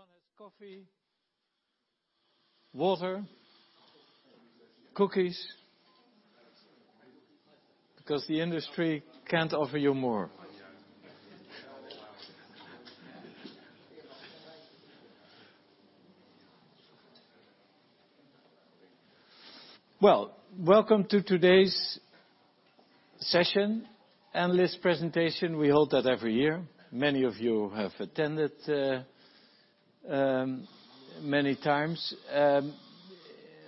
Everyone has coffee, water, cookies? Because the industry can't offer you more. Welcome to today's session, analyst presentation. We hold that every year. Many of you have attended many times.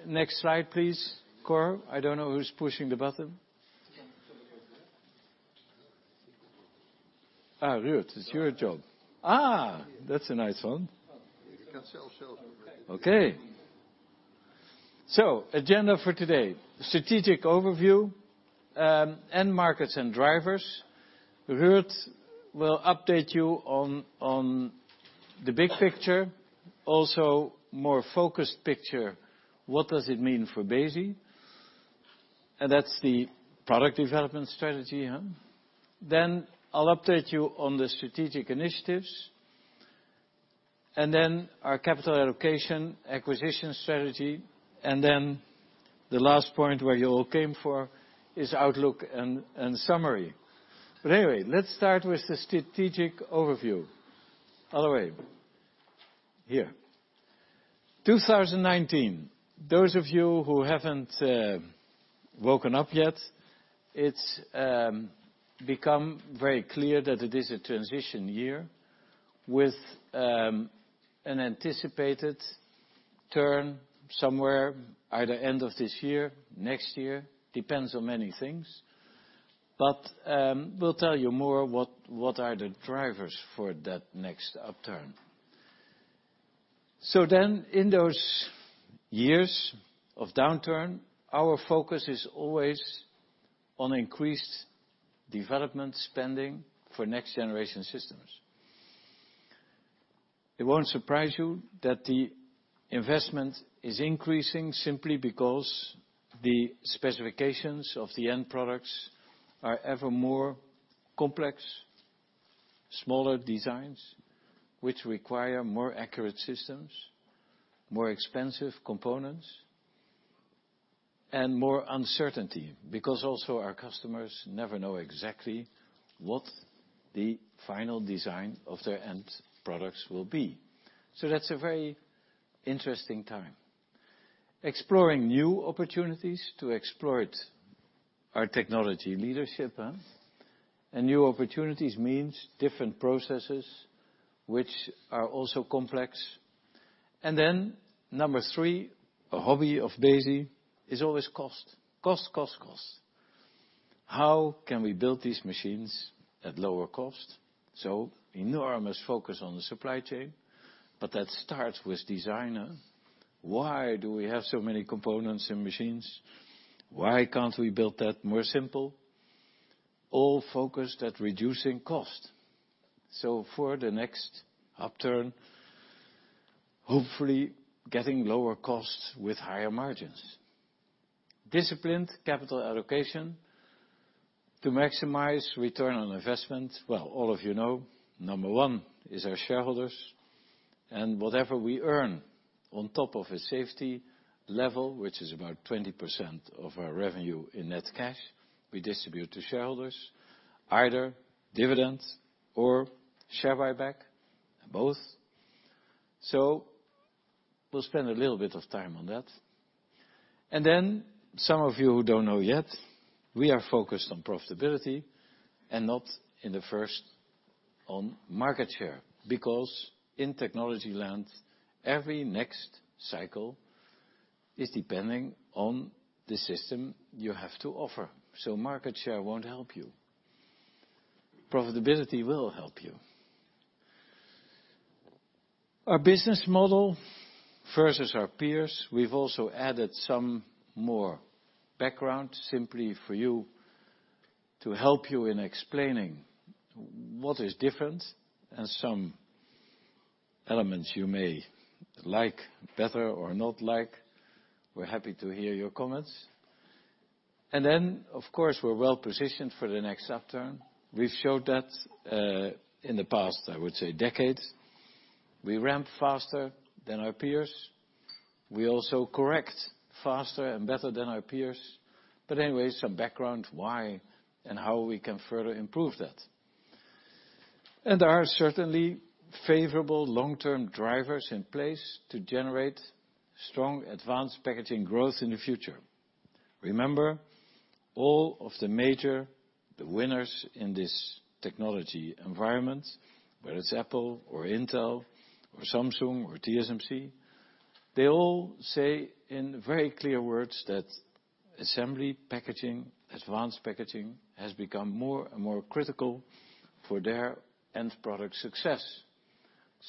Next slide, please. Cor, I don't know who's pushing the button. Ruud, it's your job. That's a nice one. You can sell yourself. Agenda for today, strategic overview, end markets and drivers. Ruud will update you on the big picture, also more focused picture, what does it mean for Besi? That's the product development strategy. I'll update you on the strategic initiatives, our capital allocation, acquisition strategy, the last point where you all came for is outlook and summary. Let's start with the strategic overview. All the way here. 2019, those of you who haven't woken up yet, it's become very clear that it is a transition year with an anticipated turn somewhere either end of this year, next year. Depends on many things. We'll tell you more what are the drivers for that next upturn. In those years of downturn, our focus is always on increased development spending for next generation systems. It won't surprise you that the investment is increasing simply because the specifications of the end products are ever more complex, smaller designs, which require more accurate systems, more expensive components, and more uncertainty. Because also our customers never know exactly what the final design of their end products will be. That's a very interesting time. Exploring new opportunities to exploit our technology leadership. New opportunities means different processes, which are also complex. Number 3, a hobby of Besi is always cost. Cost, cost. How can we build these machines at lower cost? Enormous focus on the supply chain, but that starts with design. Why do we have so many components in machines? Why can't we build that more simple? All focused at reducing cost. For the next upturn, hopefully getting lower costs with higher margins. Disciplined capital allocation to maximize return on investment. Well, all of you know, number one is our shareholders. Whatever we earn on top of a safety level, which is about 20% of our revenue in net cash, we distribute to shareholders, either dividends or share buyback, both. We'll spend a little bit of time on that. Some of you who don't know yet, we are focused on profitability and not in the first on market share, because in technology land, every next cycle is depending on the system you have to offer. Market share won't help you. Profitability will help you. Our business model versus our peers. We've also added some more background simply for you to help you in explaining what is different and some elements you may like better or not like. We're happy to hear your comments. Of course, we're well-positioned for the next upturn. We've showed that in the past, I would say decades. We ramp faster than our peers. We also correct faster and better than our peers. Anyway, some background why and how we can further improve that. There are certainly favorable long-term drivers in place to generate strong advanced packaging growth in the future. Remember, all of the major, the winners in this technology environment, whether it's Apple or Intel or Samsung or TSMC, they all say in very clear words that assembly packaging, advanced packaging, has become more and more critical for their end product success.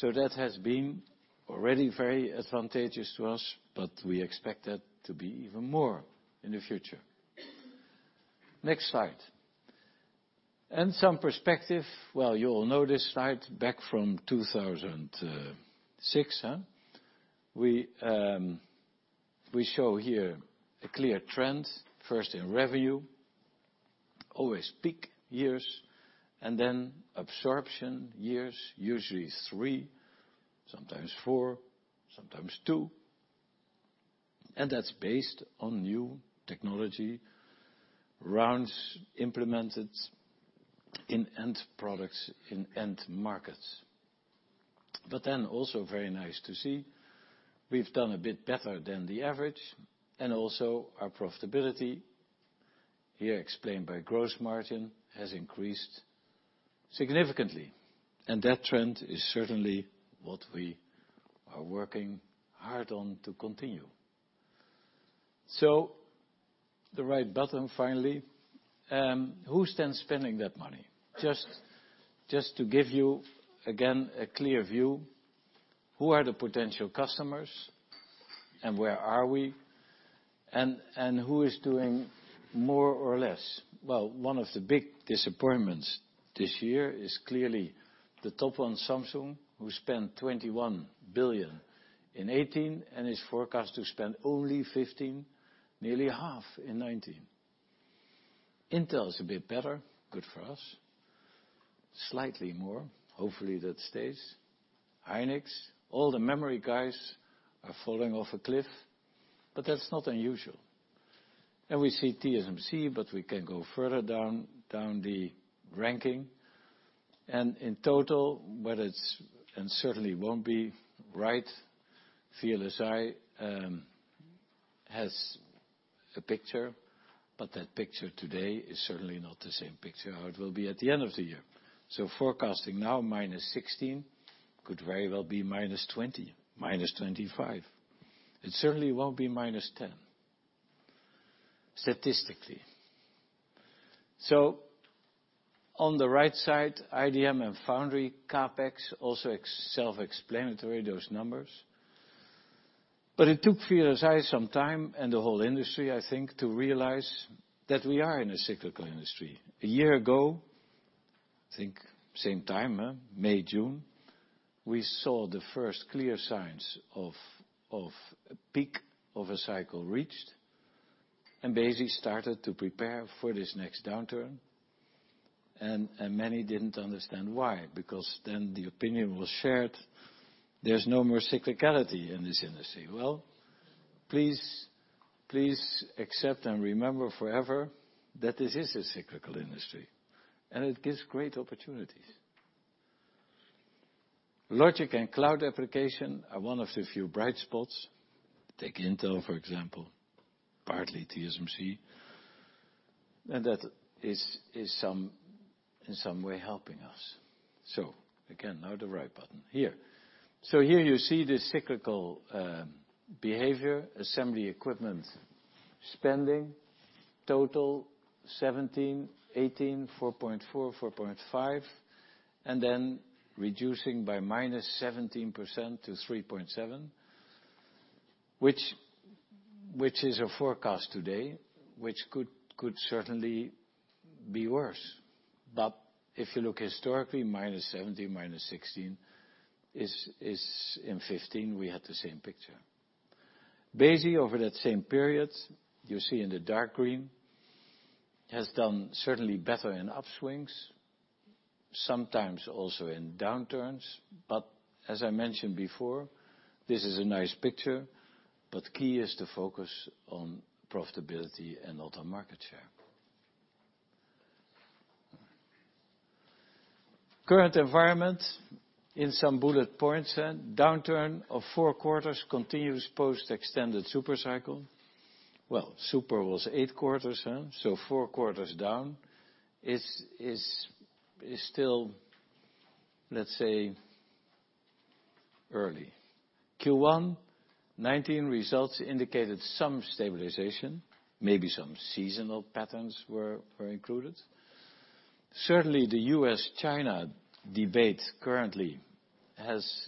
That has been already very advantageous to us, but we expect that to be even more in the future. Next slide. Some perspective. Well, you all know this slide back from 2006. We show here a clear trend, first in revenue, always peak years, and then absorption years, usually three, sometimes four, sometimes two. That's based on new technology rounds implemented in end products in end markets. Also very nice to see, we've done a bit better than the average, and also our profitability here explained by gross margin has increased significantly. That trend is certainly what we are working hard on to continue. The right button finally. Who stands spending that money? Just to give you again, a clear view, who are the potential customers and where are we? Who is doing more or less? Well, one of the big disappointments this year is clearly the top 1, Samsung, who spent $21 billion in 2018 and is forecast to spend only $15 billion, nearly half in 2019. Intel is a bit better, good for us. Slightly more, hopefully that stays. Hynix, all the memory guys are falling off a cliff, that's not unusual. We see TSMC, but we can go further down the ranking and in total, and certainly won't be right. VLSI has a picture, but that picture today is certainly not the same picture how it will be at the end of the year. Forecasting now minus 16% could very well be minus 20%, minus 25%. It certainly won't be minus 10%, statistically. On the right side, IDM and foundry CapEx also self-explanatory those numbers. It took VLSI some time and the whole industry, I think, to realize that we are in a cyclical industry. A year ago, I think same time, May, June, we saw the first clear signs of a peak of a cycle reached and basically started to prepare for this next downturn. Many didn't understand why, because then the opinion was shared, there's no more cyclicality in this industry. Please accept and remember forever that this is a cyclical industry, it gives great opportunities. Logic and cloud application are one of the few bright spots. Take Intel, for example, partly TSMC, that is in some way helping us. Again, now the right button here. Here you see the cyclical behavior, assembly equipment spending, total 2017, 2018, 4.4, 4.5, then reducing by -17% to 3.7, which is a forecast today, which could certainly be worse. If you look historically, -17%, -16%, is in 2015, we had the same picture. Over that same period, you see in the dark green, has done certainly better in upswings, sometimes also in downturns. As I mentioned before, this is a nice picture, key is to focus on profitability and not on market share. Current environment in some bullet points. Downturn of four quarters continues post extended super cycle. Super was eight quarters, so four quarters down. It's still, let's say, early. Q1 2019 results indicated some stabilization, maybe some seasonal patterns were included. The US-China debate currently has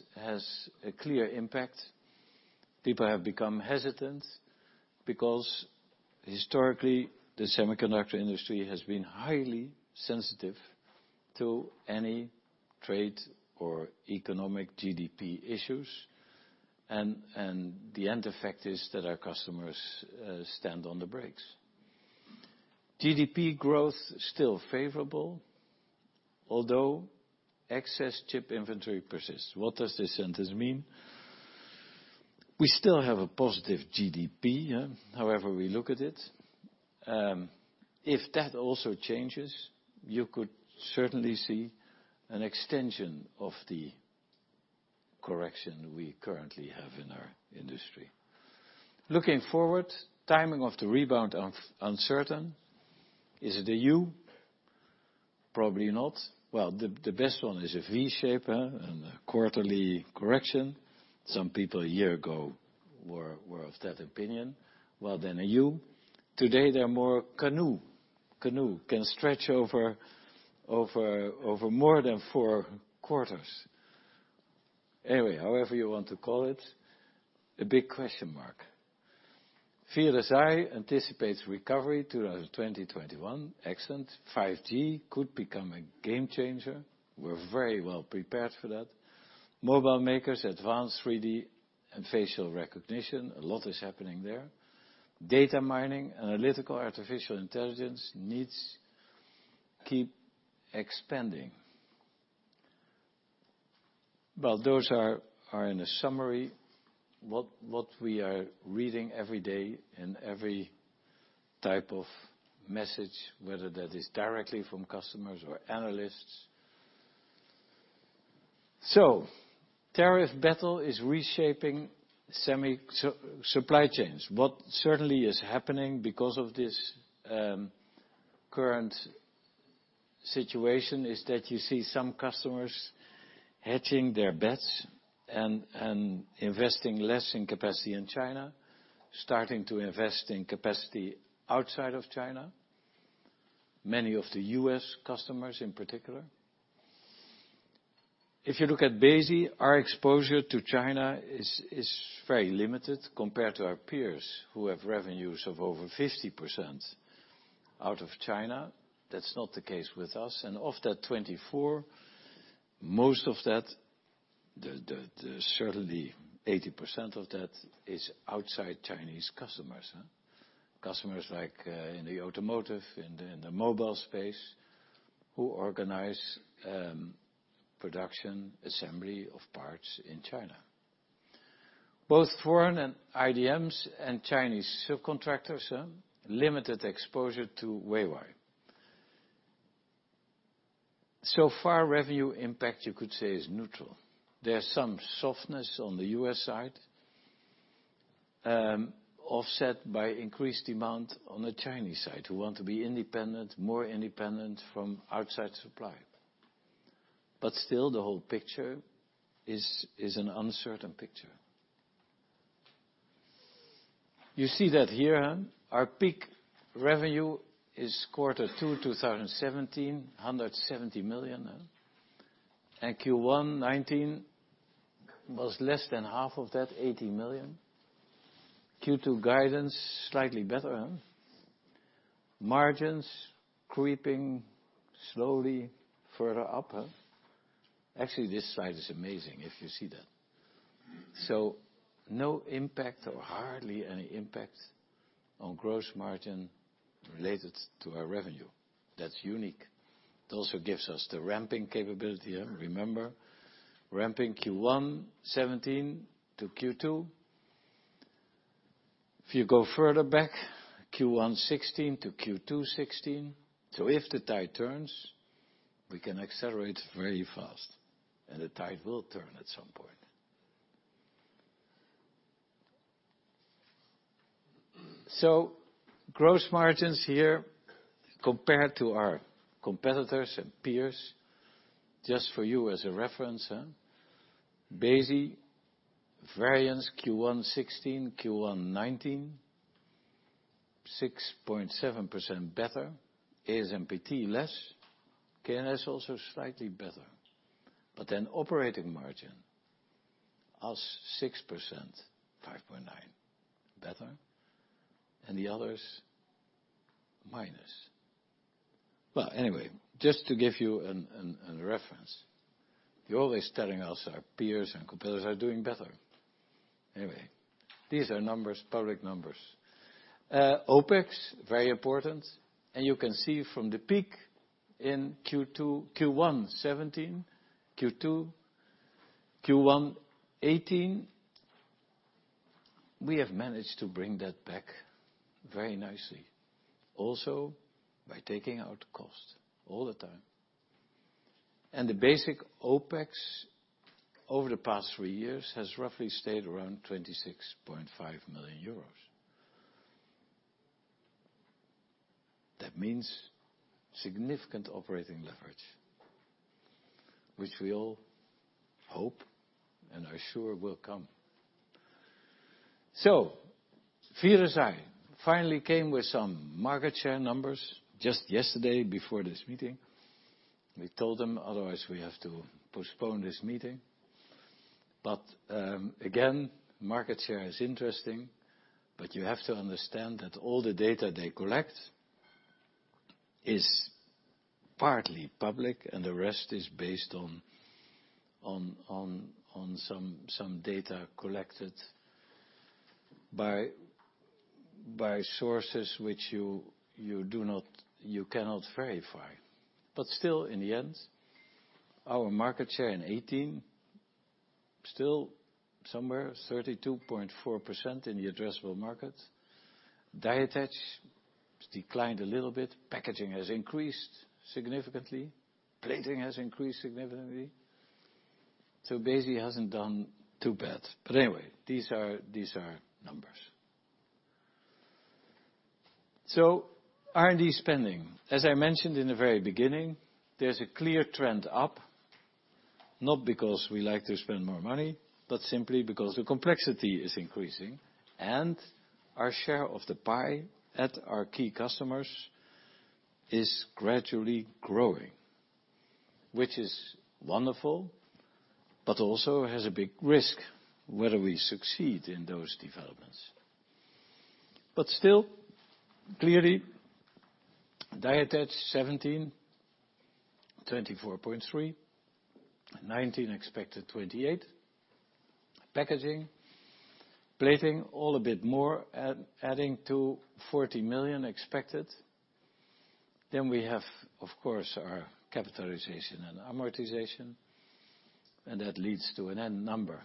a clear impact. People have become hesitant because historically, the semiconductor industry has been highly sensitive to any trade or economic GDP issues. The end effect is that our customers stand on the brakes. GDP growth still favorable, although excess chip inventory persists. What does this sentence mean? We still have a positive GDP, however we look at it. If that also changes, you could certainly see an extension of the correction we currently have in our industry. Looking forward, timing of the rebound uncertain. Is it a U? Probably not. The best one is a V shape and a quarterly correction. Some people a year ago were of that opinion. Then a U. Today they are more canoe. Canoe can stretch over more than four quarters. However you want to call it, a big question mark. WSTS anticipates recovery 2020-2021. Excellent. 5G could become a game changer. We're very well prepared for that. Mobile makers, advanced 3D face recognition. A lot is happening there. Data mining, analytical, artificial intelligence needs keep expanding. Those are in a summary, what we are reading every day in every type of message, whether that is directly from customers or analysts. Tariff battle is reshaping semi supply chains. What certainly is happening because of this current situation is that you see some customers hedging their bets and investing less in capacity in China, starting to invest in capacity outside of China. Many of the U.S. customers in particular. If you look at Besi, our exposure to China is very limited compared to our peers, who have revenues of over 50% out of China. That's not the case with us. Of that 24%, most of that, certainly 80% of that is outside Chinese customers. Customers like in the automotive, in the mobile space, who organize production, assembly of parts in China. Both foreign and IDMs and Chinese subcontractors, limited exposure to Huawei. So far, revenue impact, you could say, is neutral. There's some softness on the U.S. side, offset by increased demand on the Chinese side, who want to be more independent from outside supply. Still, the whole picture is an uncertain picture. You see that here. Our peak revenue is quarter two 2017, 170 million. Q1 2019 was less than half of that, 80 million. Q2 guidance, slightly better. Margins creeping slowly further up. This slide is amazing if you see that. No impact or hardly any impact on gross margin related to our revenue. That's unique. It also gives us the ramping capability. Remember, ramping Q1 2017 to Q2. If you go further back, Q1 2016 to Q2 2016. If the tide turns, we can accelerate very fast, and the tide will turn at some point. Gross margins here compared to our competitors and peers, just for you as a reference. Besi variance Q1 2016, Q1 2019, 6.7% better. ASMPT less. K&S also slightly better. Operating margin, us 6%, 5.9% better, and the others minus. Just to give you a reference. You're always telling us our peers and competitors are doing better. These are public numbers. OpEx, very important. You can see from the peak in Q1 2017, Q2, Q1 2018, we have managed to bring that back very nicely. Also, by taking out cost all the time. The basic OpEx over the past three years has roughly stayed around 26.5 million euros. That means significant operating leverage, which we all hope and are sure will come. WSTS finally came with some market share numbers just yesterday before this meeting. We told them, otherwise, we have to postpone this meeting. Again, market share is interesting, but you have to understand that all the data they collect is partly public, and the rest is based on some data collected by sources which you cannot verify. Still, in the end, our market share in 2018, still somewhere 32.4% in the addressable market. Die Attach declined a little bit. Packaging has increased significantly. Plating has increased significantly. Besi hasn't done too bad. These are numbers. R&D spending. As I mentioned in the very beginning, there's a clear trend up, not because we like to spend more money, but simply because the complexity is increasing and our share of the pie at our key customers is gradually growing. Which is wonderful, but also has a big risk whether we succeed in those developments. Still, clearly, Die Attach 2017, EUR 24.3 million, 2019 expected EUR 28 million. Packaging, plating, all a bit more, adding to 40 million expected. We have, of course, our capitalization and amortization, and that leads to an end number.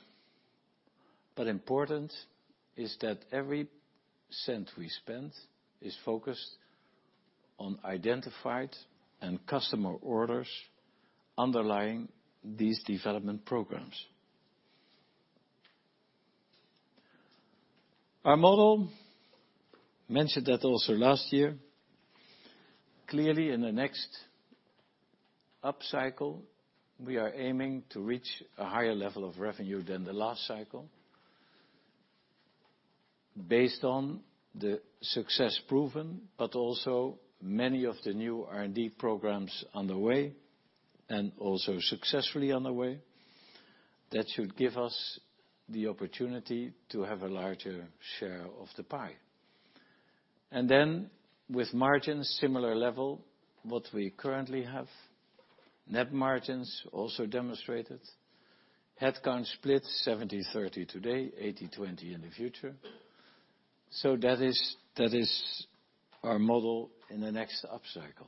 Important is that every cent we spend is focused on identified and customer orders underlying these development programs. Our model, mentioned that also last year. Clearly, in the next up cycle, we are aiming to reach a higher level of revenue than the last cycle. Based on the success proven, but also many of the new R&D programs on the way, and also successfully on the way, that should give us the opportunity to have a larger share of the pie. With margins, similar level, what we currently have. Net margins also demonstrated. Headcount split 70/30 today, 80/20 in the future. That is our model in the next up cycle.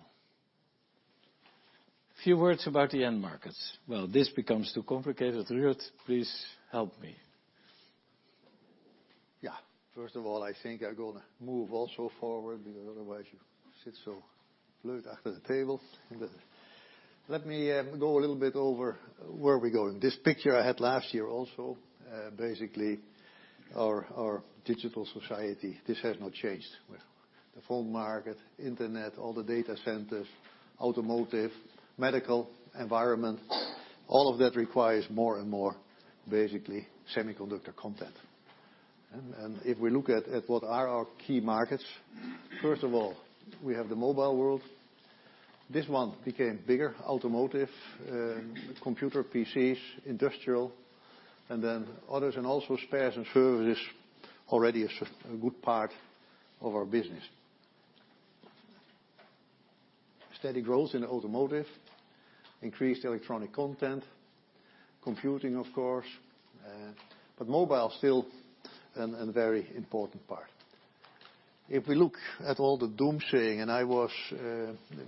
A few words about the end markets. This becomes too complicated. Ruud, please help me. Yeah. First of all, I think I'm going to move also forward, because otherwise you sit so blue after the table. Let me go a little bit over where we're going. This picture I had last year also, basically our digital society. This has not changed. The phone market, internet, all the data centers, automotive, medical environment, all of that requires more and more, basically, semiconductor content. If we look at what are our key markets, first of all, we have the mobile world. This one became bigger. Automotive, computer PCs, industrial, others, and also spares and services already a good part of our business. Steady growth in automotive. Increased electronic content. Computing, of course. Mobile still a very important part. If we look at all the doom saying,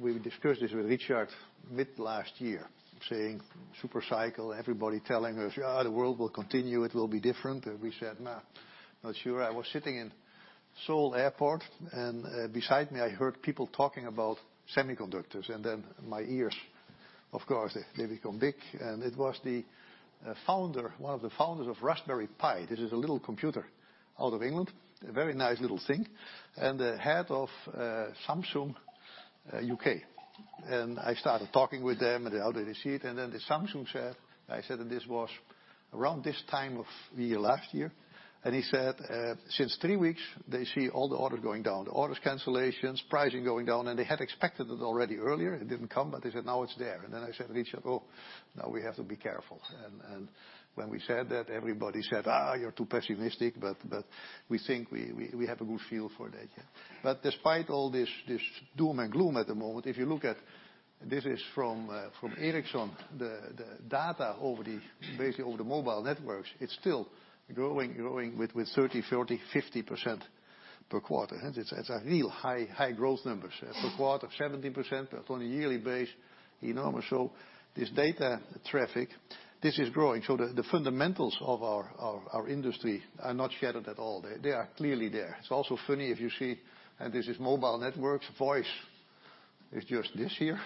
we discussed this with Richard mid last year, saying super cycle, everybody telling us, "Ah, the world will continue. It will be different." We said, "Nah, not sure." I was sitting in Seoul Airport beside me, I heard people talking about semiconductors then my ears, of course, they become big. It was one of the founders of Raspberry Pi. This is a little computer out of England, a very nice little thing. The head of Samsung UK. I started talking with them how they receive. The Samsung said, I said, this was around this time of the year last year, he said, since three weeks, they see all the orders going down, the orders cancellations, pricing going down, they had expected it already earlier. It didn't come. They said, "Now it's there." I said, "Richard, oh, now we have to be careful." When we said that, everybody said, "Ah, you're too pessimistic." We think we have a good feel for that, yeah. Despite all this doom and gloom at the moment, if you look at, this is from Ericsson, the data over the mobile networks, it's still growing with 30, 40, 50% per quarter. It's a real high growth numbers. Per quarter, 70%, that's on a yearly base, enormous. This data traffic, this is growing. The fundamentals of our industry are not shattered at all. They are clearly there. It's also funny if you see, this is mobile networks, voice is just this here,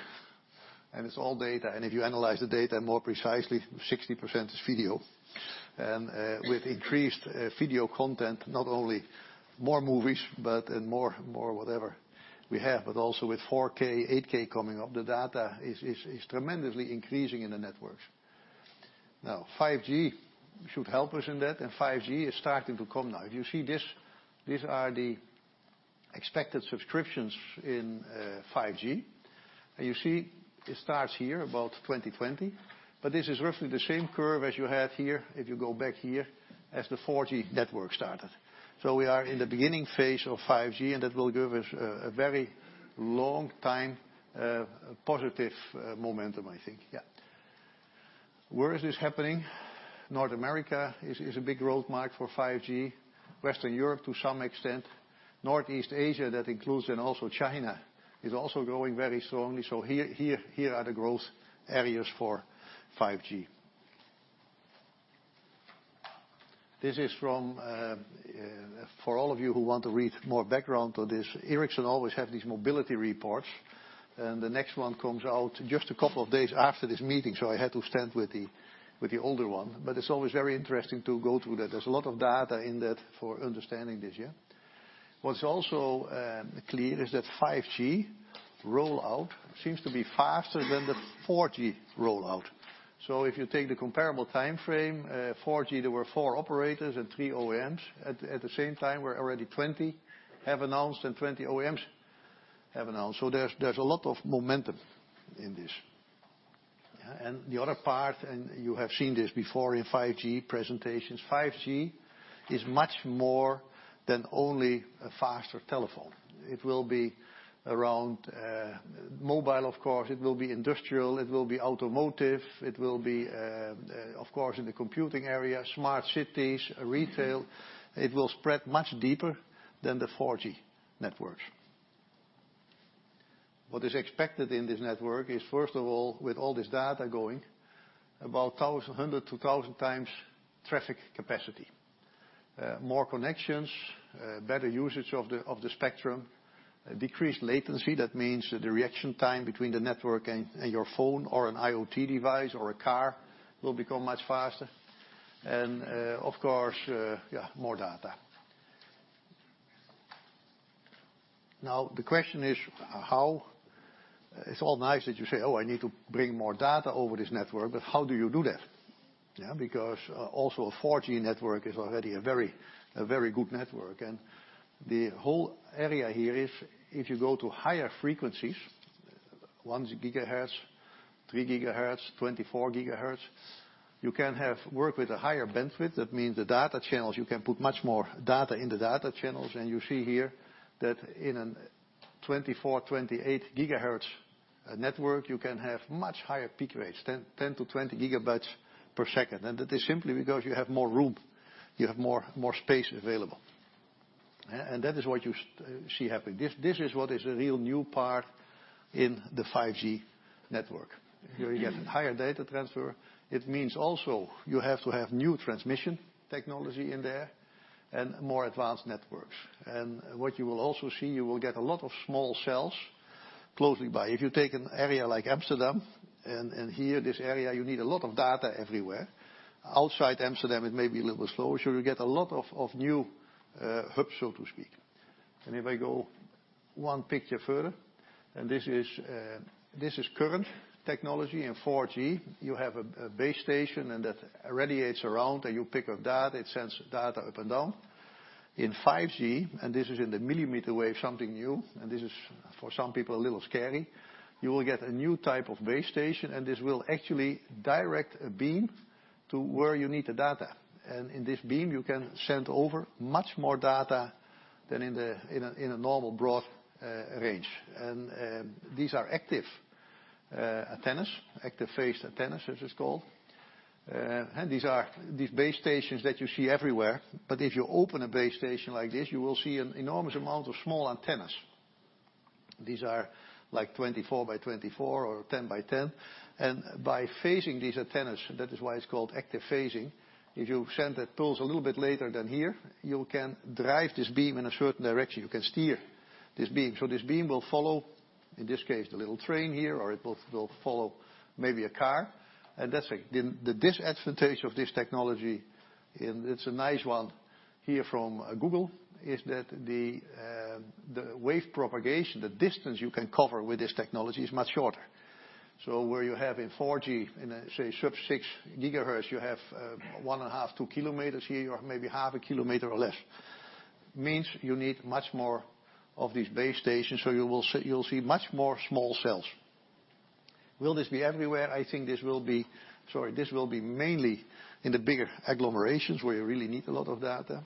it's all data. If you analyze the data more precisely, 60% is video. With increased video content, not only more movies, but more whatever we have, but also with 4K, 8K coming up. The data is tremendously increasing in the networks. Now 5G should help us in that, 5G is starting to come now. If you see this, these are the expected subscriptions in 5G. You see it starts here about 2020. This is roughly the same curve as you had here if you go back here as the 4G network started. We are in the beginning phase of 5G, that will give us a very long time, positive momentum, I think. Yeah. Where is this happening? North America is a big growth market for 5G. Western Europe to some extent. Northeast Asia, that includes in also China, is also growing very strongly. Here are the growth areas for 5G. This is for all of you who want to read more background on this. Ericsson always have these mobility reports, and the next one comes out just a couple of days after this meeting. I had to stand with the older one. It's always very interesting to go through that. There's a lot of data in that for understanding this, yeah. What's also clear is that 5G rollout seems to be faster than the 4G rollout. If you take the comparable timeframe, 4G, there were four operators and three OEMs. At the same time, already 20 have announced and 20 OEMs have announced. There's a lot of momentum in this. The other part, you have seen this before in 5G presentations, 5G is much more than only a faster telephone. It will be around mobile, of course, it will be industrial, it will be automotive, it will be, of course, in the computing area, smart cities, retail. It will spread much deeper than the 4G networks. What is expected in this network is, first of all, with all this data going, about 100 to 1,000 times traffic capacity. More connections, better usage of the spectrum, decreased latency. That means that the reaction time between the network and your phone or an IoT device or a car will become much faster. Of course, yeah, more data. Now the question is how. It's all nice that you say, "Oh, I need to bring more data over this network." How do you do that? Because also a 4G network is already a very good network. The whole area here is if you go to higher frequencies, one gigahertz, three gigahertz, 24 gigahertz, you can have work with a higher bandwidth. That means the data channels, you can put much more data in the data channels. You see here that in a 24, 28 gigahertz network, you can have much higher peak rates, 10-20 gigabytes per second. That is simply because you have more room, you have more space available. That is what you see happening. This is what is a real new part in the 5G network. Here you get higher data transfer. It means also you have to have new transmission technology in there and more advanced networks. What you will also see, you will get a lot of small cells closely by. If you take an area like Amsterdam, here, this area, you need a lot of data everywhere. Outside Amsterdam, it may be a little bit slower. You get a lot of new hubs, so to speak. If I go 1 picture further, this is current technology in 4G. You have a base station and that radiates around and you pick up data, it sends data up and down. In 5G, this is in the millimeter wave, something new, this is for some people a little scary. You will get a new type of base station, and this will actually direct a beam to where you need the data. In this beam, you can send over much more data than in a normal broad range. These are active antennas, active phased antennas, as it's called. These base stations that you see everywhere, but if you open a base station like this, you will see an enormous amount of small antennas. These are like 24 by 24 or 10 by 10. By phasing these antennas, that is why it's called active phasing. If you send the pulse a little bit later than here, you can drive this beam in a certain direction. You can steer this beam. This beam will follow, in this case, the little train here, or it will follow maybe a car. That's it. The disadvantage of this technology, and it's a nice one here from Google, is that the wave propagation, the distance you can cover with this technology is much shorter. Where you have in 4G, in a, say, sub-6 gigahertz, you have one and a half, two kilometers here, or maybe half a kilometer or less. Means you need much more of these base stations, you'll see much more small cells. Will this be everywhere? I think this will be mainly in the bigger agglomerations where you really need a lot of data.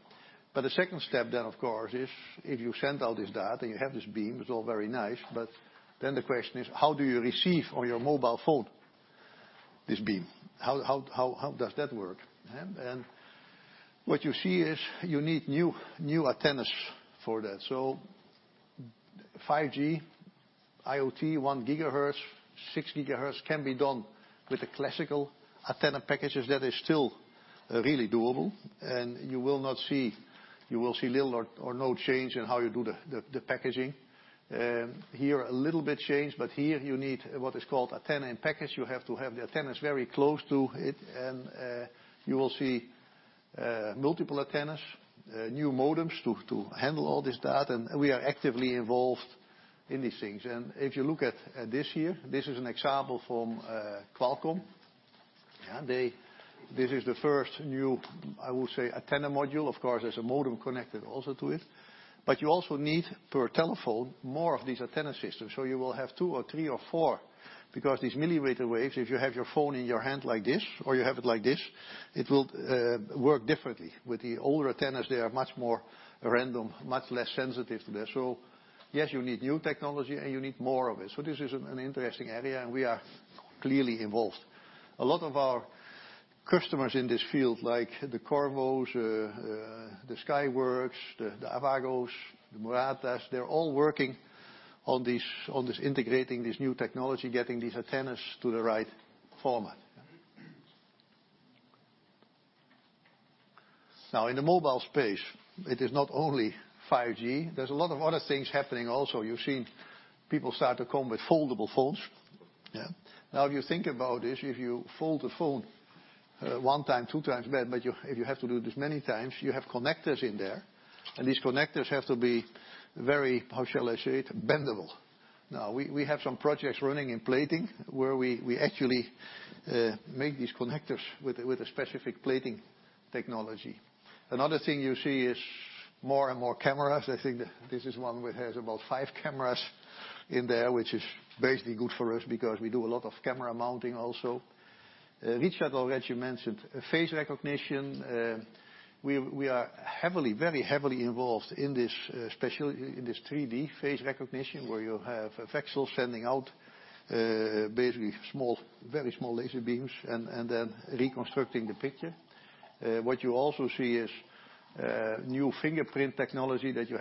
The second step then, of course, is if you send all this data and you have this beam, it's all very nice. The question is: How do you receive on your mobile phone this beam? How does that work? What you see is you need new antennas for that. 5G, IoT, one gigahertz, six gigahertz can be done with the classical antenna packages. That is still really doable. You will see little or no change in how you do the packaging. Here a little bit changed, but here you need what is called Antenna-in-Package. You have to have the antennas very close to it, you will see multiple antennas, new modems to handle all this data. We are actively involved in these things. If you look at this here, this is an example from Qualcomm. This is the first new, I would say, antenna module. Of course, there's a modem connected also to it. You also need, per telephone, more of these antenna systems. You will have two or three or four because these millimeter waves, if you have your phone in your hand like this, or you have it like this, it will work differently. With the older antennas, they are much more random, much less sensitive there. Yes, you need new technology and you need more of it. This is an interesting area, we are clearly involved. A lot of our customers in this field, like the Qorvos, the Skyworks, the Avago, the Muratas, they're all working on this, integrating this new technology, getting these antennas to the right format. In the mobile space, it is not only 5G. There's a lot of other things happening also. You've seen people start to come with foldable phones. Yeah. If you think about this, if you fold the phone one time, two times, if you have to do this many times, you have connectors in there, these connectors have to be very, how shall I say it? Bendable. We have some projects running in plating where we actually make these connectors with a specific plating technology. Another thing you see is more and more cameras. I think this is one which has about five cameras in there, which is basically good for us because we do a lot of camera mounting also. Richard already mentioned face recognition. We are very heavily involved in this, especially in this 3D face recognition, where you have a VCSEL sending out basically very small laser beams and then reconstructing the picture. What you also see is new fingerprint technology, that you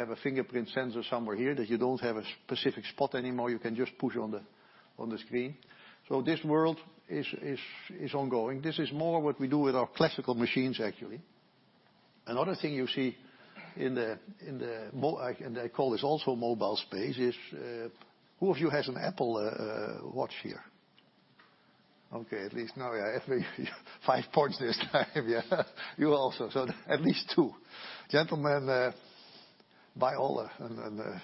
don't have a specific spot anymore. You can just push on the screen. This world is ongoing. This is more what we do with our classical machines, actually. Another thing you see in the mobile space is, who of you has an Apple Watch here? Okay. At least now, yeah, five points this time. Yeah. You also. At least two. Gentlemen, buy all the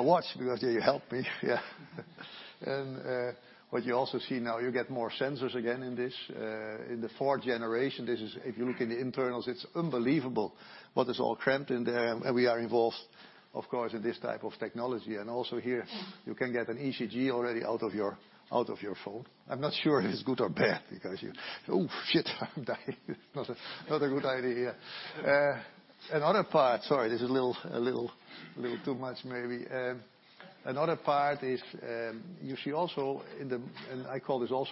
watch because you help me. Yeah. What you also see now, you get more sensors again in the 4 generation. If you look in the internals, it's unbelievable what is all cramped in there. We are involved, of course, in this type of technology. Also here you can get an ECG already out of your phone. I'm not sure if it's good or bad because you, "Oh, shit. I'm dying." Not a good idea. Sorry, this is a little too much maybe. Another part is, you see also in the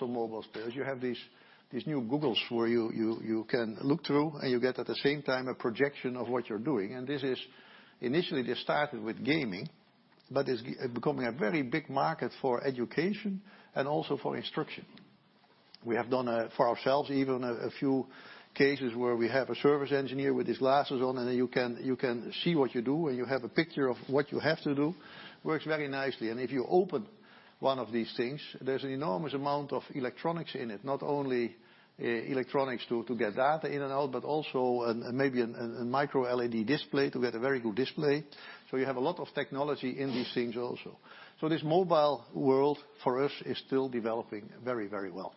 mobile space. You have these new Google where you can look through, and you get at the same time a projection of what you're doing. This is initially just started with gaming, but it's becoming a very big market for education and also for instruction. We have done for ourselves even a few cases where we have a service engineer with his glasses on, and you can see what you do, and you have a picture of what you have to do. Works very nicely. If you open one of these things, there's an enormous amount of electronics in it. Not only electronics to get data in and out, but also maybe a MicroLED display to get a very good display. You have a lot of technology in these things also. This mobile world for us is still developing very well.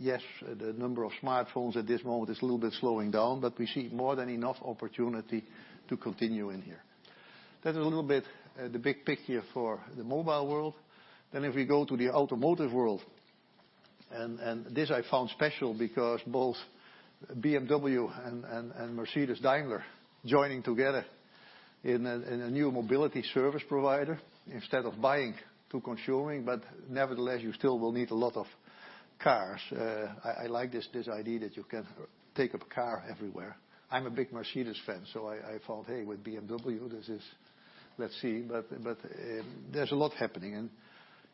Yes, the number of smartphones at this moment is a little bit slowing down, but we see more than enough opportunity to continue in here. That is a little bit the big picture for the mobile world. If we go to the automotive world, this I found special because both BMW and Mercedes-Daimler joining together in a new mobility service provider instead of buying to consuming. Nevertheless, you still will need a lot of cars. I like this idea that you can take up a car everywhere. I'm a big Mercedes fan, I thought, "Hey, with BMW, let's see." There's a lot happening.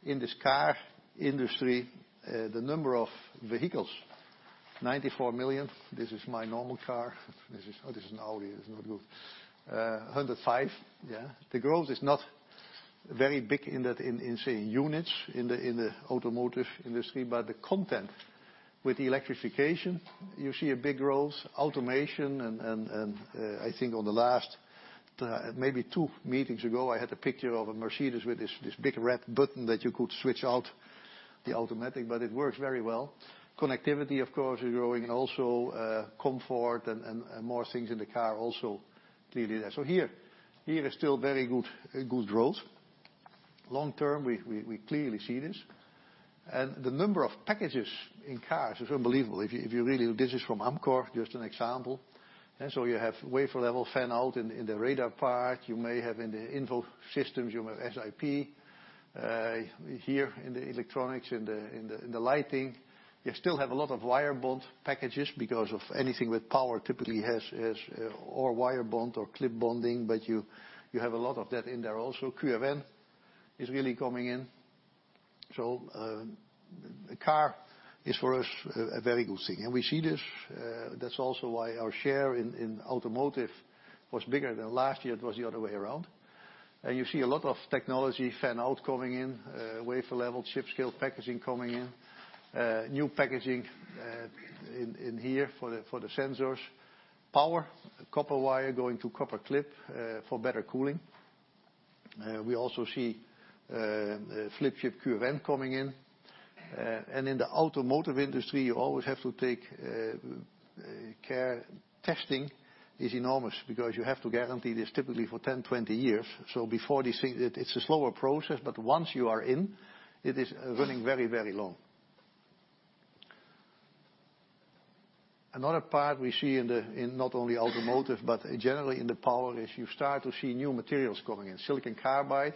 In this car industry, the number of vehicles, 94 million. This is my normal car. Oh, this is an Audi, is not good. 105. Yeah. The growth is not very big in say, units in the automotive industry, but the content with electrification, you see a big growth. Automation. I think on the last maybe two meetings ago, I had a picture of a Mercedes-Benz with this big red button that you could switch out the automatic, it works very well. Connectivity, of course, is growing comfort and more things in the car also clearly there. Here is still very good growth. Long term, we clearly see this, the number of packages in cars is unbelievable. This is from Amkor Technology, just an example. You have wafer level fan-out in the radar part. You may have in the info systems, you may have SiP. Here in the electronics, in the lighting, you still have a lot of wire bond packages because of anything with power typically has or wire bond or clip bonding, you have a lot of that in there also. QFN is really coming in. Car is for us a very good thing. We see this, that's also why our share in automotive was bigger than last year. It was the other way around. You see a lot of technology fan-out coming in, wafer level chip scale packaging coming in, new packaging in here for the sensors. Power, copper wire going to copper clip for better cooling. We also see flip chip QFN coming in. In the automotive industry, you always have to take care. Testing is enormous because you have to guarantee this typically for 10, 20 years. Before this thing, it's a slower process, but once you are in, it is running very long. Another part we see in not only automotive generally in the power is you start to see new materials coming in. Silicon carbide,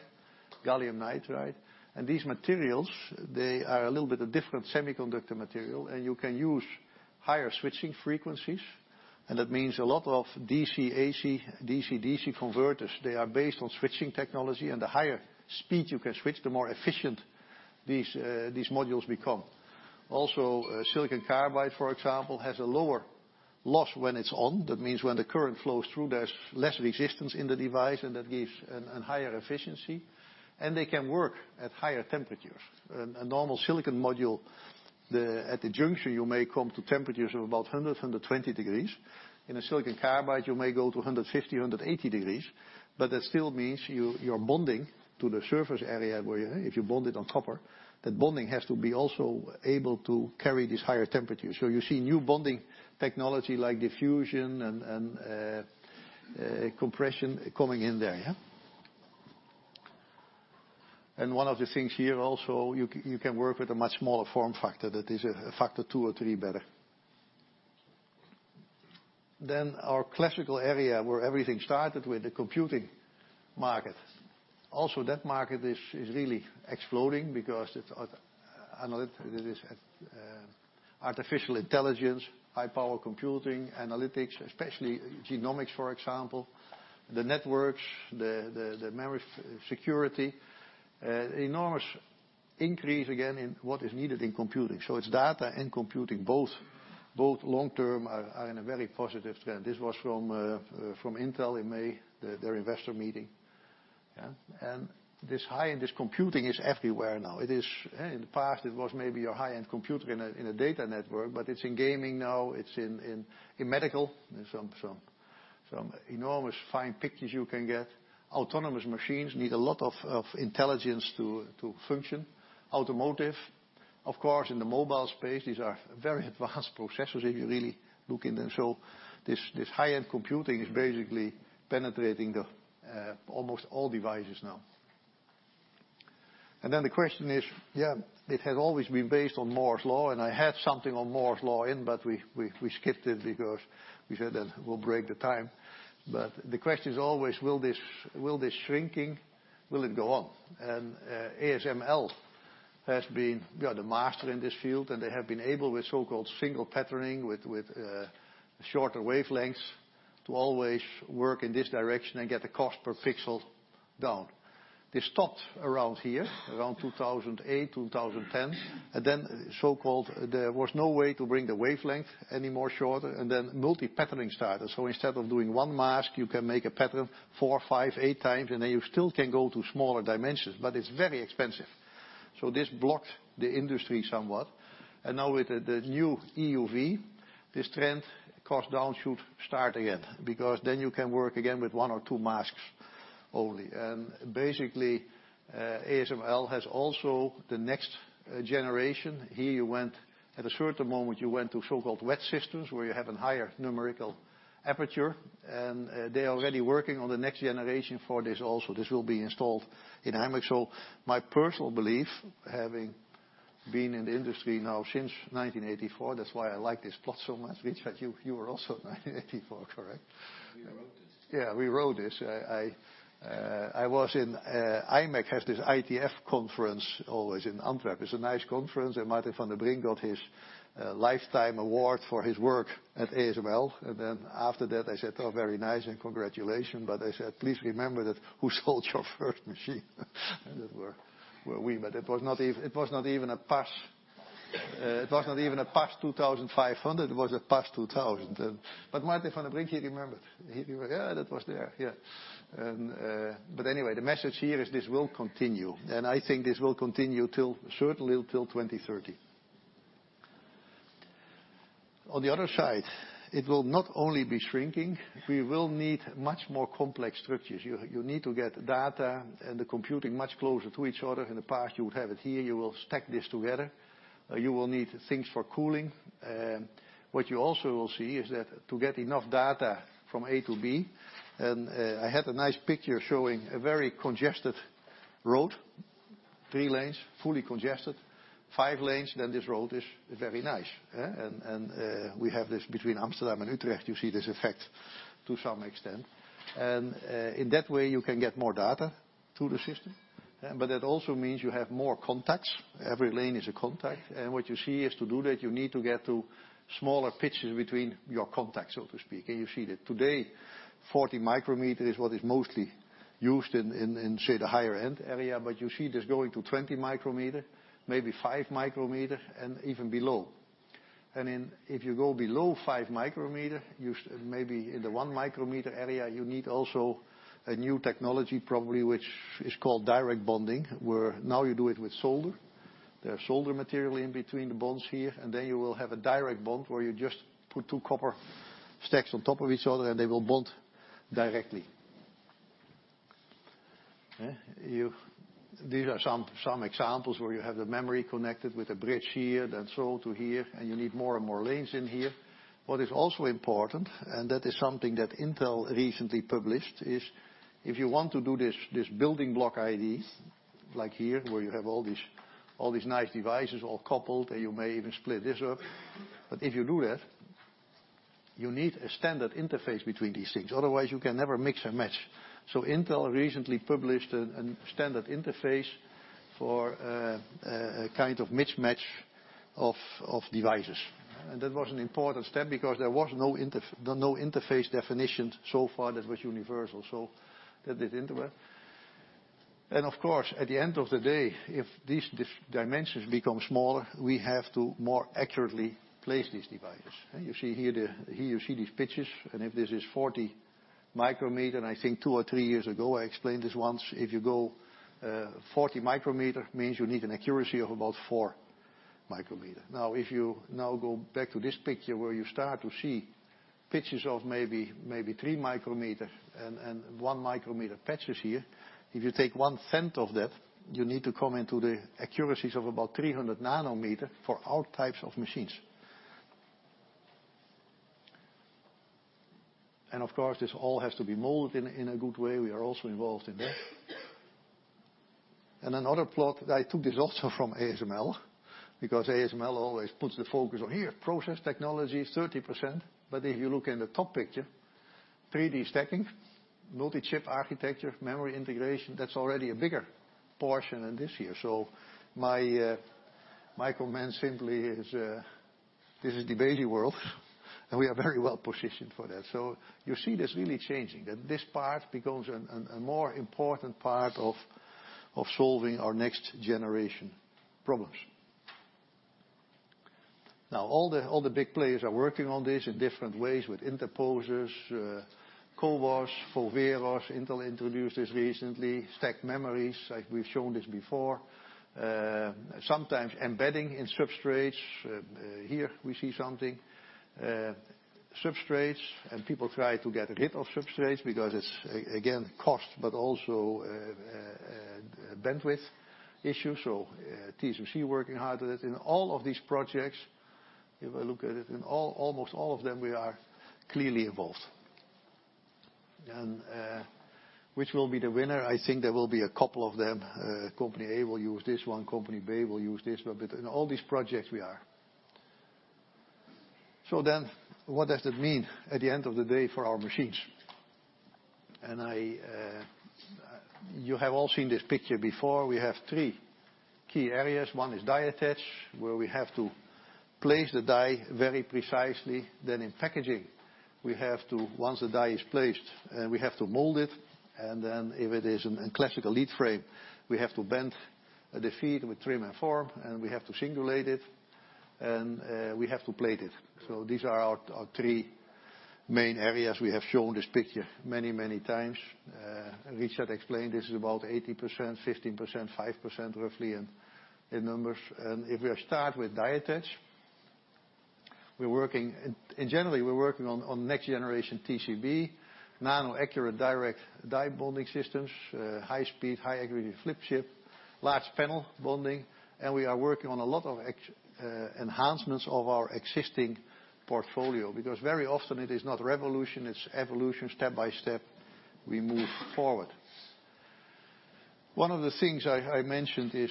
gallium nitride, these materials, they are a little bit of different semiconductor material, you can use higher switching frequencies, that means a lot of DC, AC, DC converters. They are based on switching technology, the higher speed you can switch, the more efficient these modules become. Also, silicon carbide, for example, has a lower loss when it's on. That means when the current flows through, there's less resistance in the device, that gives a higher efficiency, they can work at higher temperatures. A normal silicon module, at the junction, you may come to temperatures of about 100, 120 degrees. In a silicon carbide, you may go to 150, 180 degrees, but that still means you are bonding to the surface area, where if you bond it on copper, that bonding has to be also able to carry these higher temperatures. You see new bonding technology, like diffusion and compression coming in there. One of the things here also, you can work with a much smaller form factor that is a factor two or three better. Our classical area, where everything started with the computing market. Also, that market is really exploding because it is artificial intelligence, high power computing, analytics, especially genomics, for example. The networks, the memory security. Enormous increase, again, in what is needed in computing. It's data and computing, both long-term are in a very positive trend. This was from Intel in May, their investor meeting. This high-end computing is everywhere now. In the past it was maybe a high-end computer in a data network, it's in gaming now, it's in medical. There's some enormous fine pictures you can get. Autonomous machines need a lot of intelligence to function. Automotive. Of course, in the mobile space, these are very advanced processors if you really look in them. This high-end computing is basically penetrating the almost all devices now. The question is, it has always been based on Moore's Law, I had something on Moore's Law in, we skipped it because we said that we'll break the time. The question is always, will this shrinking, will it go on? ASML has been the master in this field, they have been able, with so-called single patterning, with shorter wavelengths, to always work in this direction and get the cost per pixel down. They stopped around here, around 2008, 2010. There was no way to bring the wavelength any more shorter, multi-patterning started. Instead of doing one mask, you can make a pattern four, five, eight times, you still can go to smaller dimensions. It's very expensive. This blocked the industry somewhat. Now with the new EUV, this trend cost down should start again, you can work again with one or two masks only. Basically, ASML has also the next generation. Here, at a certain moment, you went to so-called wet systems, where you have an higher numerical aperture. They are already working on the next generation for this also. This will be installed in imec. My personal belief, having been in the industry now since 1984, that's why I like this plot so much. Richard, you were also in 1984, correct? We wrote this. We wrote this. imec has this ITF conference always in Antwerp. It's a nice conference, Maarten van den Brink got his lifetime award for his work at ASML. After that I said, "Very nice, and congratulations." I said, "Please remember that who sold you your first machine." That were we. It was not even a PAS 2500, it was a PAS 2000. Maarten van den Brink, he remembered. He remembered. "That was there." The message here is this will continue, I think this will continue certainly till 2030. On the other side, it will not only be shrinking. We will need much more complex structures. You need to get data and the computing much closer to each other. In the past, you would have it here, you will stack this together. You will need things for cooling. What you also will see is that to get enough data from A to B. I had a nice picture showing a very congested road. Three lanes, fully congested. Five lanes, then this road is very nice. We have this between Amsterdam and Utrecht, you see this effect to some extent. In that way you can get more data to the system. That also means you have more contacts. Every lane is a contact. What you see is to do that, you need to get to smaller pitches between your contacts, so to speak. You see that today, 40 micrometers is what is mostly used in, say, the higher end area. You see this going to 20 micrometers, maybe 5 micrometers, and even below. If you go below 5 micrometers, maybe in the one micrometer area, you need also a new technology probably, which is called direct bonding, where now you do it with solder. There are solder material in between the bonds here, then you will have a direct bond, where you just put two copper stacks on top of each other, they will bond directly. These are some examples where you have the memory connected with a bridge here, then solder here, you need more and more lanes in here. What is also important, that is something that Intel recently published, is if you want to do this building block idea, like here, where you have all these nice devices all coupled, you may even split this up. If you do that, you need a standard interface between these things. Otherwise, you can never mix and match. Intel recently published a standard interface for a kind of mismatch of devices. That was an important step because there was no interface definition so far that was universal. That is Intel. And of course, at the end of the day, if these dimensions become smaller, we have to more accurately place these devices. Here you see these pitches, if this is 40 micrometers, I think two or three years ago, I explained this once. If you go 40 micrometers, it means you need an accuracy of about four micrometers. Now, if you now go back to this picture where you start to see pitches of maybe three micrometers and one-micrometer pitches here. If you take one-tenth of that, you need to come into the accuracies of about 300 nanometers for all types of machines. Of course, this all has to be molded in a good way. We are also involved in that. Another plot, I took this also from ASML, because ASML always puts the focus on here, process technology is 30%. If you look in the top picture, 3D stacking, multi-chip architecture, memory integration, that's already a bigger portion than this year. My comment simply is, this is the baby world we are very well positioned for that. You see this really changing, that this part becomes a more important part of solving our next generation problems. Now, all the big players are working on this in different ways with interposers, CoWoS, Foveros, Intel introduced this recently, stacked memories, like we've shown this before. Sometimes embedding in substrates. Here we see something. Substrates. People try to get rid of substrates because it's, again, cost, but also a bandwidth issue. TSMC working hard on it. In all of these projects, if I look at it, in almost all of them, we are clearly involved. Which will be the winner? I think there will be a couple of them. Company A will use this one, company B will use this one, but in all these projects we are. What does that mean at the end of the day for our machines? You have all seen this picture before. We have three key areas. One is Die Attach, where we have to place the die very precisely. In packaging, once the die is placed, we have to mold it, and then if it is a classical lead frame, we have to bend the feed with trim and form, and we have to singulate it, and we have to plate it. These are our three main areas. We have shown this picture many, many times. Richard explained this is about 80%, 15%, 5%, roughly in numbers. If we start with Die Attach, in general, we're working on next generation TCB, nano-accurate direct die bonding systems, high speed, high accuracy flip chip, large panel bonding, and we are working on a lot of enhancements of our existing portfolio. Because very often it is not revolution, it's evolution, step by step, we move forward. One of the things I mentioned is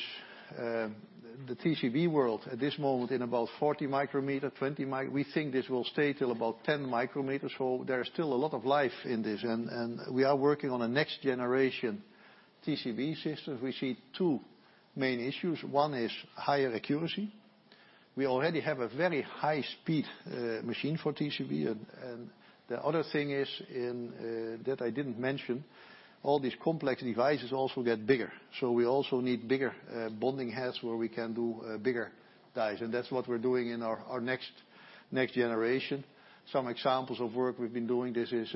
the TCB world. At this moment, in about 40 micrometers, 20 micrometers, we think this will stay till about 10 micrometers. There is still a lot of life in this, and we are working on a next generation TCB systems. We see two main issues. One is higher accuracy. We already have a very high-speed machine for TCB. The other thing is, that I didn't mention, all these complex devices also get bigger. We also need bigger bonding heads where we can do bigger dies. That's what we're doing in our next generation. Some examples of work we've been doing, this is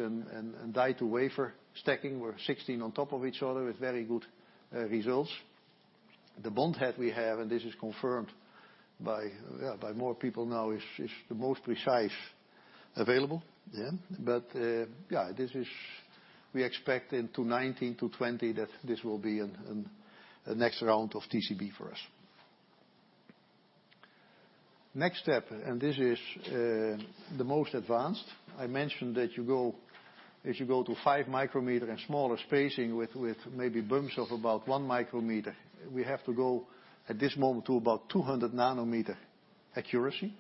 die-to-wafer stacking, where 16 on top of each other with very good results. The bond head we have, and this is confirmed by more people now, is the most precise available. We expect in 2019 to 2020 that this will be a next round of TCB for us. Next step, and this is the most advanced. I mentioned that if you go to five micrometers and smaller spacing with maybe bumps of about one micrometer. We have to go, at this moment, to about 200 nanometer accuracy.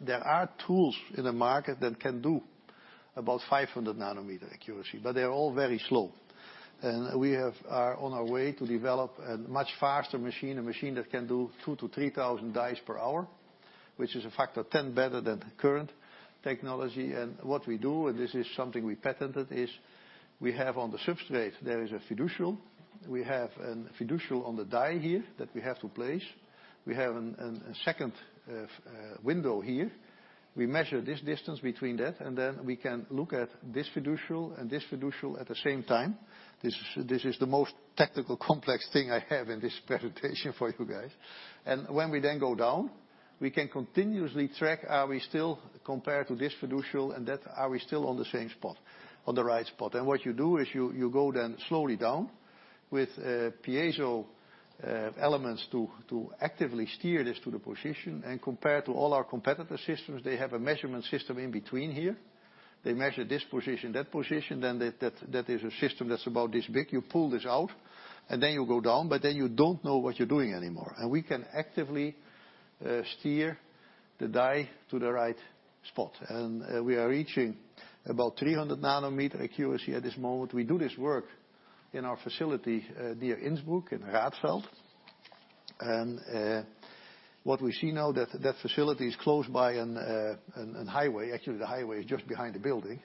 There are tools in the market that can do about 500 nanometer accuracy, but they are all very slow. We are on our way to develop a much faster machine, a machine that can do 2,000 to 3,000 dies per hour, which is a factor of 10 better than the current technology. What we do, and this is something we patented, is we have on the substrate, there is a fiducial. We have a fiducial on the die here that we have to place. We have a second window here. We measure this distance between that, and then we can look at this fiducial and this fiducial at the same time. This is the most technical, complex thing I have in this presentation for you guys. When we then go down, we can continuously track, are we still compared to this fiducial and that, are we still on the same spot, on the right spot? What you do is you go then slowly down with piezo elements to actively steer this to the position and compare to all our competitor systems. They have a measurement system in between here. They measure this position, that position, then that is a system that's about this big. You pull this out, and then you go down, but then you don't know what you're doing anymore. We can actively steer the die to the right spot. We are reaching about 300 nanometer accuracy at this moment. We do this work in our facility, near Innsbruck, in Radfeld. What we see now is that that facility is close by a highway. Actually, the highway is just behind the building,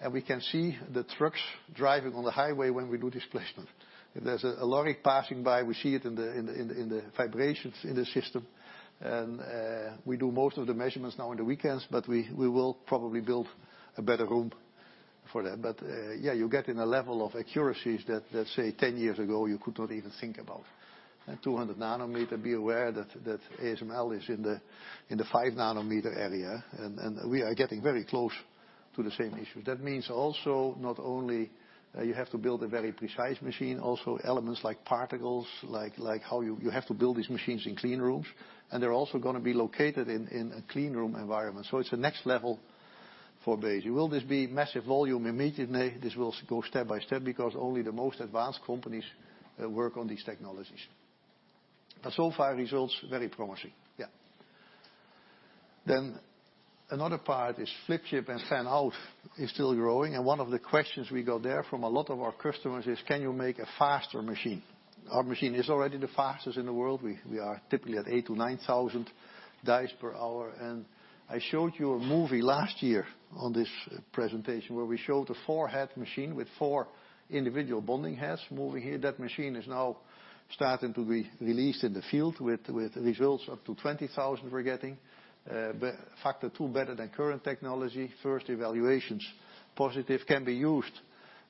and we can see the trucks driving on the highway when we do displacement. If there's a lorry passing by, we see it in the vibrations in the system. We do most of the measurements now in the weekends, but we will probably build a better room for that. Yeah, you're getting a level of accuracies that, say, 10 years ago you could not even think about. At 200 nanometer, be aware that ASML is in the 5 nanometer area, and we are getting very close to the same issue. That means also not only you have to build a very precise machine, also elements like particles, how you have to build these machines in clean rooms, and they're also going to be located in a clean room environment. It's the next level for Besi. Will this be massive volume immediately? This will go step by step because only the most advanced companies work on these technologies. So far, results very promising. Yeah. Another part is flip chip and fan-out is still growing, and one of the questions we got there from a lot of our customers is, "Can you make a faster machine?" Our machine is already the fastest in the world. We are typically at 8,000 to 9,000 dies per hour. I showed you a movie last year on this presentation where we showed a 4-head machine with 4 individual bonding heads moving here. That machine is now starting to be released in the field with results up to 20,000 we're getting. Factor 2 better than current technology. First evaluations positive. Can be used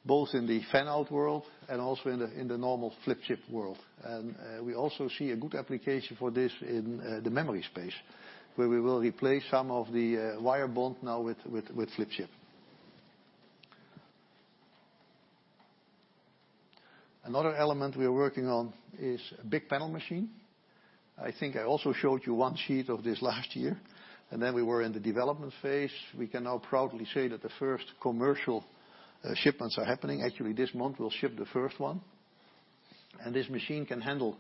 both in the fan-out world and also in the normal flip chip world. We also see a good application for this in the memory space, where we will replace some of the wire bond now with flip chip. Another element we are working on is a big panel machine. I think I also showed you one sheet of this last year, and then we were in the development phase. We can now proudly say that the first commercial shipments are happening. Actually, this month we'll ship the first one. This machine can handle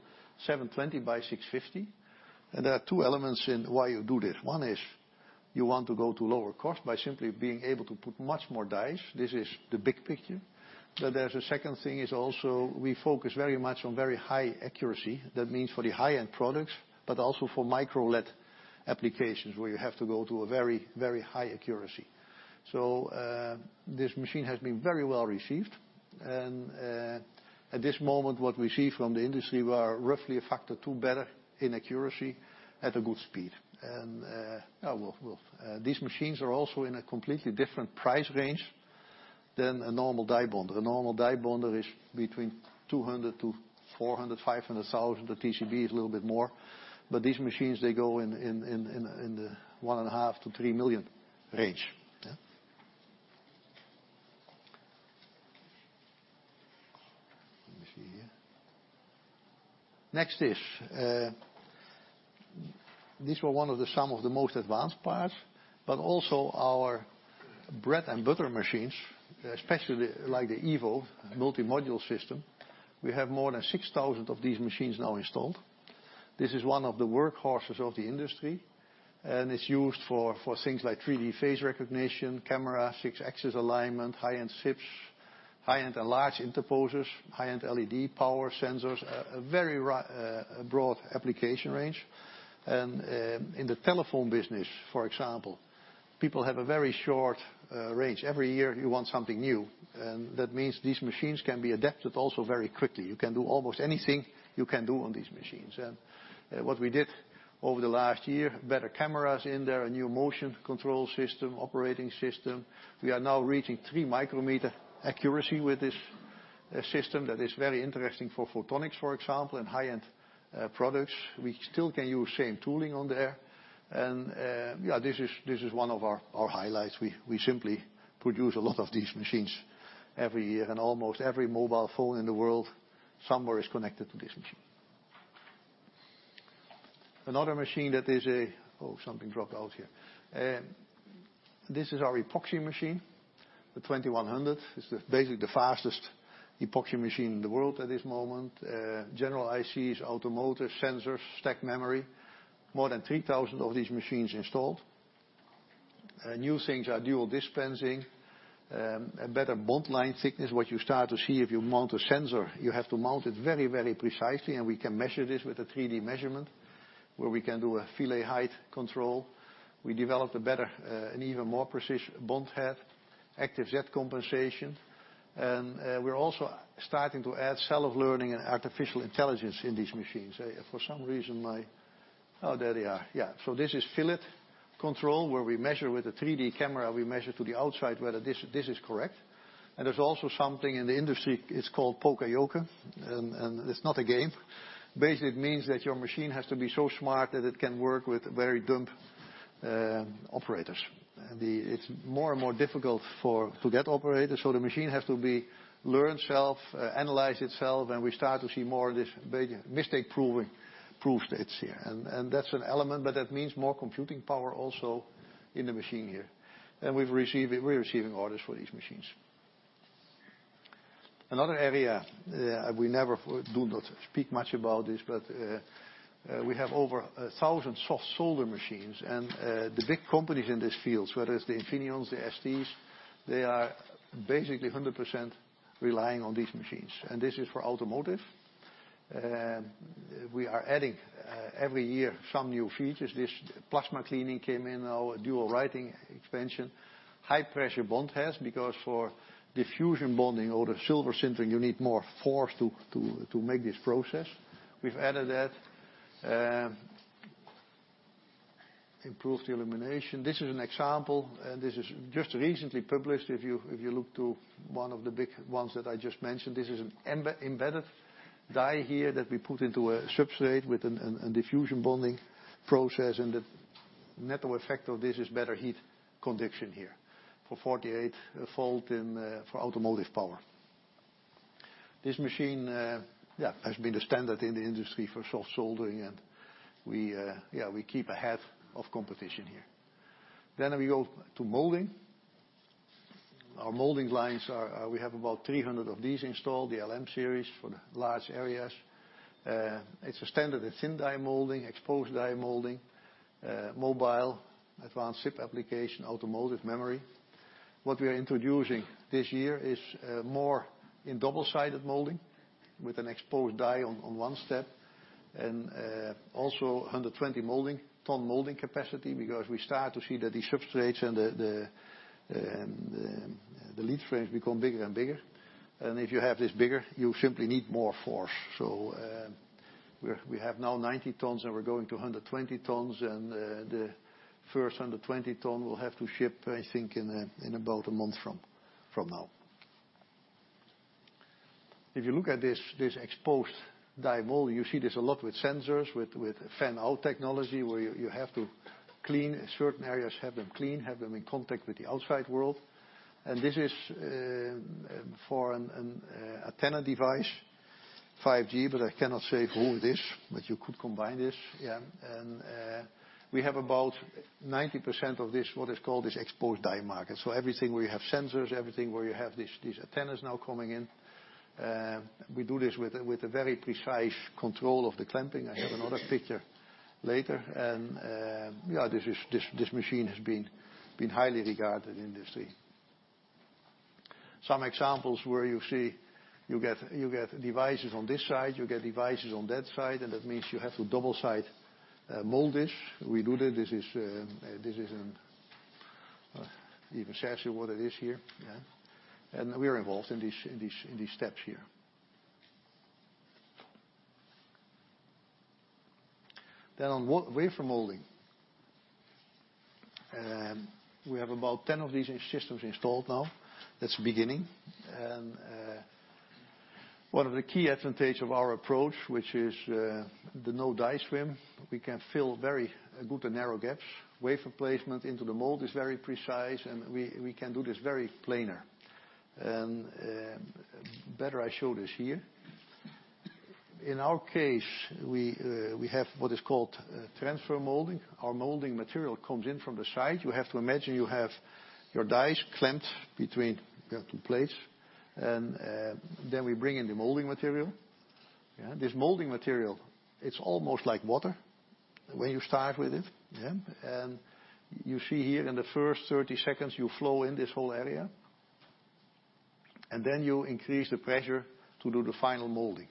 720 by 650. There are two elements in why you do this. One is you want to go to lower cost by simply being able to put much more dies. This is the big picture. There's a second thing is also, we focus very much on very high accuracy. That means for the high-end products, but also for MicroLED applications where you have to go to a very high accuracy. This machine has been very well received, and at this moment what we see from the industry, we are roughly a factor two better in accuracy at a good speed. Well, these machines are also in a completely different price range than a normal die bonder. A normal die bonder is between 200,000 to 400,000, 500,000. The TCB is a little bit more. These machines, they go in the 1.5 million to 3 million range. Yeah. Let me see here. Next is, these were one of the some of the most advanced parts, but also our bread and butter machines, especially like the Evo multi-module system. We have more than 6,000 of these machines now installed. This is one of the workhorses of the industry, and it's used for things like 3D face recognition, camera, six-axis alignment, high-end chips, high-end and large interposers, high-end LED power sensors, a very broad application range. In the telephone business, for example, people have a very short range. Every year you want something new, and that means these machines can be adapted also very quickly. You can do almost anything you can do on these machines. What we did over the last year, better cameras in there, a new motion control system, operating system. We are now reaching three micrometer accuracy with this system. That is very interesting for photonics, for example, and high-end products. We still can use same tooling on there. Yeah, this is one of our highlights. We simply produce a lot of these machines every year. Almost every mobile phone in the world somewhere is connected to this machine. Another machine that is a something dropped out here. This is our epoxy machine. The 2100 is basically the fastest epoxy machine in the world at this moment. General ICs, automotive sensors, stack memory, more than 3,000 of these machines installed. New things are dual dispensing, a better bond line thickness. What you start to see if you mount a sensor, you have to mount it very precisely, and we can measure this with a 3D measurement where we can do a fillet height control. We developed a better, an even more precise bond head, active jet compensation, and we're also starting to add self-learning and artificial intelligence in these machines. For some reason my there they are. Yeah. This is fillet control, where we measure with a 3D camera. We measure to the outside whether this is correct. There's also something in the industry, it's called poka-yoke, and it's not a game. Basically, it means that your machine has to be so smart that it can work with very dumb operators. It is more and more difficult to get operators, so the machine has to learn self, analyze itself, and we start to see more of this mistake proof states here. That is an element, but that means more computing power also in the machine here. We are receiving orders for these machines. Another area, we never do not speak much about this, but we have over 1,000 soft solder machines, and the big companies in this field, whether it is the Infineons, the STs, they are basically 100% relying on these machines. This is for automotive. We are adding every year some new features. This plasma cleaning came in our dual writing expansion. High-pressure bond test, because for diffusion bonding or the silver sintering, you need more force to make this process. We have added that. Improved the illumination. This is an example, and this is just recently published. If you look to one of the big ones that I just mentioned, this is an embedded die here that we put into a substrate with a diffusion bonding process. The net effect of this is better heat conduction here, for 48 volt and for automotive power. This machine has been the standard in the industry for soft soldering, and we keep ahead of competition here. We go to molding. We have about 300 of these installed, the LM series, for the large areas. It is a standard, a thin die molding, exposed die molding, mobile, advanced chip application, automotive memory. What we are introducing this year is more in double-sided molding with an exposed die on one step. Also 120 ton molding capacity, because we start to see that the substrates and the lead frames become bigger and bigger. If you have this bigger, you simply need more force. We have now 90 tons, and we are going to 120 tons. The first 120 ton will have to ship, I think, in about a month from now. If you look at this exposed die mold, you see this a lot with sensors, with fan-out technology, where you have to clean certain areas, have them clean, have them in contact with the outside world. This is for an antenna device, 5G, but I cannot say who this, but you could combine this. We have about 90% of this, what is called this exposed die market. Everything where you have sensors, everything where you have these antennas now coming in. We do this with a very precise control of the clamping. I have another picture later. This machine has been highly regarded in the industry. Some examples where you see you get devices on this side, you get devices on that side, and that means you have to double-side mold this. We do that. This is an even essentially what it is here. We are involved in these steps here. On wafer molding. We have about 10 of these systems installed now. That is the beginning. One of the key advantages of our approach, which is the no die swim. We can fill very good and narrow gaps. Wafer placement into the mold is very precise, and we can do this very planar. Better I show this here. In our case, we have what is called transfer molding. Our molding material comes in from the side. You have to imagine you have your dies clamped between two plates, then we bring in the molding material. This molding material, it's almost like water when you start with it. You see here in the first 30 seconds, you flow in this whole area, then you increase the pressure to do the final molding.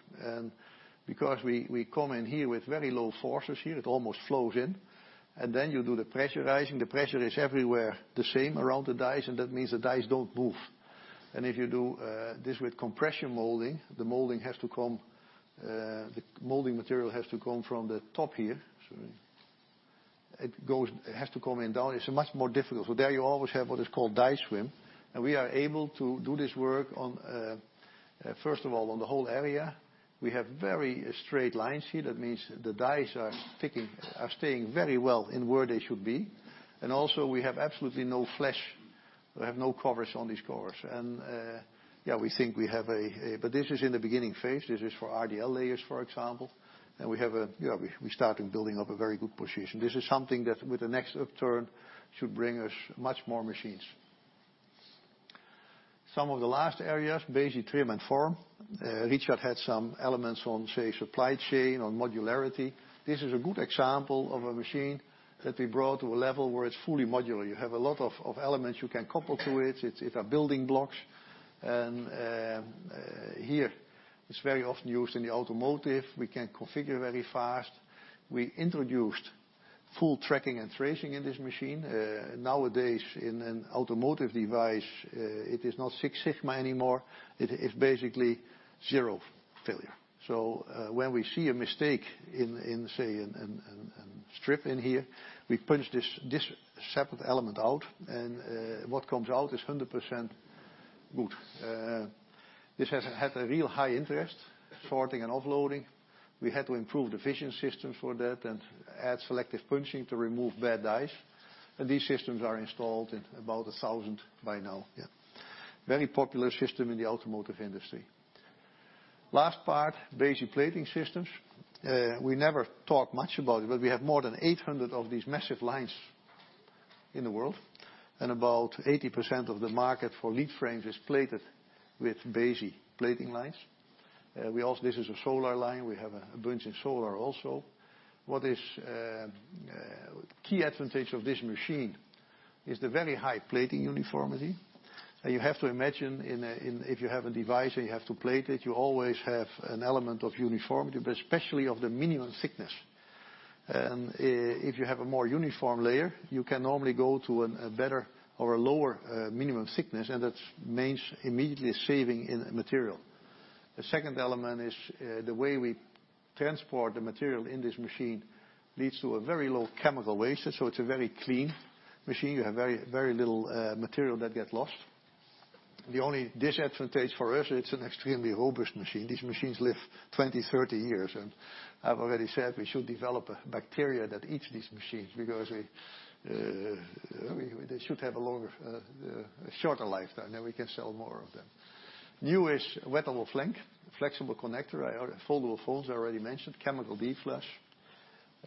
Because we come in here with very low forces here, it almost flows in. Then you do the pressure rising. The pressure is everywhere the same around the dies, that means the dies don't move. If you do this with compression molding, the molding material has to come from the top here. Sorry. It has to come in down. It's much more difficult. There you always have what is called die swim. We are able to do this work on, first of all, on the whole area. We have very straight lines here. That means the dies are sticking, are staying very well in where they should be. Also we have absolutely no flash. We have no covers on these covers. We think we have a. But this is in the beginning phase. This is for RDL layers, for example, We started building up a very good position. This is something that with the next upturn should bring us much more machines. Some of the last areas, basic trim and form. Richard had some elements on, say, supply chain, on modularity. This is a good example of a machine that we brought to a level where it's fully modular. You have a lot of elements you can couple to it. It's a building blocks. Here it's very often used in the automotive. We can configure very fast. We introduced full tracking and tracing in this machine. Nowadays, in an automotive device, it is not Six Sigma anymore. It is basically zero failure. When we see a mistake in, say, a strip in here, we punch this separate element out, what comes out is 100% good. This has had a real high interest, sorting and offloading. We had to improve the vision system for that and add selective punching to remove bad dies. These systems are installed in about 1,000 by now. Very popular system in the automotive industry. Last part, basic plating systems. We never talk much about it, but we have more than 800 of these massive lines in the world. About 80% of the market for lead frames is plated with basic plating lines. This is a solar line. We have a bunch in solar also. What is key advantage of this machine is the very high plating uniformity. You have to imagine if you have a device and you have to plate it, you always have an element of uniformity, but especially of the minimum thickness. If you have a more uniform layer, you can normally go to a better or a lower minimum thickness, that means immediately saving in material. The second element is the way we transport the material in this machine leads to a very low chemical waste. It's a very clean machine. You have very little material that get lost. The only disadvantage for us, it's an extremely robust machine. These machines live 20, 30 years, and I've already said we should develop a bacteria that eats these machines because they should have a shorter lifetime, then we can sell more of them. Newish wettable flank, flexible connector, foldable phones, I already mentioned, chemical deflush.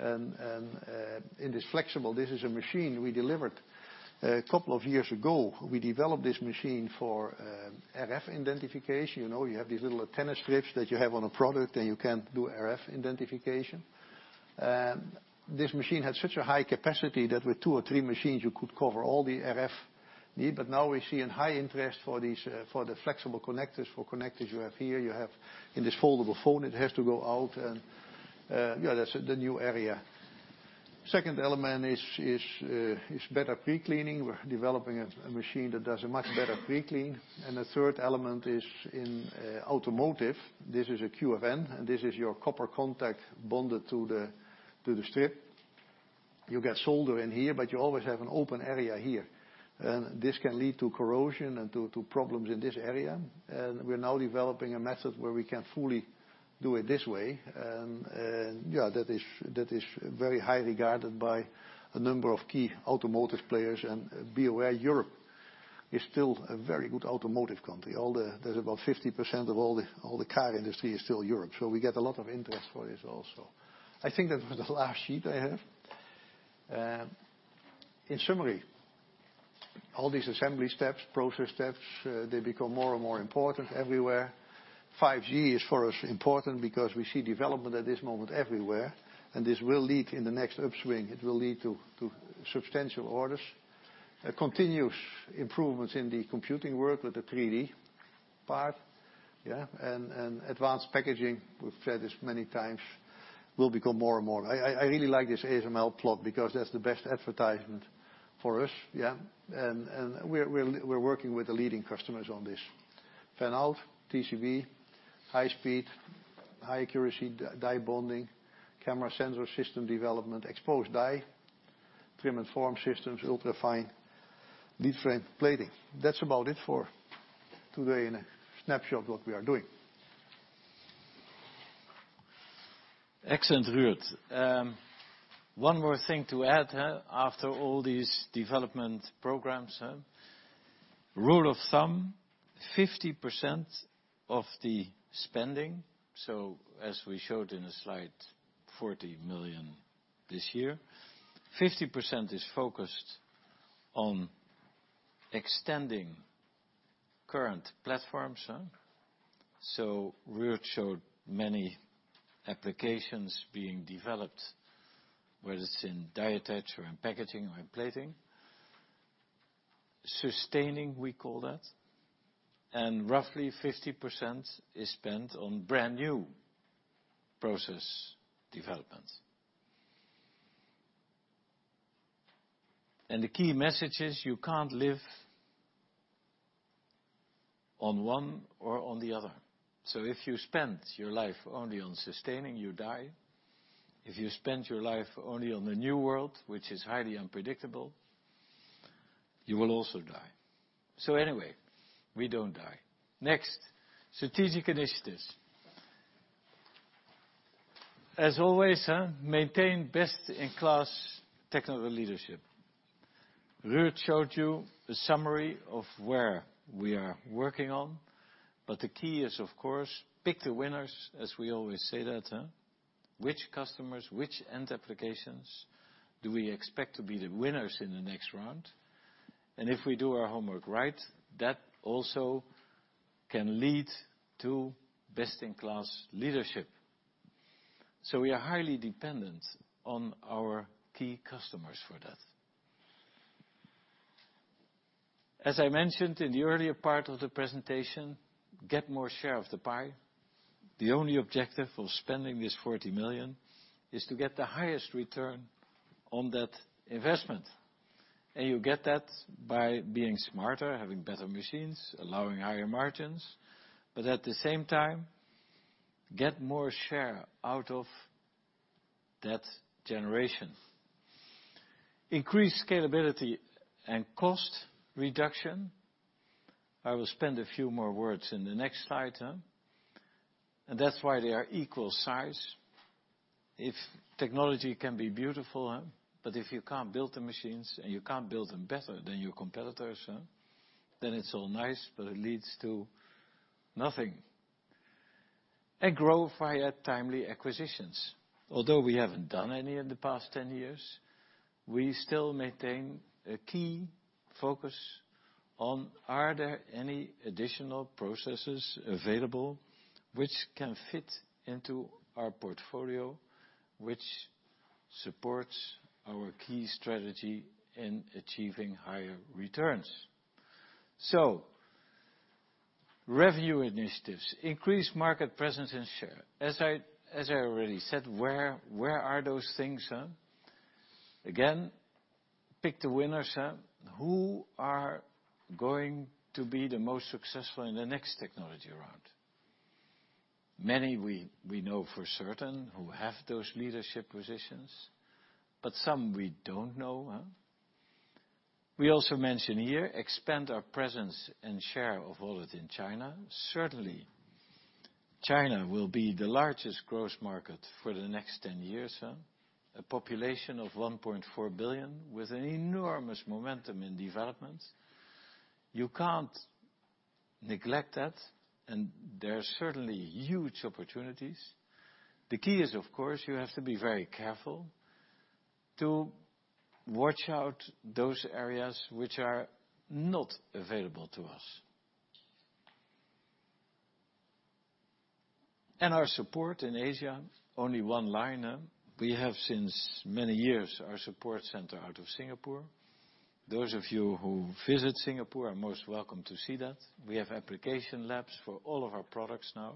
In this flexible, this is a machine we delivered a couple of years ago. We developed this machine for RF identification. You have these little antenna strips that you have on a product, and you can't do RF identification. This machine had such a high capacity that with two or three machines, you could cover all the RF need. Now we're seeing high interest for the flexible connectors, for connectors you have here. You have in this foldable phone, it has to go out, and that's the new area. Second element is better pre-cleaning. We're developing a machine that does a much better pre-clean. The third element is in automotive. This is a QFN, and this is your copper contact bonded to the strip. You get solder in here, but you always have an open area here. This can lead to corrosion and to problems in this area. We're now developing a method where we can fully do it this way, and that is very highly regarded by a number of key automotive players. Be aware, Europe is still a very good automotive country. There's about 50% of all the car industry is still Europe. We get a lot of interest for this also. I think that was the last sheet I have. In summary, all these assembly steps, process steps, they become more and more important everywhere. 5G is for us important because we see development at this moment everywhere, and this will lead in the next upswing. It will lead to substantial orders. Continuous improvements in the computing world with the 3D part. Advanced packaging, we've said this many times, will become more and more. I really like this ASML plot because that's the best advertisement for us. We're working with the leading customers on this. fan-out, TCB, high speed, high accuracy die bonding, camera sensor system development, exposed die, trim and form systems, ultra-fine lead frame plating. That's about it for today in a snapshot what we are doing. Excellent, Ruud. One more thing to add. After all these development programs. Rule of thumb, 50% of the spending. As we showed in the slide, 40 million this year. 50% is focused on extending current platforms. Ruud showed many applications being developed, whether it's in Die Attach or in packaging or in plating. Sustaining, we call that. Roughly 50% is spent on brand-new process development. The key message is you can't live on one or on the other. If you spend your life only on sustaining, you die. If you spend your life only on the new world, which is highly unpredictable, you will also die. Anyway, we don't die. Next, strategic initiatives. As always, maintain best-in-class technical leadership. Ruud showed you a summary of where we are working on, but the key is, of course, pick the winners, as we always say that. Which customers, which end applications do we expect to be the winners in the next round? If we do our homework right, that also can lead to best-in-class leadership. We are highly dependent on our key customers for that. As I mentioned in the earlier part of the presentation, get more share of the pie. The only objective of spending this 40 million is to get the highest return on that investment. You get that by being smarter, having better machines, allowing higher margins. At the same time, get more share out of that generation. Increased scalability and cost reduction. I will spend a few more words in the next slide. That's why they are equal size. If technology can be beautiful, if you can't build the machines and you can't build them better than your competitors, then it's all nice, it leads to nothing. Grow via timely acquisitions. Although we haven't done any in the past 10 years, we still maintain a key focus on are there any additional processes available which can fit into our portfolio, which supports our key strategy in achieving higher returns? Revenue initiatives, increased market presence and share. As I already said, where are those things? Again, pick the winners. Who are going to be the most successful in the next technology round? Many we know for certain who have those leadership positions, but some we don't know. We also mention here, expand our presence and share of wallet in China. Certainly, China will be the largest growth market for the next 10 years. A population of 1.4 billion with an enormous momentum in development. You can't neglect that, there are certainly huge opportunities. The key is, of course, you have to be very careful to watch out those areas which are not available to us. Our support in Asia, only one line. We have since many years our support center out of Singapore. Those of you who visit Singapore are most welcome to see that. We have application labs for all of our products now,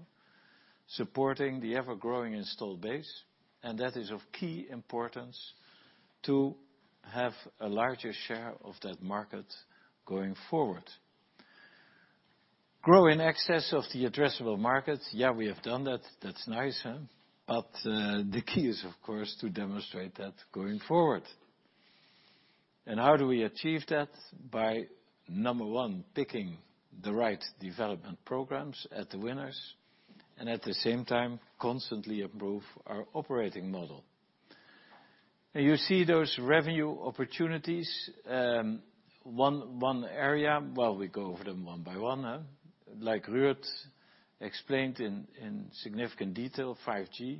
supporting the ever-growing installed base, that is of key importance to have a larger share of that market going forward. Grow in excess of the addressable market. Yeah, we have done that. That's nice. The key is, of course, to demonstrate that going forward. How do we achieve that? By, number 1, picking the right development programs at the winners, at the same time constantly improve our operating model. Now you see those revenue opportunities, one area. Well, we go over them one by one. Like Ruud explained in significant detail, 5G.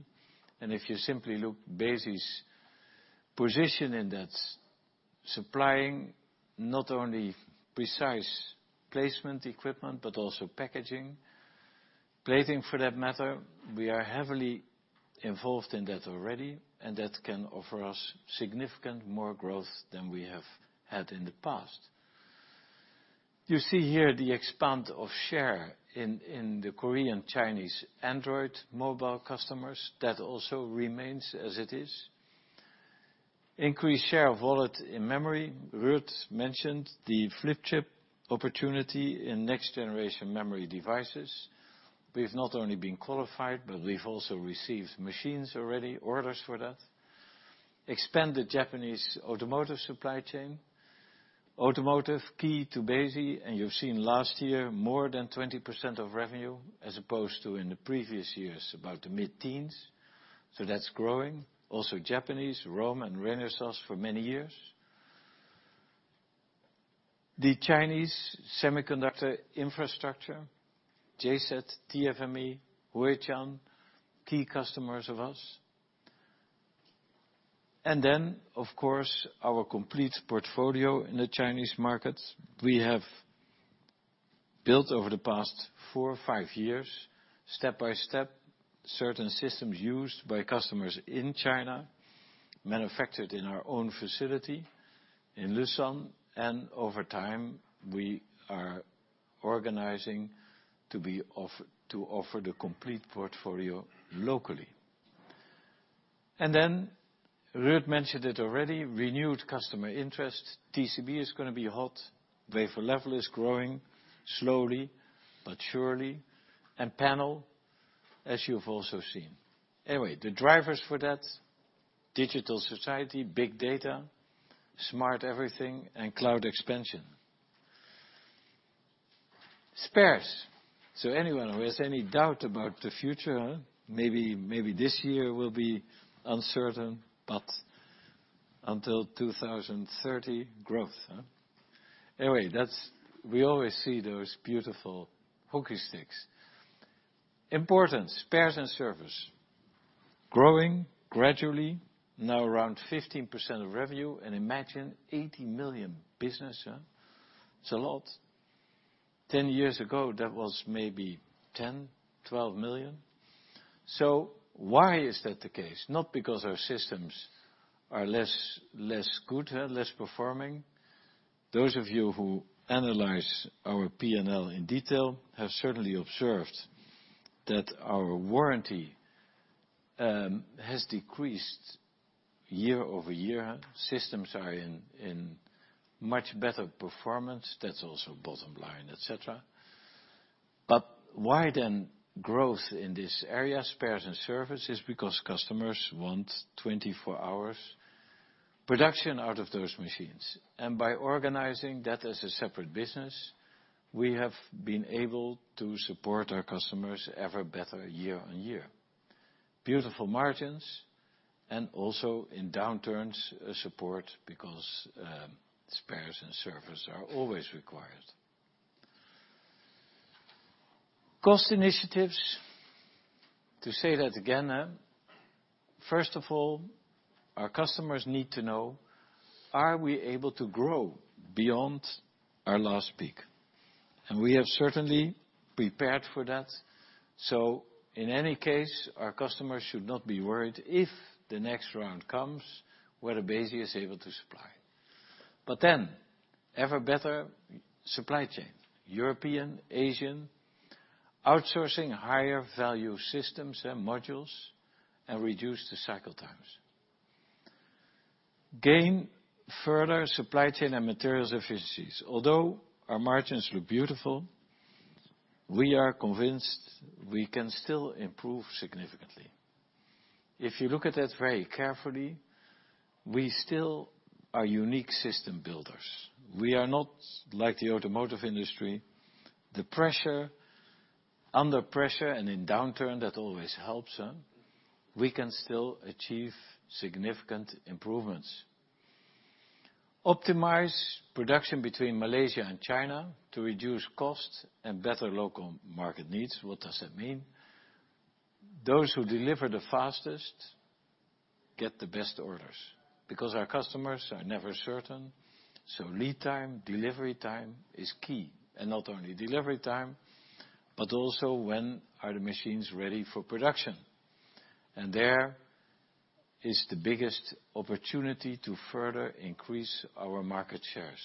If you simply look Besi's position in that supplying not only precise placement equipment, also packaging, plating for that matter, we are heavily involved in that already, that can offer us significant more growth than we have had in the past. You see here the expand of share in the Korean, Chinese Android mobile customers. That also remains as it is. Increased share of wallet in memory. Ruud mentioned the flip chip opportunity in next generation memory devices. We've not only been qualified, we've also received machines already, orders for that. Expand the Japanese automotive supply chain. Automotive key to basis, you've seen last year more than 20% of revenue as opposed to in the previous years about the mid-teens. That's growing. Also Japanese, ROHM and Renesas for many years. The Chinese semiconductor infrastructure, JCET, TFME, Huatian, key customers of us. Of course, our complete portfolio in the Chinese market. We have built over the past four or five years, step-by-step, certain systems used by customers in China, manufactured in our own facility in Lucerne, and over time, we are organizing to offer the complete portfolio locally. Ruud mentioned it already, renewed customer interest. TCB is going to be hot. Wafer level is growing, slowly but surely. Panel, as you've also seen. Anyway, the drivers for that, digital society, big data, smart everything, and cloud expansion. Spares. Anyone who has any doubt about the future, maybe this year will be uncertain, but until 2030, growth. Anyway, we always see those beautiful hockey sticks. Important spares and service. Growing gradually, now around 15% of revenue, and imagine 80 million business. It's a lot. Ten years ago, that was maybe 10 million, 12 million. Why is that the case? Not because our systems are less good, less performing. Those of you who analyze our P&L in detail have certainly observed that our warranty has decreased year-over-year. Systems are in much better performance. That's also bottom line, et cetera. Why growth in this area, spares and service? Is because customers want 24 hours production out of those machines. By organizing that as a separate business, we have been able to support our customers ever better year-on-year. Beautiful margins and also in downturns, support because spares and service are always required. Cost initiatives. To say that again, first of all, our customers need to know, are we able to grow beyond our last peak? We have certainly prepared for that. In any case, our customers should not be worried if the next round comes, whether Besi is able to supply. Ever better supply chain, European, Asian, outsourcing higher value systems and modules, and reduce the cycle times. Gain further supply chain and materials efficiencies. Although our margins look beautiful, we are convinced we can still improve significantly. If you look at that very carefully, we still are unique system builders. We are not like the automotive industry. Under pressure and in downturn, that always helps. We can still achieve significant improvements. Optimize production between Malaysia and China to reduce costs and better local market needs. What does that mean? Those who deliver the fastest get the best orders, because our customers are never certain. Lead time, delivery time is key. Not only delivery time, but also when are the machines ready for production. There is the biggest opportunity to further increase our market shares.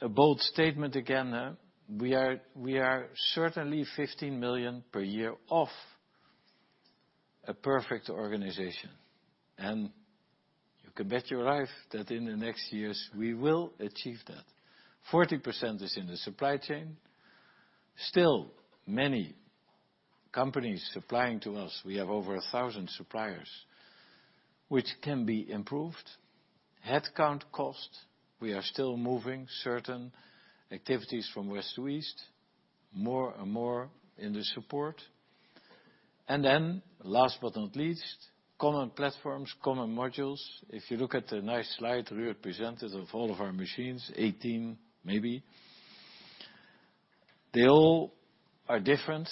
A bold statement again, we are certainly 15 million per year off a perfect organization. You can bet your life that in the next years we will achieve that. 40% is in the supply chain. Still, many companies supplying to us, we have over 1,000 suppliers, which can be improved. Headcount cost, we are still moving certain activities from west to east, more and more in the support. Last but not least, common platforms, common modules. If you look at the nice slide Ruud presented of all of our machines, 18 maybe. They all are different.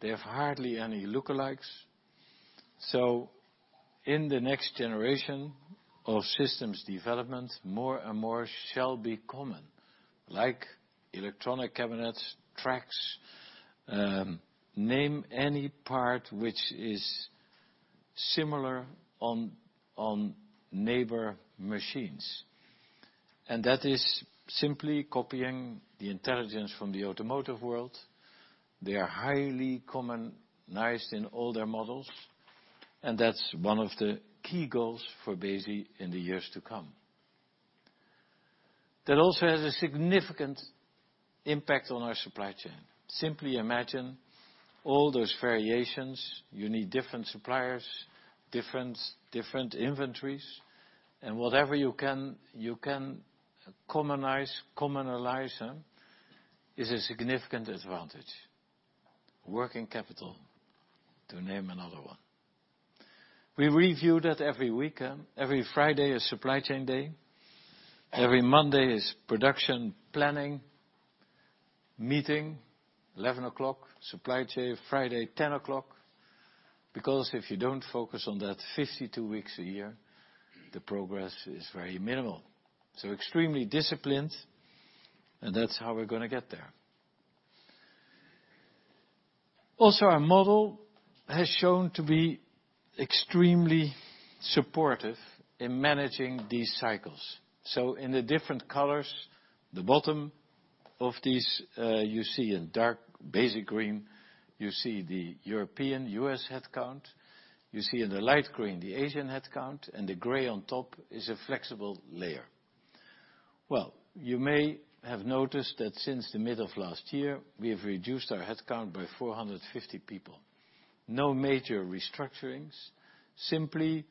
They have hardly any lookalikes. In the next generation of systems development, more and more shall be common. Like electronic cabinets, tracks, name any part which is similar on neighbor machines. That is simply copying the intelligence from the automotive world. They are highly commonized in older models, and that's one of the key goals for Besi in the years to come. That also has a significant impact on our supply chain. Simply imagine all those variations. You need different suppliers, different inventories. Whatever you can commonize, is a significant advantage. Working capital, to name another one. We review that every week. Every Friday is supply chain day. Every Monday is production planning meeting, 11:00 A.M. Supply chain, Friday, 10:00 A.M. If you don't focus on that 52 weeks a year, the progress is very minimal. Extremely disciplined, and that's how we're going to get there. Also, our model has shown to be extremely supportive in managing these cycles. In the different colors, the bottom of these, you see in dark basic green, you see the European/U.S. headcount. You see in the light green, the Asian headcount, and the gray on top is a flexible layer. Well, you may have noticed that since the mid of last year, we have reduced our headcount by 450 people. No major restructurings, simply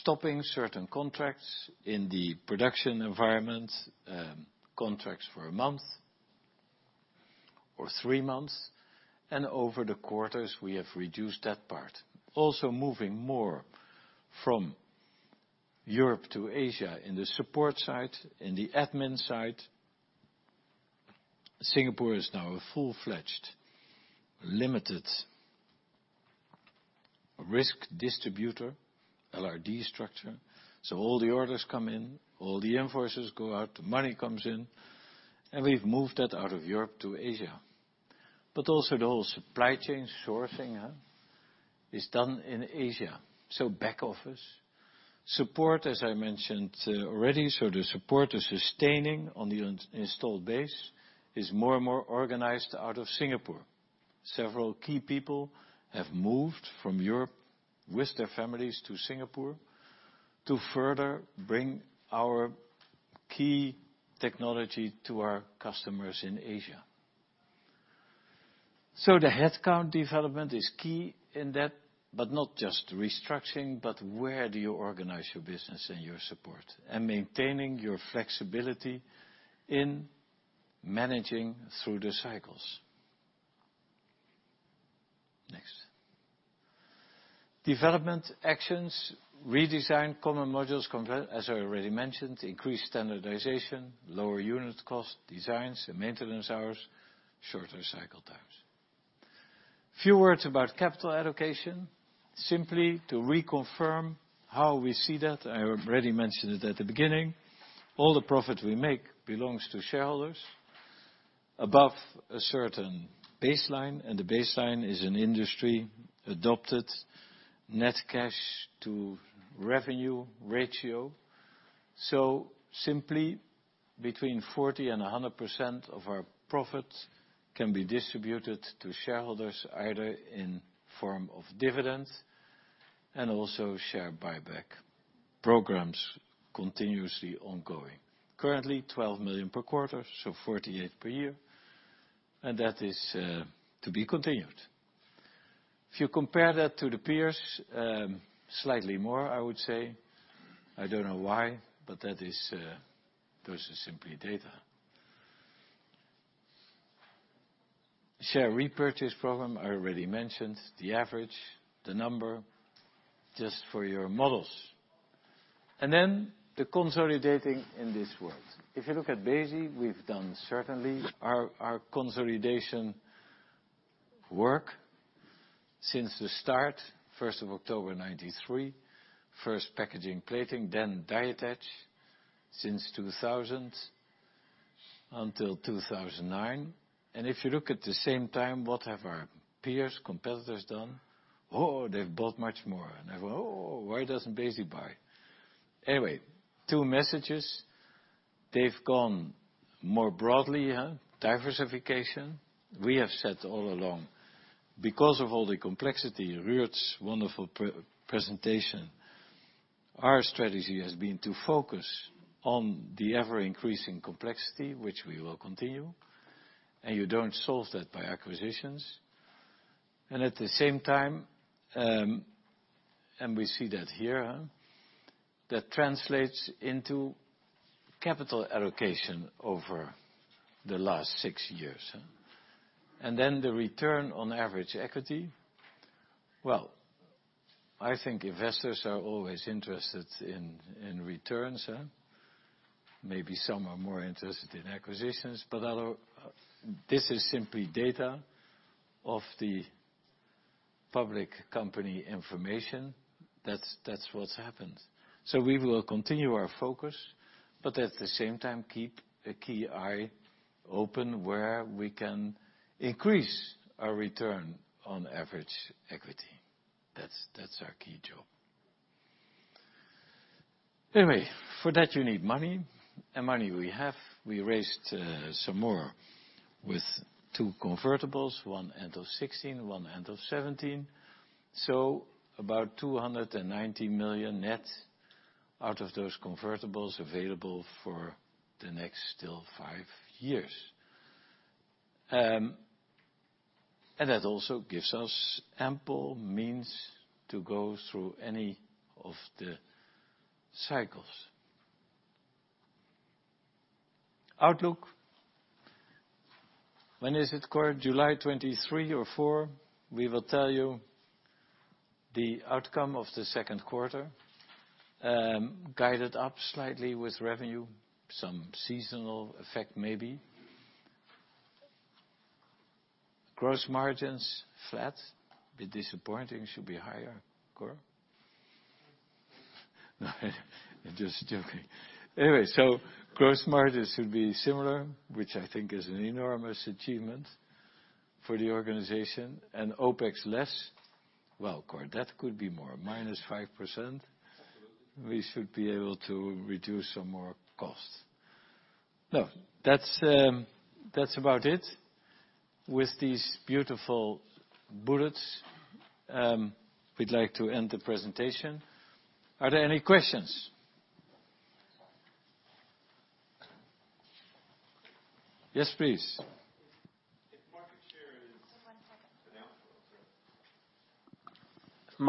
stopping certain contracts in the production environment, contracts for a month or three months. Over the quarters, we have reduced that part. Also moving more from Europe to Asia in the support side, in the admin side. Singapore is now a full-fledged limited risk distributor, LRD structure. All the orders come in, all the invoices go out, the money comes in, and we've moved that out of Europe to Asia. Also the whole supply chain sourcing is done in Asia. Back office. Support, as I mentioned already, the support, the sustaining on the installed base is more and more organized out of Singapore. Several key people have moved from Europe with their families to Singapore to further bring our key technology to our customers in Asia. The headcount development is key in that, but not just restructuring, but where do you organize your business and your support? Maintaining your flexibility in managing through the cycles. Next. Development actions, redesign common modules, as I already mentioned, increase standardization, lower unit cost, designs, and maintenance hours, shorter cycle times. Few words about capital allocation. Simply to reconfirm how we see that, I already mentioned it at the beginning, all the profit we make belongs to shareholders above a certain baseline, and the baseline is an industry-adopted net cash to revenue ratio. Simply, between 40% and 100% of our profit can be distributed to shareholders, either in form of dividends and also share buyback programs continuously ongoing. Currently, 12 million per quarter, 48 million per year. That is to be continued. If you compare that to the peers, slightly more, I would say. I don't know why, but those are simply data. Share repurchase program, I already mentioned the average, the number, just for your models. Then the consolidating in this world. If you look at Besi, we've done certainly our consolidation work since the start, 1st of October 1993. First packaging, plating, then Die Attach since 2000 until 2009. If you look at the same time, what have our peers, competitors done? Oh, they've bought much more. Oh, why doesn't Besi buy? Two messages. They've gone more broadly, diversification. We have said all along, because of all the complexity, Ruud's wonderful presentation, our strategy has been to focus on the ever-increasing complexity, which we will continue. You don't solve that by acquisitions. At the same time, and we see that here, that translates into capital allocation over the last six years. The return on average equity. Well, I think investors are always interested in returns. Maybe some are more interested in acquisitions. This is simply data of the public company information. That's what's happened. We will continue our focus, but at the same time, keep a key eye open where we can increase our return on average equity. That's our key job. For that, you need money. Money we have. We raised some more with two convertibles, one end of 2016, one end of 2017. About 290 million net out of those convertibles available for the next, still, 5 years. That also gives us ample means to go through any of the cycles. Outlook. When is it, Cor? July 23 or 24, we will tell you the outcome of the second quarter. Guided up slightly with revenue, some seasonal effect maybe. Gross margins flat, a bit disappointing. Should be higher, Cor. No, I'm just joking. Gross margins should be similar, which I think is an enormous achievement for the organization. OpEx less. Cor, that could be more, -5%. Absolutely. We should be able to reduce some more costs. No, that's about it. With these beautiful bullets, we'd like to end the presentation. Are there any questions? Yes, please. If market share is- Just one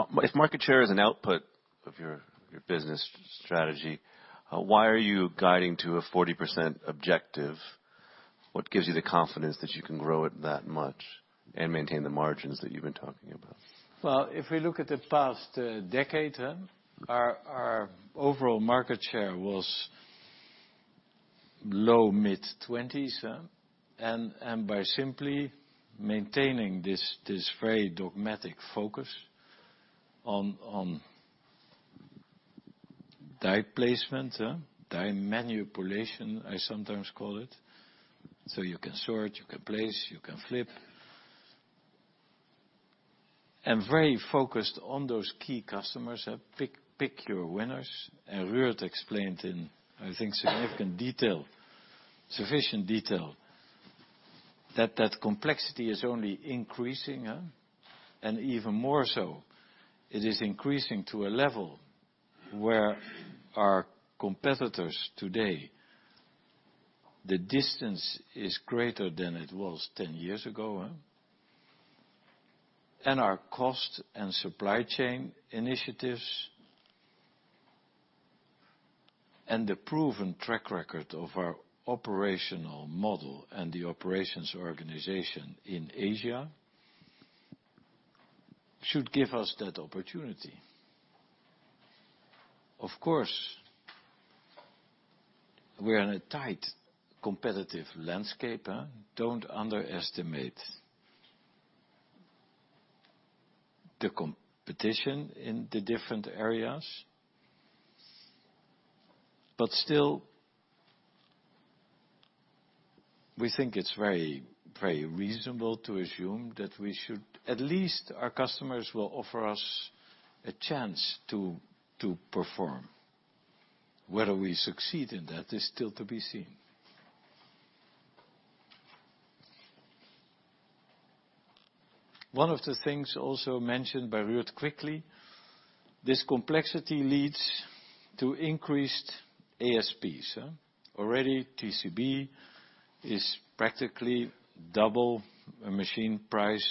second. If market share is an output of your business strategy, why are you guiding to a 40% objective? What gives you the confidence that you can grow it that much and maintain the margins that you've been talking about? Well, if we look at the past decade, our overall market share was low, mid-20s. By simply maintaining this very dogmatic focus on die placement, die manipulation, I sometimes call it. You can sort, you can place, you can flip. Very focused on those key customers. Pick your winners. Ruud explained in, I think, significant detail, sufficient detail, that that complexity is only increasing. Even more so, it is increasing to a level where our competitors today, the distance is greater than it was 10 years ago. Our cost and supply chain initiatives. The proven track record of our operational model and the operations organization in Asia should give us that opportunity. Of course, we're in a tight, competitive landscape. Don't underestimate the competition in the different areas. Still, we think it's very reasonable to assume that at least our customers will offer us a chance to perform. Whether we succeed in that is still to be seen. One of the things also mentioned by Ruud quickly, this complexity leads to increased ASPs. Already, TCB is practically double a machine price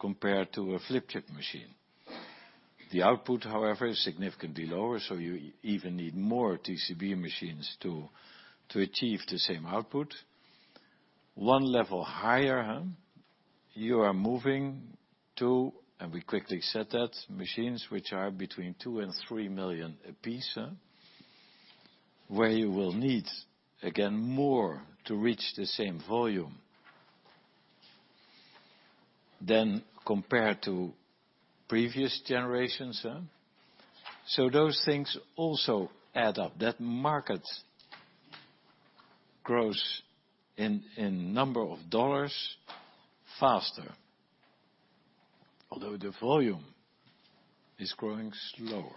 compared to a flip chip machine. The output, however, is significantly lower, so you even need more TCB machines to achieve the same output. 1 level higher, you are moving to, and we quickly said that, machines which are between 2 million and 3 million a piece. Where you will need, again, more to reach the same volume than compared to previous generations. Those things also add up. That market grows in number of EUR faster. Although the volume is growing slower.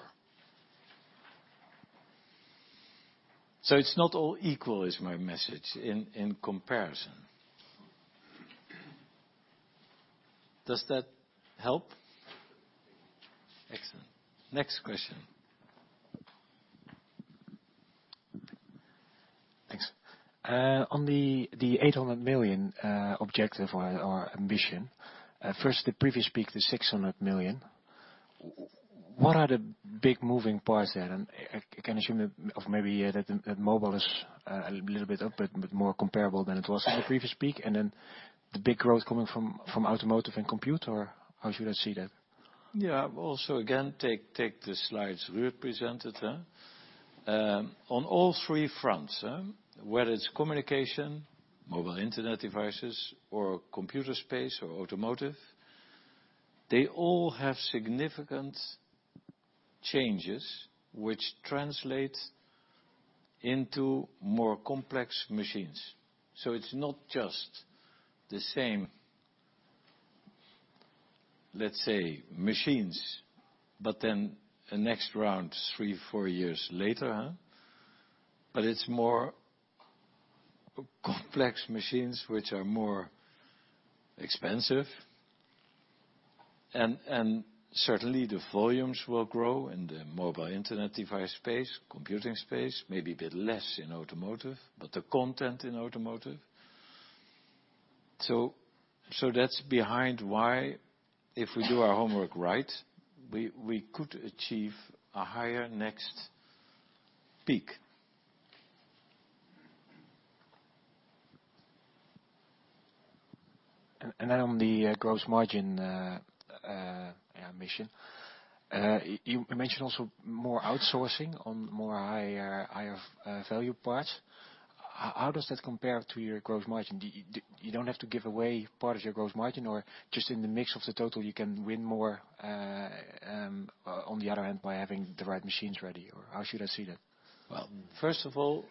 It's not all equal is my message in comparison. Does that help? Excellent. Next question. Thanks. On the 800 million objective or ambition, first, the previous peak, the 600 million, what are the big moving parts there? I can assume that maybe that mobile is a little bit more comparable than it was in the previous peak, then the big growth coming from automotive and computer. How should I see that? Yeah. Again, take the slides Ruud presented. On all 3 fronts, whether it's communication, mobile internet devices, or computer space or automotive, they all have significant changes which translate into more complex machines. It's not just the same, let's say, machines, then the next round three, four years later. It's more complex machines which are more expensive. Certainly, the volumes will grow in the mobile internet device space, computing space, maybe a bit less in automotive, but the content in automotive. That's behind why if we do our homework right, we could achieve a higher next peak. On the gross margin mission. You mentioned also more outsourcing on more higher value parts. How does that compare to your gross margin? You don't have to give away part of your gross margin, just in the mix of the total, you can win more on the other hand, by having the right machines ready? How should I see that? First of all,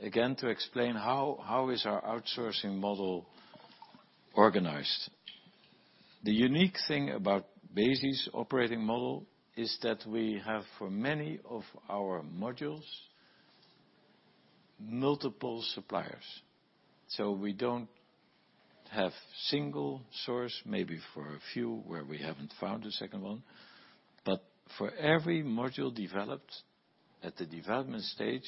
again to explain how is our outsourcing model organized. The unique thing about Besi's operating model is that we have for many of our modules, multiple suppliers. We don't have single source, maybe for a few where we haven't found a second one. But for every module developed, at the development stage,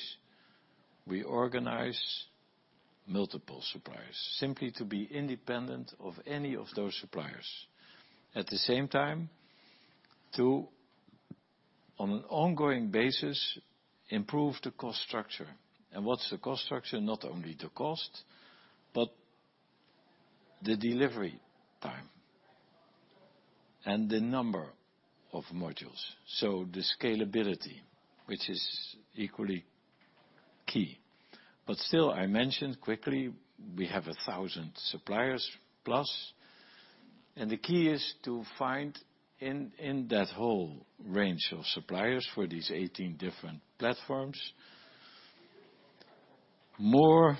we organize multiple suppliers, simply to be independent of any of those suppliers. At the same time, to, on an ongoing basis, improve the cost structure. What's the cost structure? Not only the cost, but the delivery time and the number of modules. The scalability, which is equally key. Still, I mentioned quickly, we have 1,000 suppliers plus. The key is to find in that whole range of suppliers for these 18 different platforms, more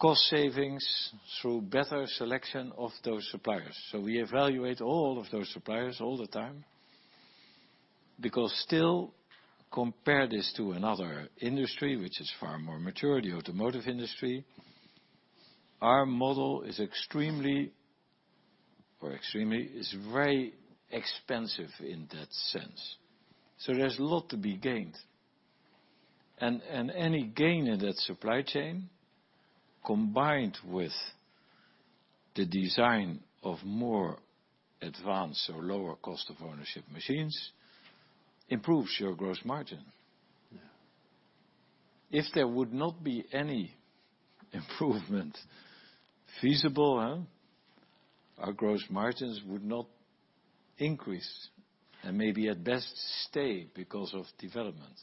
cost savings through better selection of those suppliers. We evaluate all of those suppliers all the time because still compare this to another industry which is far more mature, the automotive industry, our model is very expensive in that sense. There's a lot to be gained. Any gain in that supply chain, combined with the design of more advanced or lower cost of ownership machines improves your gross margin. Yeah. If there would not be any improvement feasible, our gross margins would not increase and maybe at best stay because of development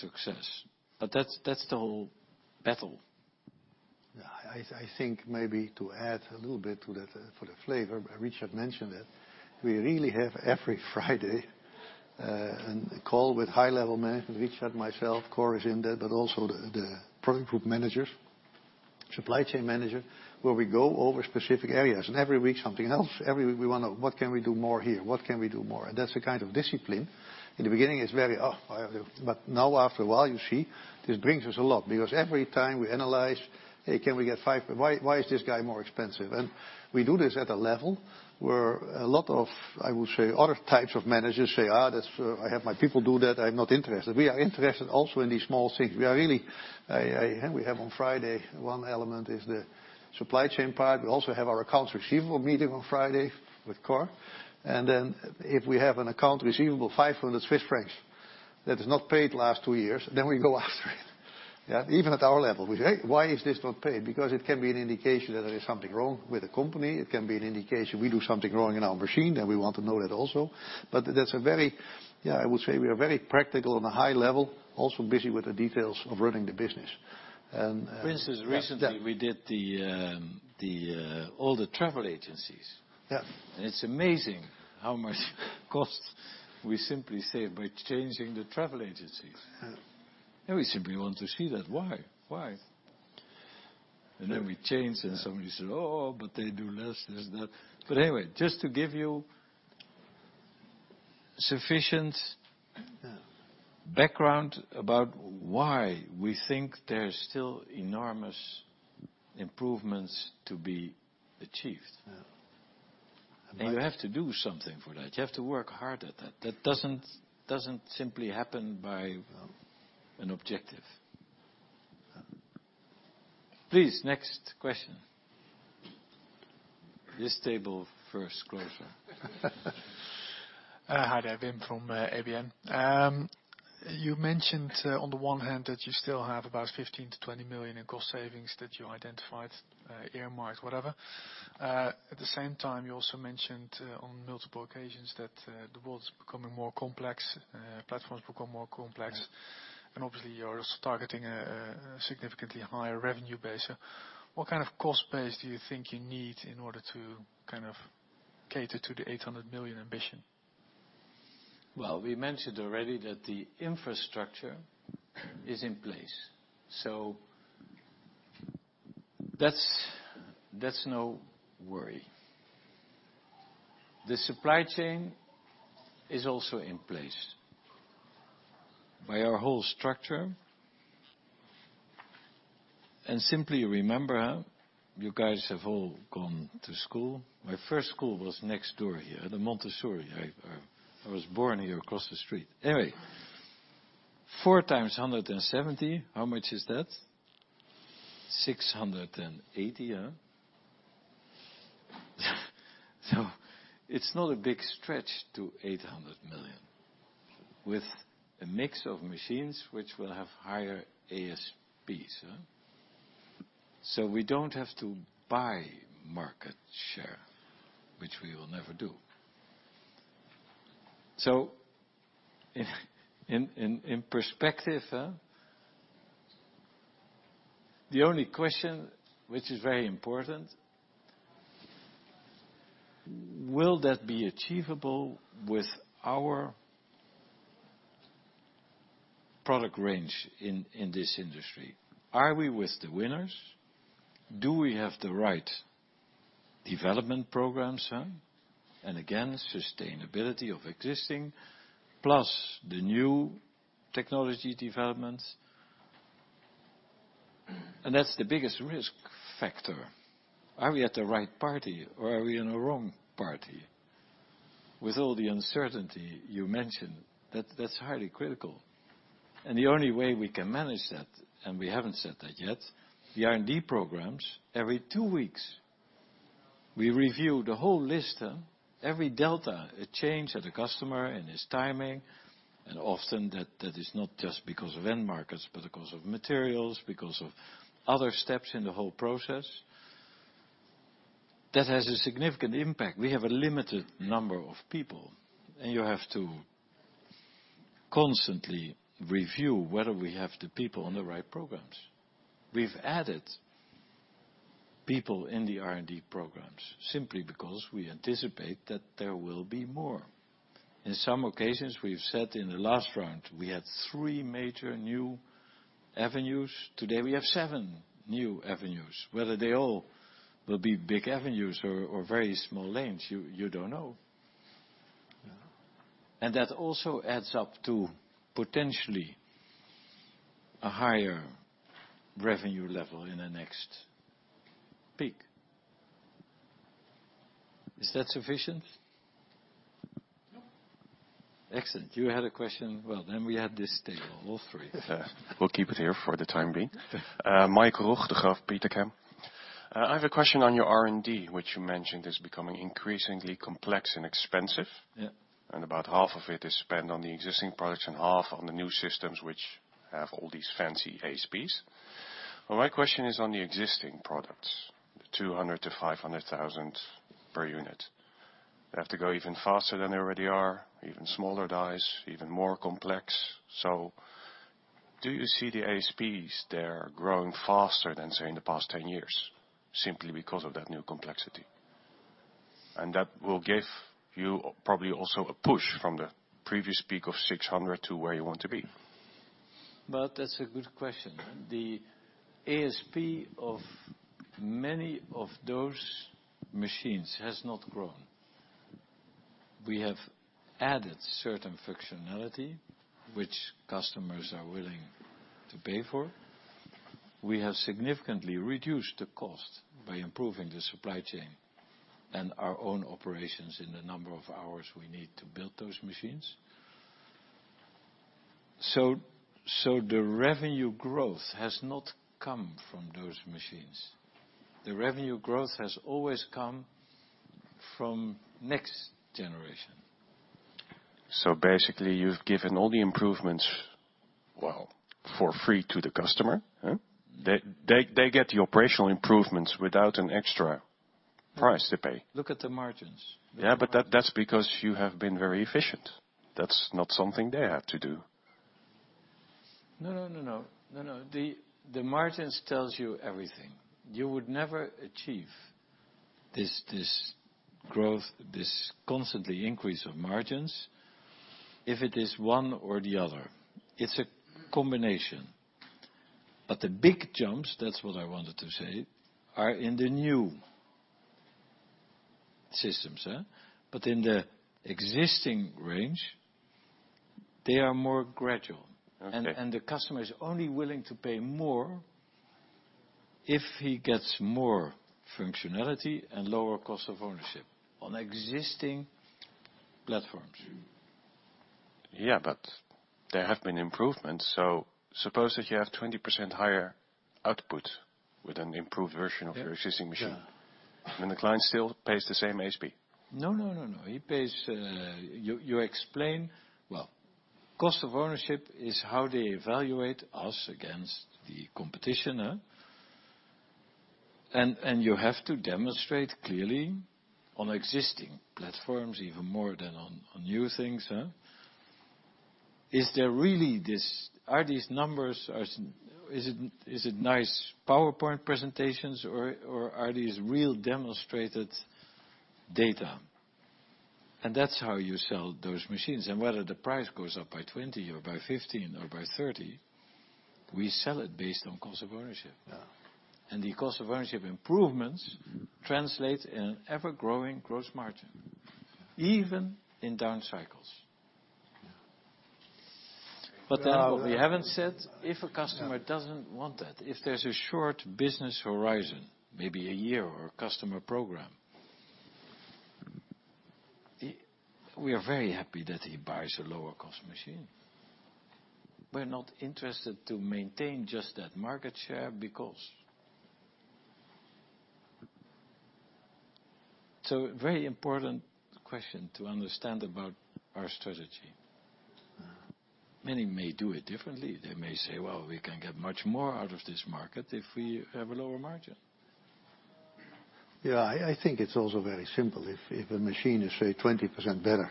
success. That's the whole battle. I think maybe to add a little bit to that for the flavor, Richard mentioned it, we really have every Friday a call with high-level management, Richard, myself, Cor is in there, also the product group managers, supply chain manager, where we go over specific areas every week something else. Every week we wonder, what can we do more here? What can we do more? That's the kind of discipline. In the beginning, it's very, now after a while you see this brings us a lot because every time we analyze, hey, can we get five? Why is this guy more expensive? We do this at a level where a lot of, I will say, other types of managers say, "I have my people do that. I'm not interested." We are interested also in these small things. We have on Friday, one element is the supply chain part. We also have our accounts receivable meeting on Friday with Cor. If we have an account receivable 500 Swiss francs that is not paid last 2 years, then we go after it. Yeah. Even at our level, we say, "Hey, why is this not paid?" Because it can be an indication that there is something wrong with the company. It can be an indication we do something wrong in our machine, then we want to know that also. I would say we are very practical on a high level, also busy with the details of running the business. For instance, recently we did all the travel agencies. Yeah. It's amazing how much cost we simply save by changing the travel agencies. Yeah. We simply want to see that. Why? Why? Then we change and somebody said, "Oh, but they do less." This and that. Anyway, just to give you sufficient. Yeah background about why we think there's still enormous improvements to be achieved. Yeah. You have to do something for that. You have to work hard at that. That doesn't simply happen by an objective. Yeah. Please, next question. This table first, closer. Hi there, Wim from ABN. You mentioned on the one hand that you still have about 15 million-20 million in cost savings that you identified, earmarked, whatever. At the same time, you also mentioned on multiple occasions that the world's becoming more complex, platforms become more complex, obviously you're also targeting a significantly higher revenue base. What kind of cost base do you think you need in order to cater to the 800 million ambition? We mentioned already that the infrastructure is in place, that's no worry. The supply chain is also in place by our whole structure. Simply remember how you guys have all gone to school. My first school was next door here, the Montessori. I was born here across the street. Anyway, four times 170, how much is that? 680, yeah? It's not a big stretch to 800 million with a mix of machines which will have higher ASPs. We don't have to buy market share, which we will never do. In perspective, the only question, which is very important, will that be achievable with our product range in this industry? Are we with the winners? Do we have the right development programs? Again, sustainability of existing plus the new technology developments. That's the biggest risk factor. Are we at the right party or are we in a wrong party? With all the uncertainty you mentioned, that's highly critical. The only way we can manage that, and we haven't said that yet, the R&D programs, every two weeks we review the whole list, every delta, a change at a customer and his timing. Often that is not just because of end markets, but because of materials, because of other steps in the whole process. That has a significant impact. We have a limited number of people, and you have to constantly review whether we have the people on the right programs. We've added people in the R&D programs simply because we anticipate that there will be more. In some occasions, we've said in the last round, we had three major new avenues. Today we have seven new avenues. Whether they all will be big avenues or very small lanes, you don't know. Yeah. That also adds up to potentially a higher revenue level in the next peak. Is that sufficient? Excellent. You had a question? We have this table, all three. We'll keep it here for the time being. Mike Roeg, Degroof Petercam. I have a question on your R&D, which you mentioned is becoming increasingly complex and expensive. Yeah. About half of it is spent on the existing products and half on the new systems, which have all these fancy ASPs. Well, my question is on the existing products, the 200,000 to 500,000 per unit. They have to go even faster than they already are, even smaller dies, even more complex. Do you see the ASPs there growing faster than, say, in the past 10 years, simply because of that new complexity? That will give you probably also a push from the previous peak of 600,000 to where you want to be. That's a good question. The ASP of many of those machines has not grown. We have added certain functionality which customers are willing to pay for. We have significantly reduced the cost by improving the supply chain and our own operations in the number of hours we need to build those machines. The revenue growth has not come from those machines. The revenue growth has always come from next generation. Basically you've given all the improvements, well, for free to the customer, huh? They get the operational improvements without an extra price to pay. Look at the margins. Yeah, that's because you have been very efficient. That's not something they have to do. No. The margins tells you everything. You would never achieve this growth, this constantly increase of margins, if it is one or the other. It's a combination. The big jumps, that's what I wanted to say, are in the new systems. In the existing range, they are more gradual. Okay. The customer is only willing to pay more if he gets more functionality and lower cost of ownership on existing platforms. Yeah, there have been improvements. Suppose that you have 20% higher output with an improved version of your existing machine. Yeah. The client still pays the same ASP. No. He pays. You explain, well, cost of ownership is how they evaluate us against the competition. You have to demonstrate clearly on existing platforms, even more than on new things. Is it nice PowerPoint presentations or are these real demonstrated data? That's how you sell those machines. Whether the price goes up by 20 or by 15 or by 30, we sell it based on cost of ownership. Yeah. The cost of ownership improvements translate in an ever-growing gross margin, even in down cycles. Yeah. What we haven't said, if a customer doesn't want that, if there's a short business horizon, maybe a year or a customer program, we are very happy that he buys a lower cost machine. We're not interested to maintain just that market share because. Very important question to understand about our strategy. Yeah. Many may do it differently. They may say, "Well, we can get much more out of this market if we have a lower margin. I think it's also very simple. If a machine is, say, 20% better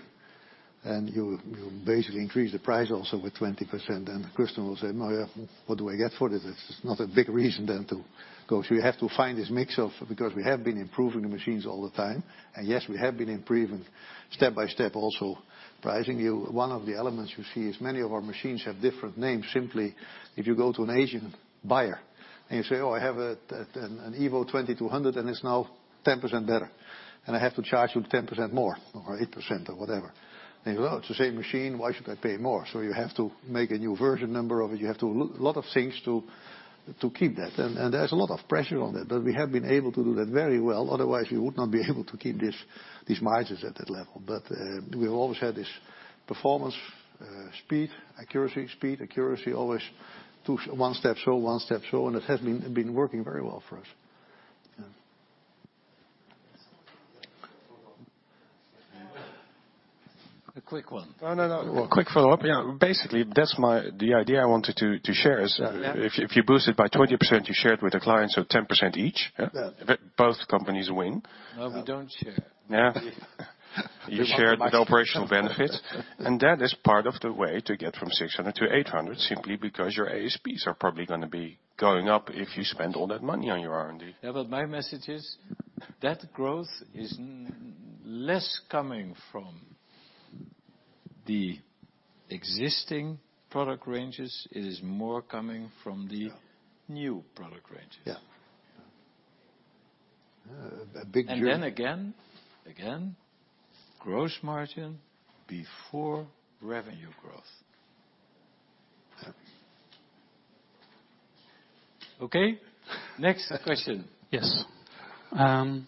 and you basically increase the price also with 20%, then the customer will say, "Well, what do I get for this?" It's not a big reason then to go. You have to find this mix of. We have been improving the machines all the time. Yes, we have been improving step by step also pricing you. One of the elements you see is many of our machines have different names. Simply if you go to an Asian buyer and you say, "Oh, I have an Evo 2200 and it's now 10% better and I have to charge you 10% more or 8% or whatever." He goes, "Oh, it's the same machine. Why should I pay more?" You have to make a new version number of it. A lot of things to keep that. There's a lot of pressure on that. We have been able to do that very well, otherwise we would not be able to keep these margins at that level. We've always had this performance, speed, accuracy. Speed, accuracy, always one step so, and it has been working very well for us. Yes. A quick one. Oh, no. A quick follow-up. Yeah. Basically, the idea I wanted to share is if you boost it by 20%, you share it with the client, so 10% each. Yeah. Both companies win. No, we don't share. Yeah. You share the operational benefits, and that is part of the way to get from 600 to 800, simply because your ASPs are probably going to be going up if you spend all that money on your R&D. Yeah, my message is that growth is less coming from the existing product ranges. It is more coming from the- Yeah new product ranges. Yeah. A big dream- Gross margin before revenue growth. Okay. Next question. Yes. How difficult is it to prepare? I think you were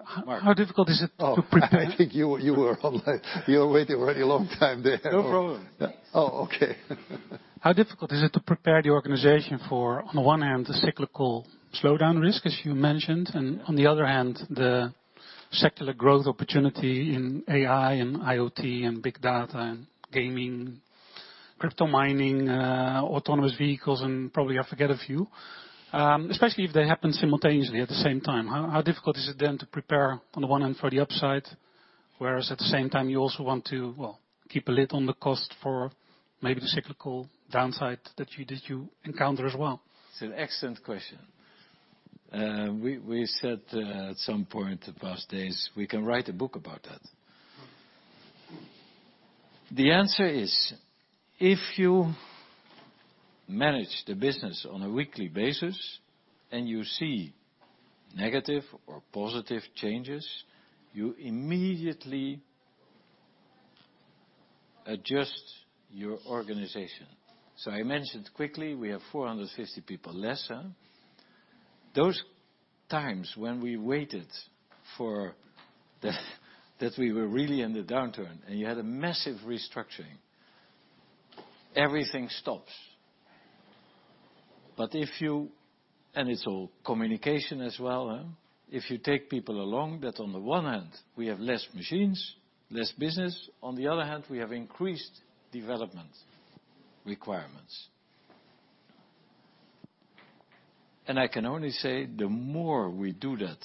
online. You were waiting a very long time there. No problem. Oh, okay. How difficult is it to prepare the organization for, on the one hand, the cyclical slowdown risk as you mentioned, and on the other hand, the secular growth opportunity in AI and IoT and big data and gaming, crypto mining, autonomous vehicles, and probably I forget a few. Especially if they happen simultaneously at the same time. How difficult is it then to prepare on the one hand for the upside, whereas at the same time you also want to keep a lid on the cost for maybe the cyclical downside that you encounter as well? It's an excellent question. We said at some point the past days, we can write a book about that. The answer is, if you manage the business on a weekly basis and you see negative or positive changes, you immediately adjust your organization. I mentioned quickly, we have 450 people less. Those times when we waited for that we were really in the downturn, and you had a massive restructuring, everything stops. It's all communication as well. If you take people along that on the one hand, we have less machines, less business, on the other hand, we have increased development requirements. I can only say the more we do that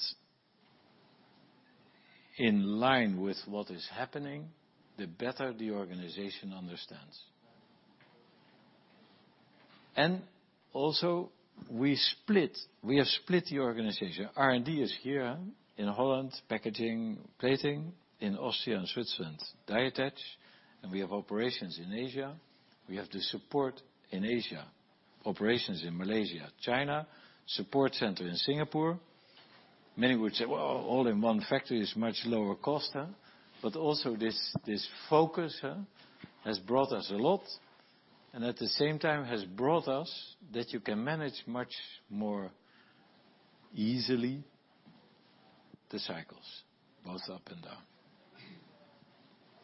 in line with what is happening, the better the organization understands. Also, we have split the organization. R&D is here in Holland, packaging, plating, in Austria and Switzerland, Die Attach, and we have operations in Asia. We have the support in Asia, operations in Malaysia, China, support center in Singapore. Many would say, "Well, all in one factory is much lower cost." Also, this focus has brought us a lot, and at the same time has brought us that you can manage much more easily the cycles both up and down.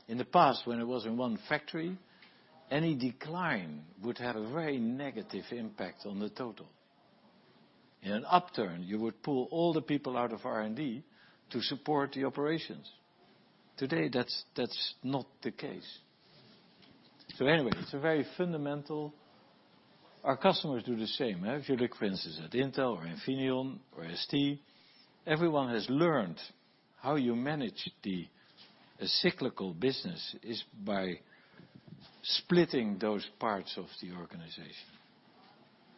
In the past, when it was in one factory, any decline would have a very negative impact on the total. In an upturn, you would pull all the people out of R&D to support the operations. Today, that's not the case. Anyway, it's very fundamental. Our customers do the same. If you look for instance at Intel or Infineon or STMicroelectronics, everyone has learned how you manage the cyclical business is by splitting those parts of the organization,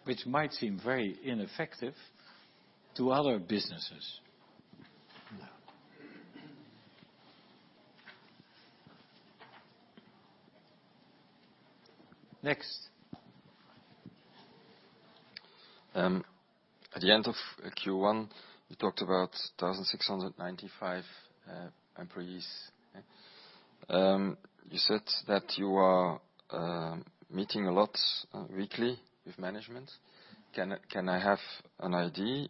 which might seem very ineffective to other businesses. Next. At the end of Q1, you talked about 1,695 employees. You said that you are meeting a lot weekly with management. Can I have an idea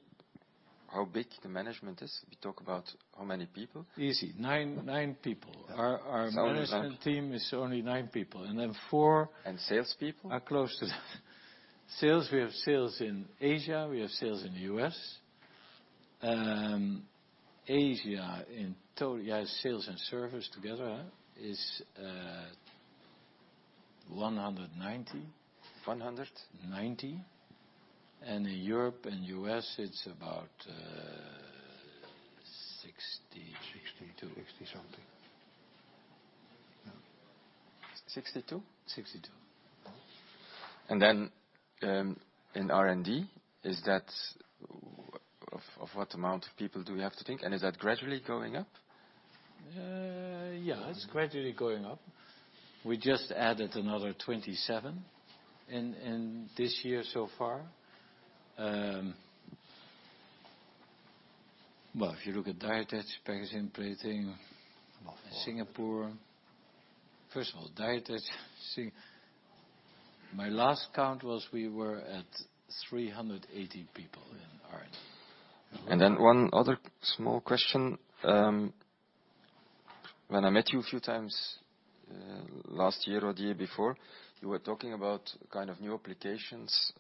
how big the management is? If you talk about how many people? Easy. Nine people. Sounds like- Our management team is only nine people. salespeople? Are close to sales. We have sales in Asia. We have sales in the U.S. Asia in total, sales and service together, is 190. 100? 90. In Europe and U.S., it's about 60 62. 60 something. 62? 62. In R&D, of what amount of people do we have to think? Is that gradually going up? Yeah, it's gradually going up. We just added another 27 in this year so far. Well, if you look at Die Attach packaging and plating. About four. Singapore, first of all, Die Attach. My last count was we were at 380 people in R&D. One other small question. When I met you a few times last year or the year before, you were talking about new applications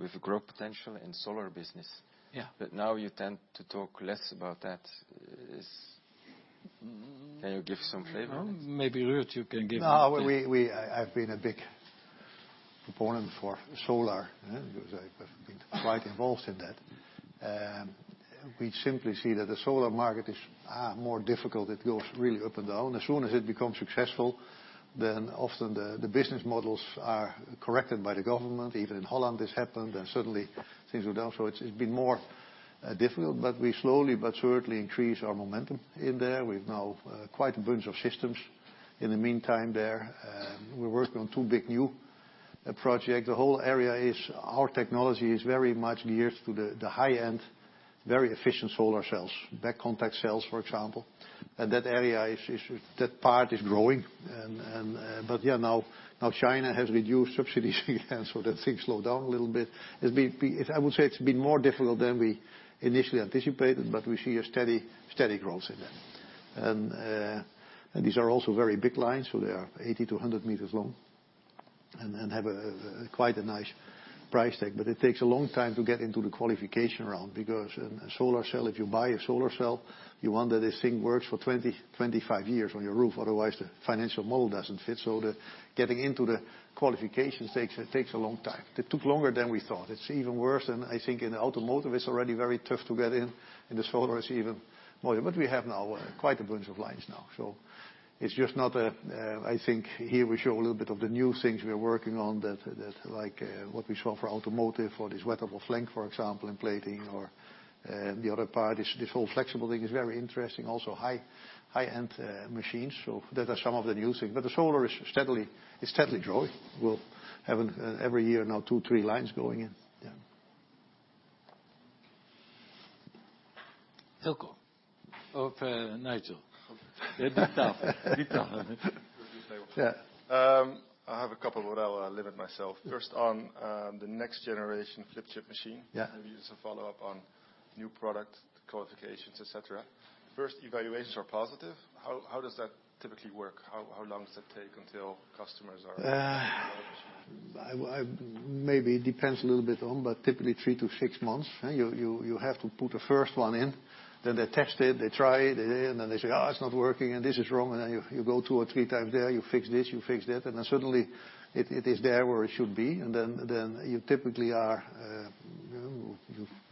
with growth potential in solar business. Yeah. Now you tend to talk less about that. Can you give some flavor on it? Maybe Ruud you can. No, I've been a big proponent for solar because I've been quite involved in that. We simply see that the solar market is more difficult. It goes really up and down. As soon as it becomes successful, then often the business models are corrected by the government. Even in Holland this happened, and suddenly things were down. It's been more difficult, but we slowly but certainly increase our momentum in there. We've now quite a bunch of systems in the meantime there. We're working on two big new project. Our technology is very much geared to the high-end, very efficient solar cells. Back contact cells, for example. That area, that part is growing. Now China has reduced subsidies again, so that thing slowed down a little bit. I would say it's been more difficult than we initially anticipated, but we see a steady growth in that. These are also very big lines, they are 80 to 100 meters long and have quite a nice price tag. It takes a long time to get into the qualification round, because in a solar cell, if you buy a solar cell, you want that this thing works for 20, 25 years on your roof. Otherwise, the financial model doesn't fit. Getting into the qualifications takes a long time. It took longer than we thought. It's even worse than, I think, in automotive. It's already very tough to get in the solar it's even more. We have now quite a bunch of lines now. I think here we show a little bit of the new things we are working on that, like what we show for automotive or this wettable flank, for example, in plating or the other part, this whole flexible thing is very interesting. Also high-end machines. Those are some of the new things, the solar is steadily growing. We'll have every year now two, three lines going in. Yeah. Hilco or Nigel? The tough one. Yeah. I have a couple, I'll limit myself. First on the next generation flip chip machine. Yeah. Maybe just a follow-up on new product qualifications, et cetera. First evaluations are positive. How does that typically work? How long does that take until customers are- Maybe it depends a little bit on, typically 3-6 months. You have to put a first one in, then they test it, they try it, and then they say, "Oh, it's not working, and this is wrong." You go 2 or 3 times there, you fix this, you fix that, and then suddenly it is there where it should be. You typically are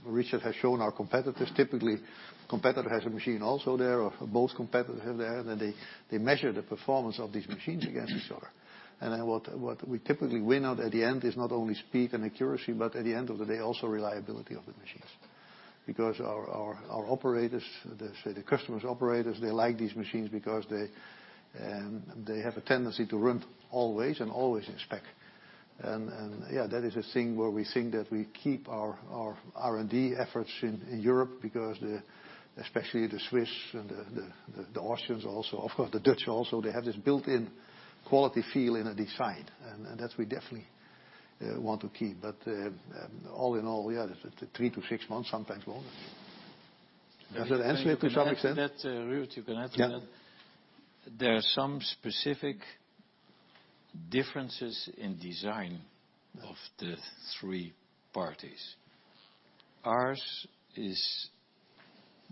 Richard has shown our competitors. Typically, competitor has a machine also there, or both competitors are there. They measure the performance of these machines against each other. What we typically win out at the end is not only speed and accuracy, but at the end of the day, also reliability of the machines. Because our operators, the customer's operators, they like these machines because they have a tendency to run always and always in spec. Yeah, that is a thing where we think that we keep our R&D efforts in Europe because especially the Swiss and the Austrians also, of course, the Dutch also, they have this built-in quality feel in a design. That we definitely want to keep. All in all, yeah, 3-6 months, sometimes longer. Does that answer it to some extent? To that, Ruud, you can add to that. Yeah. There are some specific differences in design of the three parties. Ours is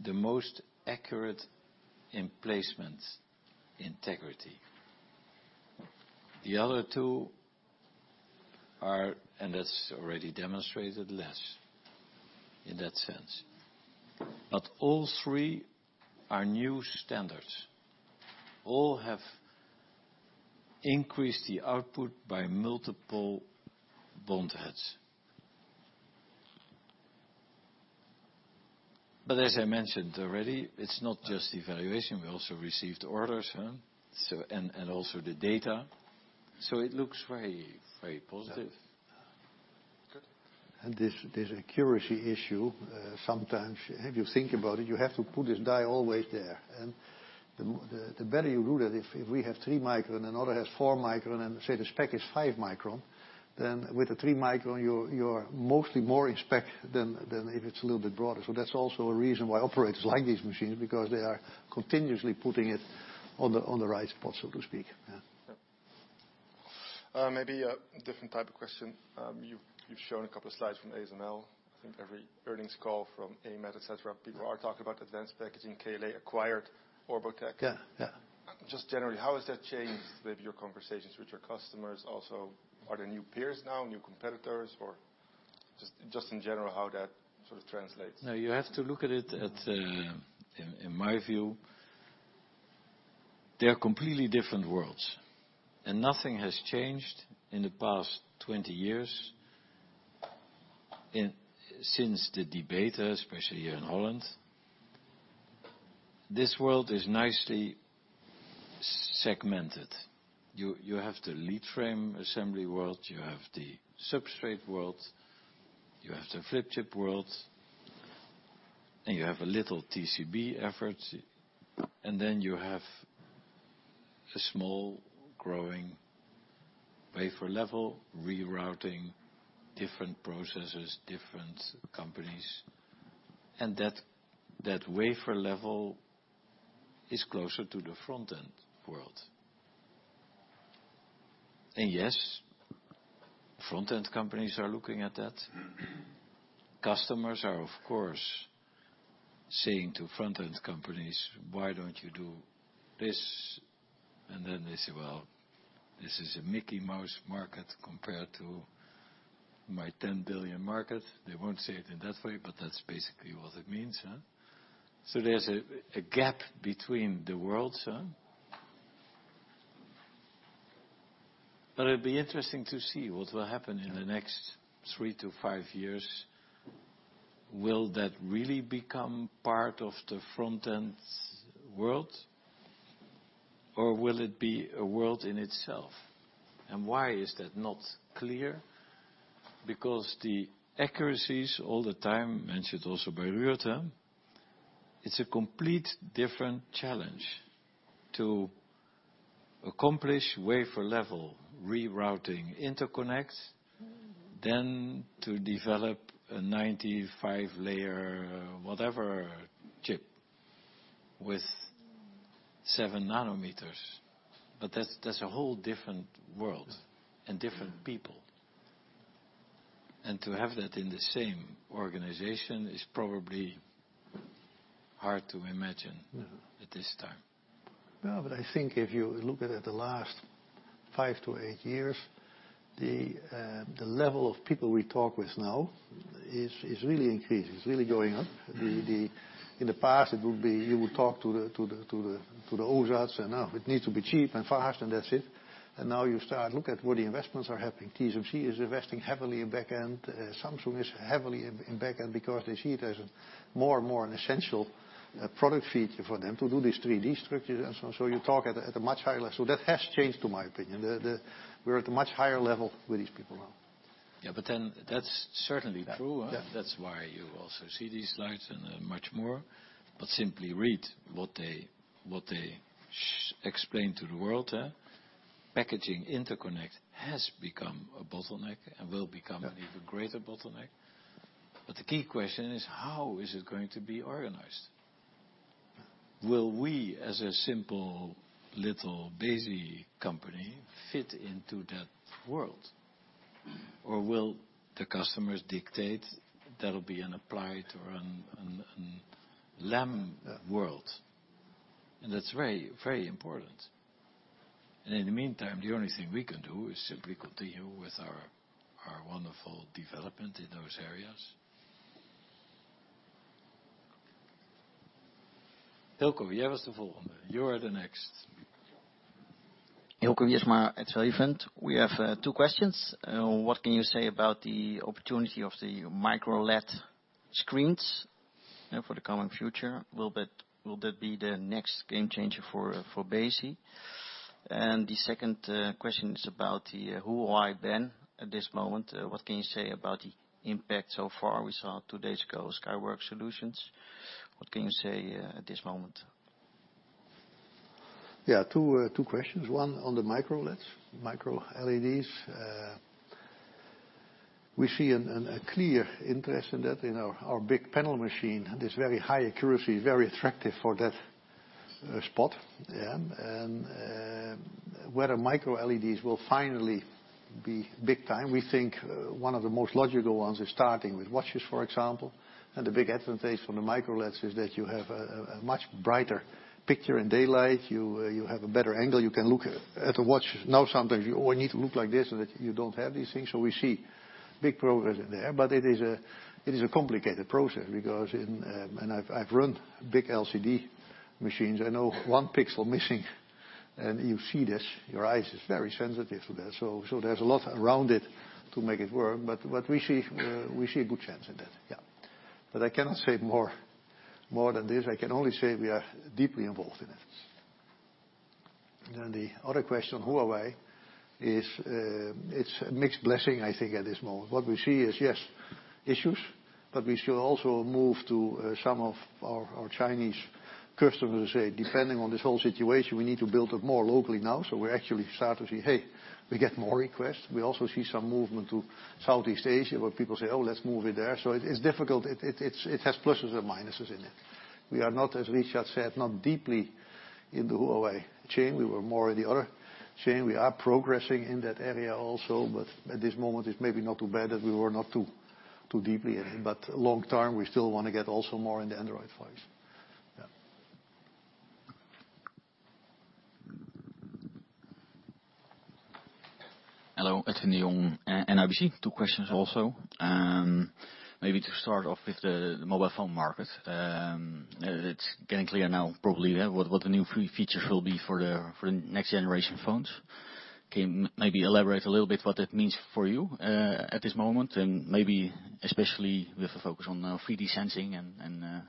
the most accurate in placement integrity. The other two are, and that's already demonstrated, less in that sense. All three are new standards. All have increased the output by multiple bond heads. As I mentioned already, it's not just evaluation. We also received orders, and also the data. It looks very positive. This accuracy issue, sometimes if you think about it, you have to put this die always there. The better you do that, if we have three micron and other has four micron, and say the spec is five micron, then with a three micron, you're mostly more in spec than if it's a little bit broader. That's also a reason why operators like these machines, because they are continuously putting it on the right spot, so to speak. Yeah. Maybe a different type of question. You've shown a couple of slides from ASML. I think every earnings call from AMAT, et cetera, people are talking about advanced packaging. KLA acquired Orbotech. Yeah. Just generally, how has that changed maybe your conversations with your customers? Are there new peers now, new competitors? Just in general, how that sort of translates. Now you have to look at it, in my view, they are completely different worlds. Nothing has changed in the past 20 years since the debate, especially here in Holland. This world is nicely segmented. You have the lead frame assembly world, you have the substrate world, you have the flip chip world, and you have a little TCB effort. Then you have a small growing wafer level rerouting different processes, different companies. That wafer level is closer to the front-end world. Yes, front-end companies are looking at that. Customers are, of course, saying to front-end companies, "Why don't you do this?" Then they say, "Well, this is a Mickey Mouse market compared to my 10 billion market." They won't say it in that way, but that's basically what it means. There's a gap between the worlds. It'll be interesting to see what will happen in the next 3 to 5 years. Will that really become part of the front-end world? Will it be a world in itself? Why is that not clear? Because the accuracies all the time, mentioned also by Ruud. It's a complete different challenge to accomplish wafer level rerouting interconnects, than to develop a 95-layer whatever chip with 7 nanometers. That's a whole different world and different people. To have that in the same organization is probably hard to imagine at this time. Well, I think if you look at the last 5 to 8 years, the level of people we talk with now is really increasing. It's really going up. In the past, it would be you would talk to the OSATs, now it needs to be cheap and fast, and that's it. Now you start look at where the investments are happening. TSMC is investing heavily in back-end. Samsung is heavily in back-end because they see it as more and more an essential product feature for them to do these 3D structures and so on. You talk at a much higher level. That has changed to my opinion. We're at a much higher level with these people now. Yeah. That's certainly true. Yeah. That's why you also see these slides and much more. Simply read what they explain to the world. Packaging interconnect has become a bottleneck and will become Yeah an even greater bottleneck. The key question is how is it going to be organized? Will we, as a simple little Besi company, fit into that world? Or will the customers dictate that'll be an applied or an LAM world? That's very important. In the meantime, the only thing we can do is simply continue with our wonderful development in those areas. Hilco, you are the next. Hilco Wiersma at [Savant]. We have two questions. What can you say about the opportunity of the MicroLED screens for the coming future? Will that be the next game changer for Besi? The second question is about the Huawei ban at this moment. What can you say about the impact so far? We saw two days ago Skyworks Solutions. What can you say at this moment? Two questions. One on the MicroLEDs. We see a clear interest in that in our big panel machine. There is very high accuracy, very attractive for that spot. Whether MicroLEDs will finally be big time, we think one of the most logical ones is starting with watches, for example. The big advantage from the MicroLEDs is that you have a much brighter picture in daylight. You have a better angle. You can look at a watch. Sometimes you only need to look like this and that you don't have these things. We see big progress in there. It is a complicated process because I've run big LCD machines. I know one pixel missing, and you see this. Your eye is very sensitive to that. There is a lot around it to make it work, but what we see a good chance in that. I cannot say more than this. I can only say we are deeply involved in it. The other question on Huawei is it is a mixed blessing, I think at this moment. What we see is, yes, issues, but we should also move to some of our Chinese customers say, depending on this whole situation, we need to build up more locally now. We actually start to see, hey, we get more requests. We also see some movement to Southeast Asia where people say, "Oh, let's move it there." It is difficult. It has pluses and minuses in it. We are not, as Richard said, not deeply in the Huawei chain. We were more in the other chain. We are progressing in that area also, but at this moment, it is maybe not too bad that we were not too deeply. Long-term, we still want to get also more in the Android phones. Hello, Anthony Ong, NIBC. Two questions also. Maybe to start off with the mobile phone market. It is getting clear now probably what the new features will be for the next generation phones. Can you maybe elaborate a little bit what that means for you at this moment, and maybe especially with a focus on 3D sensing and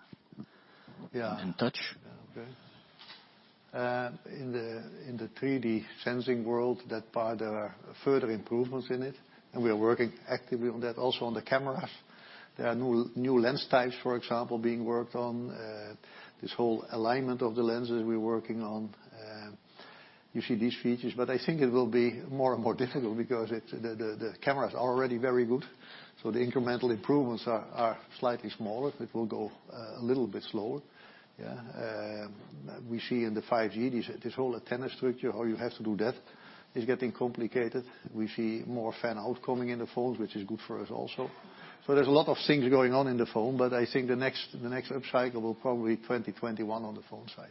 touch? Okay. In the 3D sensing world, that part, there are further improvements in it, and we are working actively on that also on the cameras. There are new lens types, for example, being worked on. This whole alignment of the lenses we're working on. You see these features, but I think it will be more and more difficult because the camera's already very good. The incremental improvements are slightly smaller. It will go a little bit slower. We see in the 5G, this whole antenna structure, how you have to do that is getting complicated. We see more fan-out coming in the phones, which is good for us also. There's a lot of things going on in the phone, but I think the next upcycle will probably be 2021 on the phone side.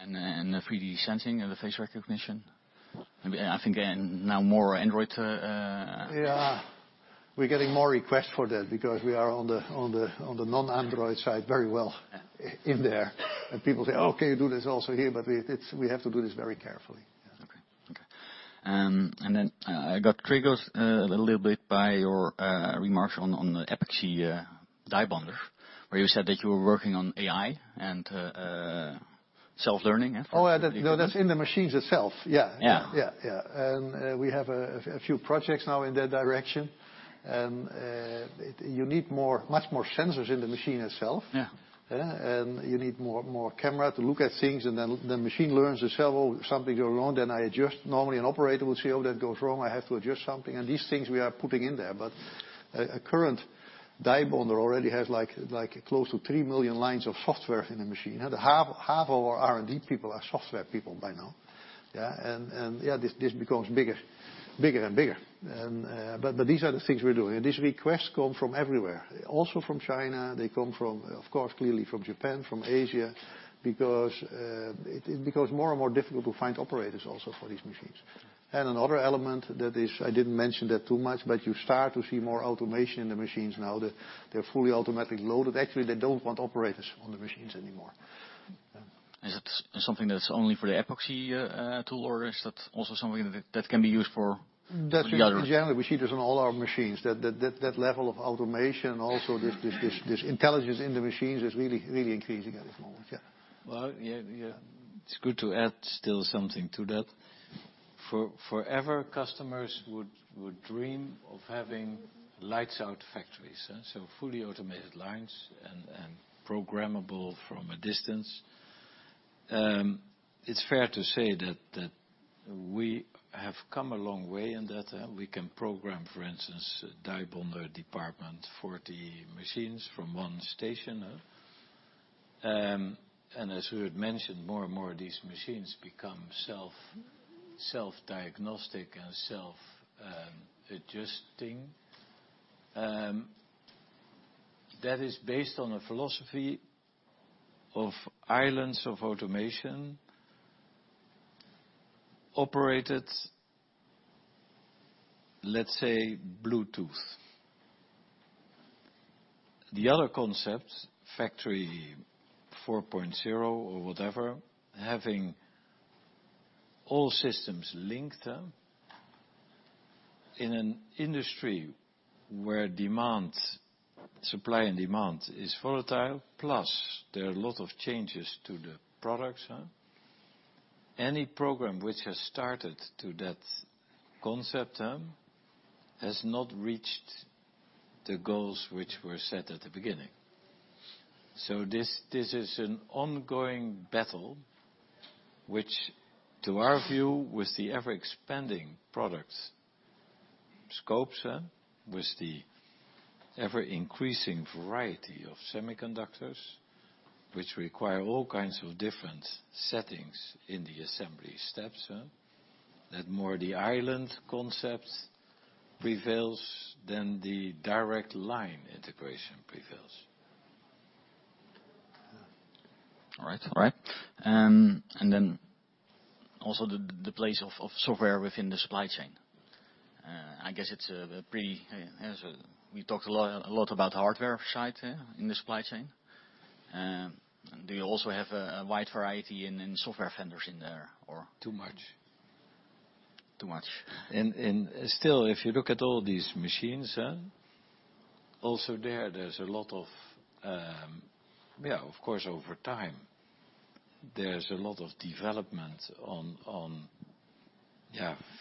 The 3D sensing and the face recognition? I think now more Android- We're getting more requests for that because we are on the non-Android side very well in there. People say, "Okay, do this also here." We have to do this very carefully. I got triggered a little bit by your remark on the epoxy die bonder, where you said that you were working on AI and self-learning. That's in the machines itself. Yeah. We have a few projects now in that direction. You need much more sensors in the machine itself. Yeah. You need more camera to look at things, and then the machine learns itself, or something goes wrong, then I adjust. Normally, an operator will see, "Oh, that goes wrong. I have to adjust something." These things we are putting in there. A current die bonder already has close to three million lines of software in the machine. Half of our R&D people are software people by now. This becomes bigger and bigger. These are the things we're doing. These requests come from everywhere, also from China. They come from, of course, clearly from Japan, from Asia, because it becomes more and more difficult to find operators also for these machines. Another element that is, I didn't mention that too much, but you start to see more automation in the machines now. They're fully automatically loaded. Actually, they don't want operators on the machines anymore. Is it something that's only for the epoxy tool, or is that also something that can be used for the other- That's in general. We see this on all our machines, that level of automation also, this intelligence in the machines is really increasing at this moment. Yeah. Well, it's good to add still something to that. Forever customers would dream of having lights out factories. Fully automated lines and programmable from a distance. It's fair to say that we have come a long way in that. We can program, for instance, a die bonder department, 40 machines from one station. As Ruud mentioned, more and more of these machines become self-diagnostic and self-adjusting. That is based on a philosophy of islands of automation operated, let's say Bluetooth. The other concept, Factory 4.0 or whatever, having all systems linked in an industry where supply and demand is volatile, plus there are a lot of changes to the products. Any program which has started to that concept has not reached the goals which were set at the beginning. This is an ongoing battle, which, to our view, with the ever-expanding product scopes, with the ever-increasing variety of semiconductors, which require all kinds of different settings in the assembly steps, that more the island concept prevails than the direct line integration prevails. All right. Also the place of software within the supply chain. We talked a lot about the hardware side in the supply chain. Do you also have a wide variety in software vendors in there or? Too much. Too much. Still, if you look at all these machines, also there, of course, over time, there's a lot of development on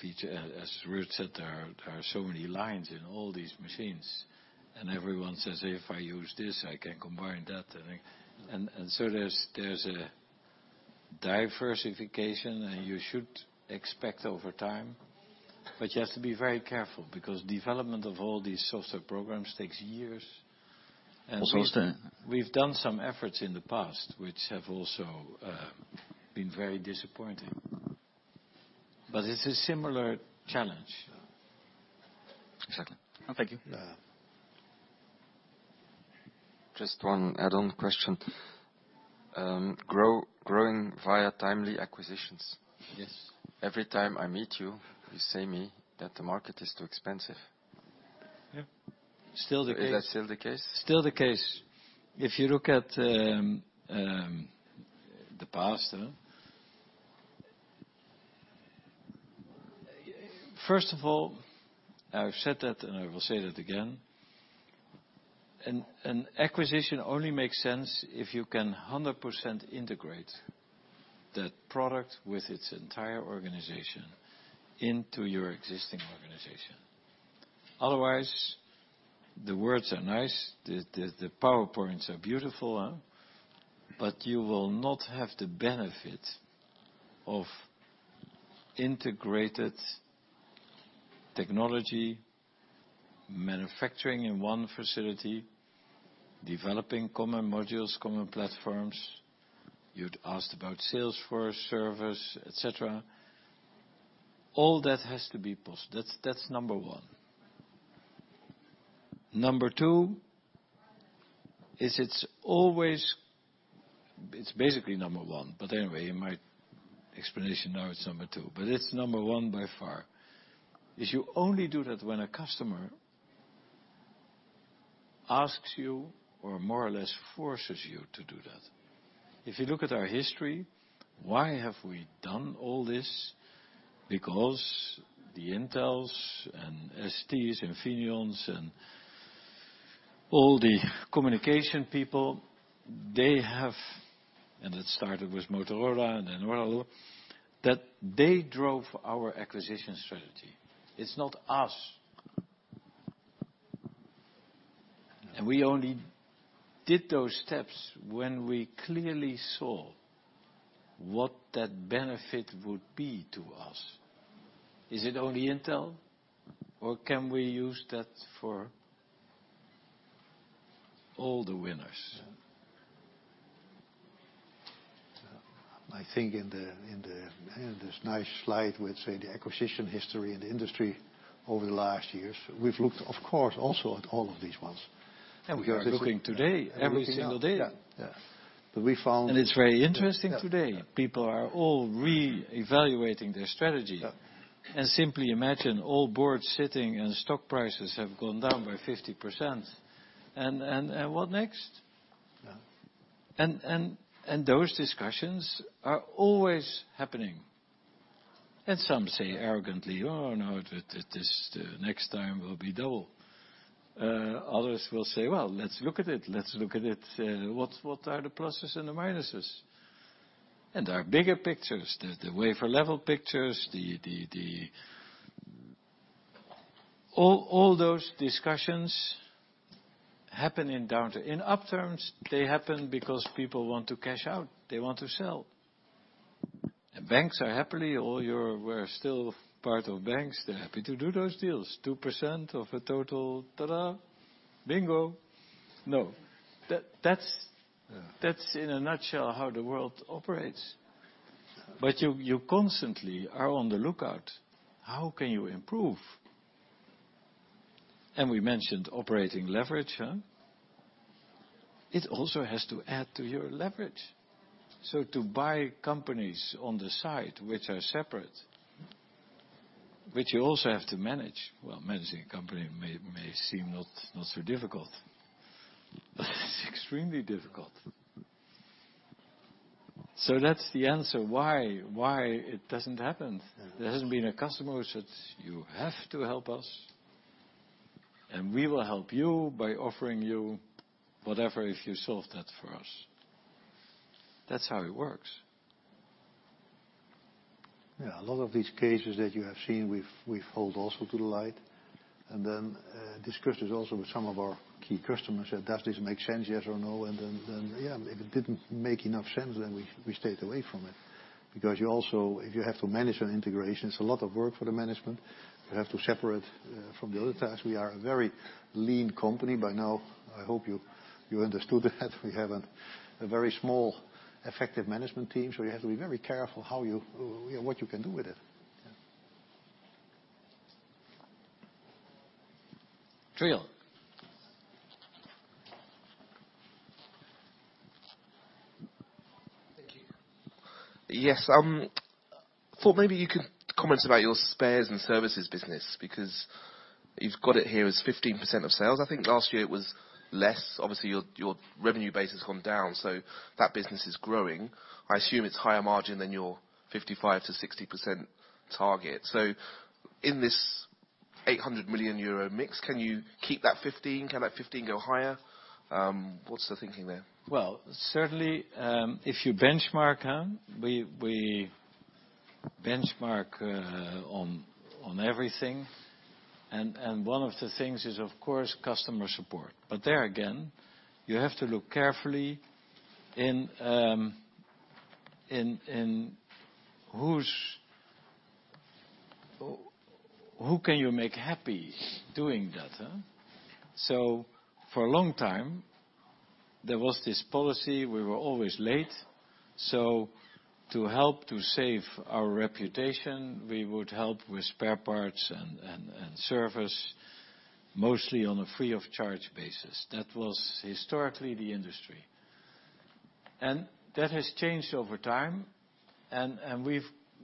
feature. As Ruud said, there are so many lines in all these machines, and everyone says, "If I use this, I can combine that and that." So there's a diversification, and you should expect over time, but you have to be very careful because development of all these software programs takes years. Also- We've done some efforts in the past which have also been very disappointing. It's a similar challenge. Exactly. Thank you. Yeah. Just one add-on question. Growing via timely acquisitions. Yes. Every time I meet you say me that the market is too expensive. Yeah. Still the case. Is that still the case? Still the case. If you look at the past. First of all, I've said that and I will say that again, an acquisition only makes sense if you can 100% integrate that product with its entire organization into your existing organization. Otherwise, the words are nice, the PowerPoints are beautiful, but you will not have the benefit of integrated technology, manufacturing in one facility, developing common modules, common platforms. You'd asked about Salesforce, service, et cetera. All that has to be possible. That's number one. Number two, it's basically number one, but anyway, in my explanation now it's number two. But it's number one by far, is you only do that when a customer- Asks you or more or less forces you to do that. If you look at our history, why have we done all this? Because the Intels and STs, Infineons, and all the communication people, they have, and it started with Motorola, and then others, that they drove our acquisition strategy. It's not us. No. We only did those steps when we clearly saw what that benefit would be to us. Is it only Intel? Or can we use that for all the winners? I think in this nice slide with the acquisition history in the industry over the last years, we've looked, of course, also at all of these ones. We are looking today every single day. Yeah. But we found- It's very interesting today. Yeah. People are all re-evaluating their strategy. Yeah. Simply imagine all boards sitting, stock prices have gone down by 50%. What next? Yeah. Those discussions are always happening. Some say arrogantly, "Oh, no, the next time will be double." Others will say, "Well, let's look at it. What are the pluses and the minuses?" There are bigger pictures. There's the wafer-level pictures. All those discussions happen in downturn. In upturns, they happen because people want to cash out. They want to sell. Banks are happily, all your were still part of banks, they're happy to do those deals. 2% of a total, Ta-da. Bingo. No. Yeah That's in a nutshell how the world operates. You constantly are on the lookout. How can you improve? We mentioned operating leverage. It also has to add to your leverage. To buy companies on the side, which are separate, which you also have to manage. Well, managing a company may seem not so difficult, but it's extremely difficult. That's the answer why it doesn't happen. Yeah. There hasn't been a customer who said, "You have to help us, and we will help you by offering you whatever if you solve that for us." That's how it works. Yeah. A lot of these cases that you have seen, we hold also to the light. Then discussed this also with some of our key customers, said, "Does this make sense? Yes or no?" Then yeah, if it didn't make enough sense, we stayed away from it. You also, if you have to manage an integration, it's a lot of work for the management. You have to separate from the other tasks. We are a very lean company. By now, I hope you understood that we have a very small effective management team. You have to be very careful what you can do with it. Yeah. [Trio]. Thank you. Yes. Thought maybe you could comment about your spares and services business, because you've got it here as 15% of sales. I think last year it was less. Obviously, your revenue base has come down, that business is growing. I assume it's higher margin than your 55%-60% target. In this 800 million euro mix, can you keep that 15%? Can that 15% go higher? What's the thinking there? Certainly, if you benchmark, huh? We benchmark on everything. One of the things is, of course, customer support. There again, you have to look carefully in who can you make happy doing that, huh? For a long time, there was this policy, we were always late. To help to save our reputation, we would help with spare parts and service mostly on a free of charge basis. That was historically the industry. That has changed over time.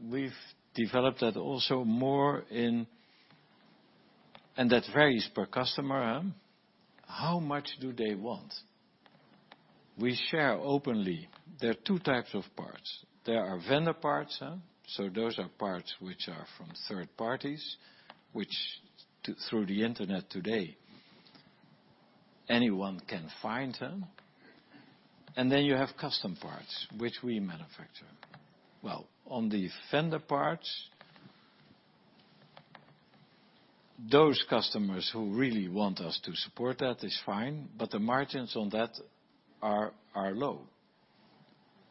We've developed that also more in. That varies per customer. How much do they want? We share openly. There are two types of parts. There are vendor parts, huh? Those are parts which are from third parties, which through the internet today, anyone can find them. Then you have custom parts, which we manufacture. On the vendor parts, those customers who really want us to support that, it's fine. The margins on that are low.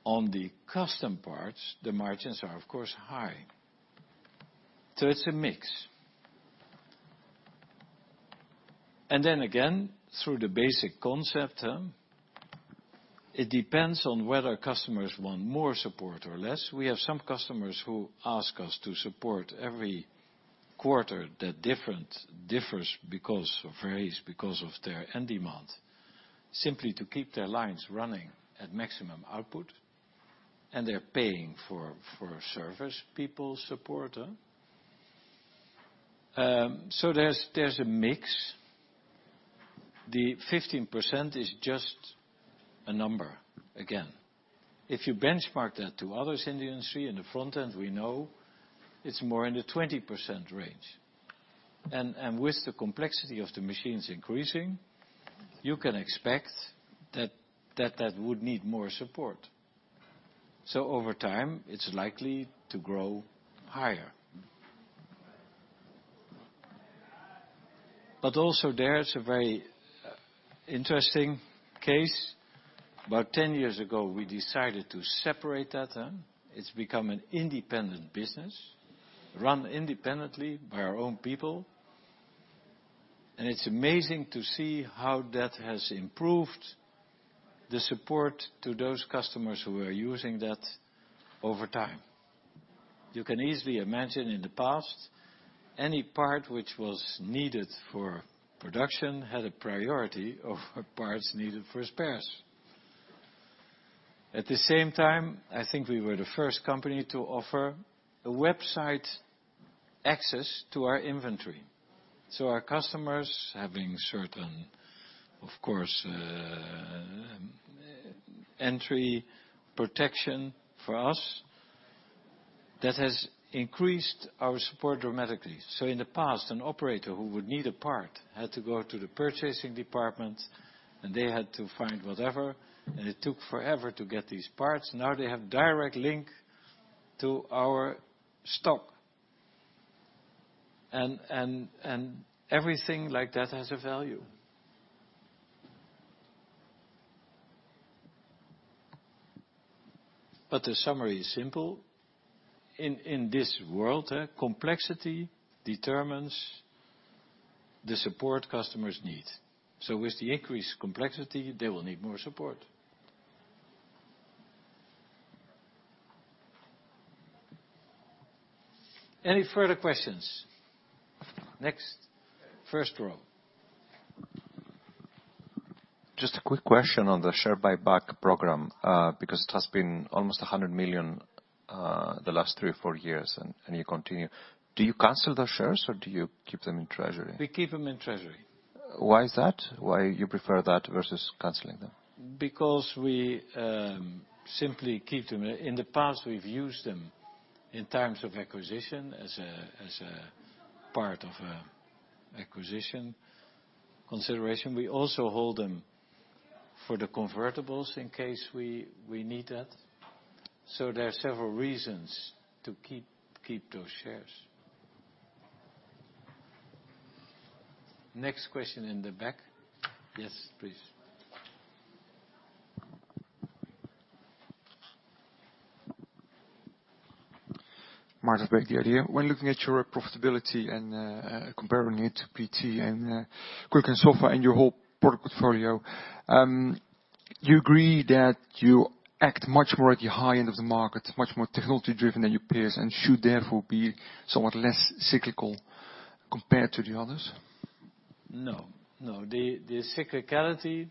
On the custom parts, the margins are, of course, high. It's a mix. Then again, through the basic concept, huh? It depends on whether customers want more support or less. We have some customers who ask us to support every quarter. That differs because of raise, because of their end demand, simply to keep their lines running at maximum output, and they're paying for service people support, huh? There's a mix. The 15% is just a number, again. If you benchmark that to others in the industry, in the front end, we know it's more in the 20% range. With the complexity of the machines increasing, you can expect that that would need more support. Over time, it's likely to grow higher. Also there's a very interesting case. About 10 years ago, we decided to separate that. It's become an independent business, run independently by our own people. It's amazing to see how that has improved the support to those customers who are using that over time. You can easily imagine in the past, any part which was needed for production had a priority over parts needed for spares. At the same time, I think we were the first company to offer a website access to our inventory. Our customers, having certain, of course, entry protection for us, that has increased our support dramatically. In the past, an operator who would need a part had to go to the purchasing department and they had to find whatever, and it took forever to get these parts. Now they have direct link to our stock. Everything like that has a value. The summary is simple. In this world, complexity determines the support customers need. With the increased complexity, they will need more support. Any further questions? Next. First row. Just a quick question on the share buyback program, because it has been almost 100 million the last three or four years, and you continue. Do you cancel those shares or do you keep them in treasury? We keep them in treasury. Why is that? Why you prefer that versus canceling them? We simply keep them. In the past, we've used them in terms of acquisition as a part of acquisition consideration. We also hold them for the convertibles in case we need that. There are several reasons to keep those shares. Next question in the back. Yes, please. Martin with The Idea. When looking at your profitability and comparing it to Kulicke & Soffa and your whole product portfolio, you agree that you act much more at the high end of the market, much more technology-driven than your peers, and should therefore be somewhat less cyclical compared to the others? No. No. The cyclicality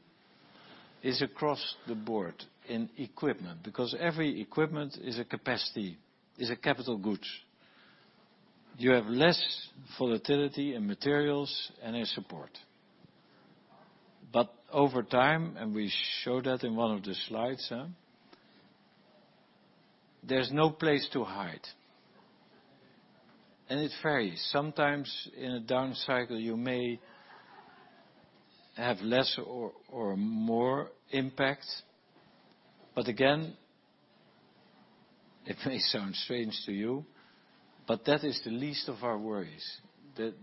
is across the board in equipment, because every equipment is a capacity, is a capital good. You have less volatility in materials and in support. Over time, and we show that in one of the slides, there's no place to hide. It varies. Sometimes in a down cycle you may have less or more impact. Again, it may sound strange to you, but that is the least of our worries. The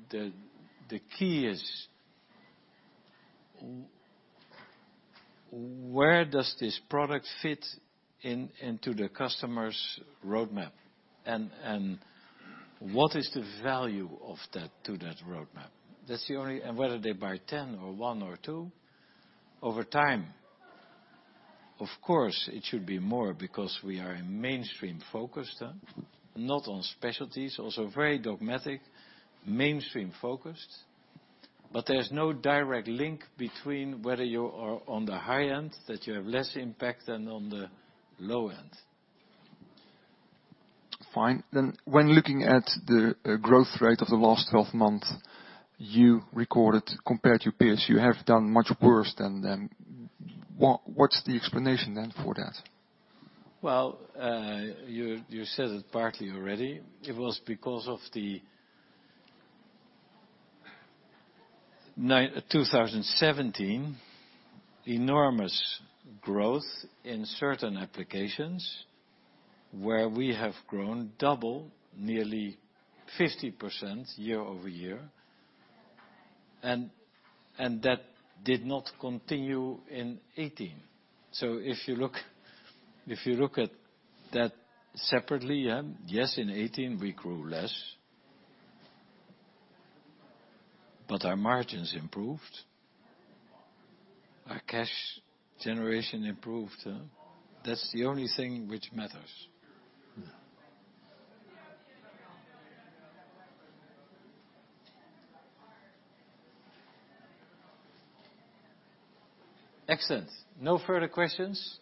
key is, where does this product fit into the customer's roadmap? What is the value of that to that roadmap? Whether they buy 10 or one or two, over time, of course, it should be more because we are mainstream-focused, not on specialties, also very dogmatic, mainstream-focused. There's no direct link between whether you are on the high end, that you have less impact than on the low end. Fine. When looking at the growth rate of the last 12 months you recorded, compared to peers, you have done much worse than them. What's the explanation then for that? You said it partly already. It was because of the 2017 enormous growth in certain applications where we have grown double, nearly 50% year-over-year. That did not continue in 2018. If you look at that separately, yes, in 2018, we grew less. Our margins improved, our cash generation improved. That's the only thing which matters. Excellent. No further questions?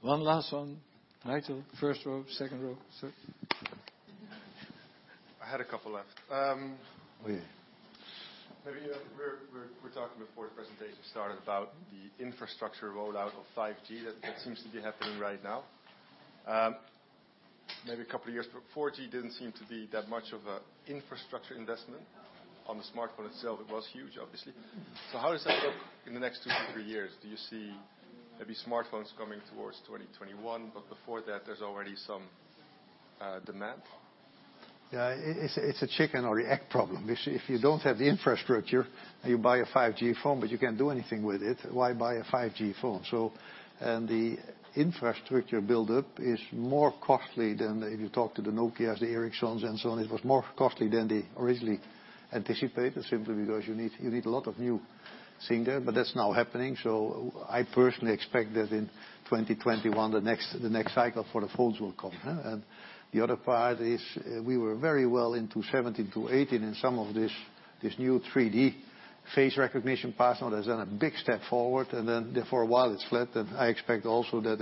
One last one. Mike Roch, first row, second row, sir. I had a couple left. Yeah. Maybe we're talking before the presentation started about the infrastructure rollout of 5G that seems to be happening right now. Maybe a couple of years, 4G didn't seem to be that much of an infrastructure investment. On the smartphone itself, it was huge, obviously. How does that look in the next two to three years? Do you see maybe smartphones coming towards 2021, but before that, there's already some demand? Yeah, it's a chicken or the egg problem. If you don't have the infrastructure, you buy a 5G phone, you can't do anything with it. Why buy a 5G phone? The infrastructure buildup is more costly than if you talk to the Nokia, the Ericssons and so on. It was more costly than they originally anticipated, simply because you need a lot of new things there. That's now happening. I personally expect that in 2021, the next cycle for the phones will come. The other part is we were very well into 2017 to 2018 in some of this new 3D face recognition password has done a big step forward, while it's flat, I expect also that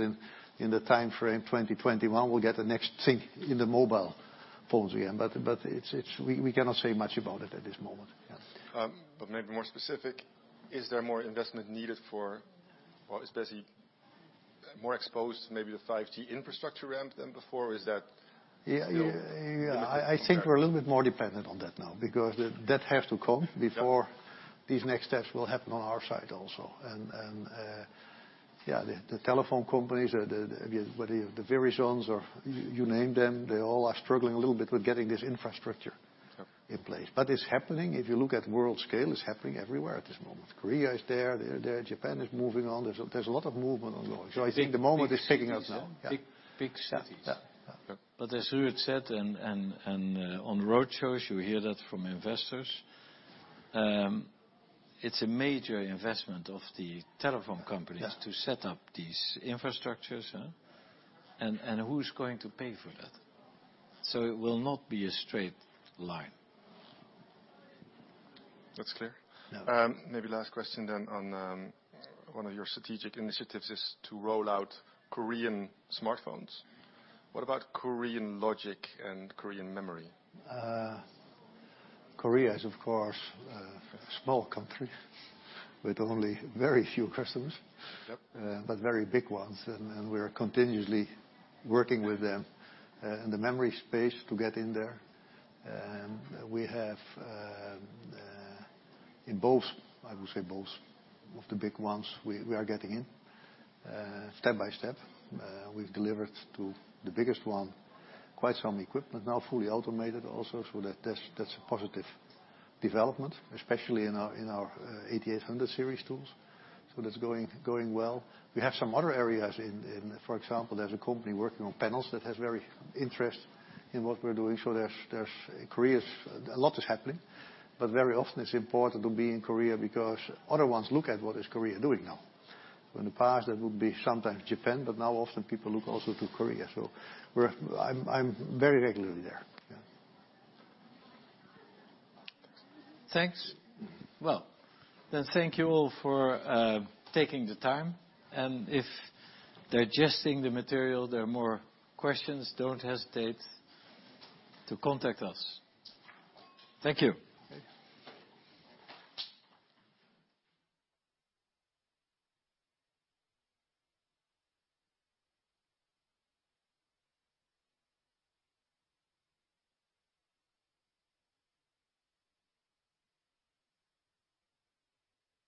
in the timeframe 2021, we'll get the next thing in the mobile phones again. We cannot say much about it at this moment. Yeah. Maybe more specific, is there more investment needed for, or especially more exposed to maybe the 5G infrastructure ramp than before? Is that the case? Yeah. I think we're a little bit more dependent on that now, because that has to come before these next steps will happen on our side also. Yeah, the telephone companies or the Verizon, or you name them, they all are struggling a little bit with getting this infrastructure in place. Yep It's happening. If you look at world scale, it's happening everywhere at this moment. Korea is there. Japan is moving on. There's a lot of movement on. I think the moment is ticking up now. Big cities, yeah? Yeah. Big cities. Yeah. As Ruud said, and on road shows, you hear that from investors. It's a major investment of the telephone companies. Yeah to set up these infrastructures. Who's going to pay for that? It will not be a straight line. That's clear. Yeah. Maybe last question then on one of your strategic initiatives is to roll out Korean smartphones. What about Korean logic and Korean memory? Korea is, of course, a small country with only very few customers. Yep. Very big ones. We are continuously working with them in the memory space to get in there. We have in both, I would say both of the big ones, we are getting in step by step. We've delivered to the biggest one, quite some equipment now fully automated also. That's a positive development, especially in our Datacon 8800 series tools. That's going well. We have some other areas in, for example, there's a company working on panels that has very interest in what we're doing. There's Korea, a lot is happening, but very often it's important to be in Korea because other ones look at what is Korea doing now. In the past, that would be sometimes Japan, now often people look also to Korea. I'm very regularly there. Yeah. Thanks. Thanks. Well, thank you all for taking the time, and if digesting the material, there are more questions, don't hesitate to contact us. Thank you. Okay.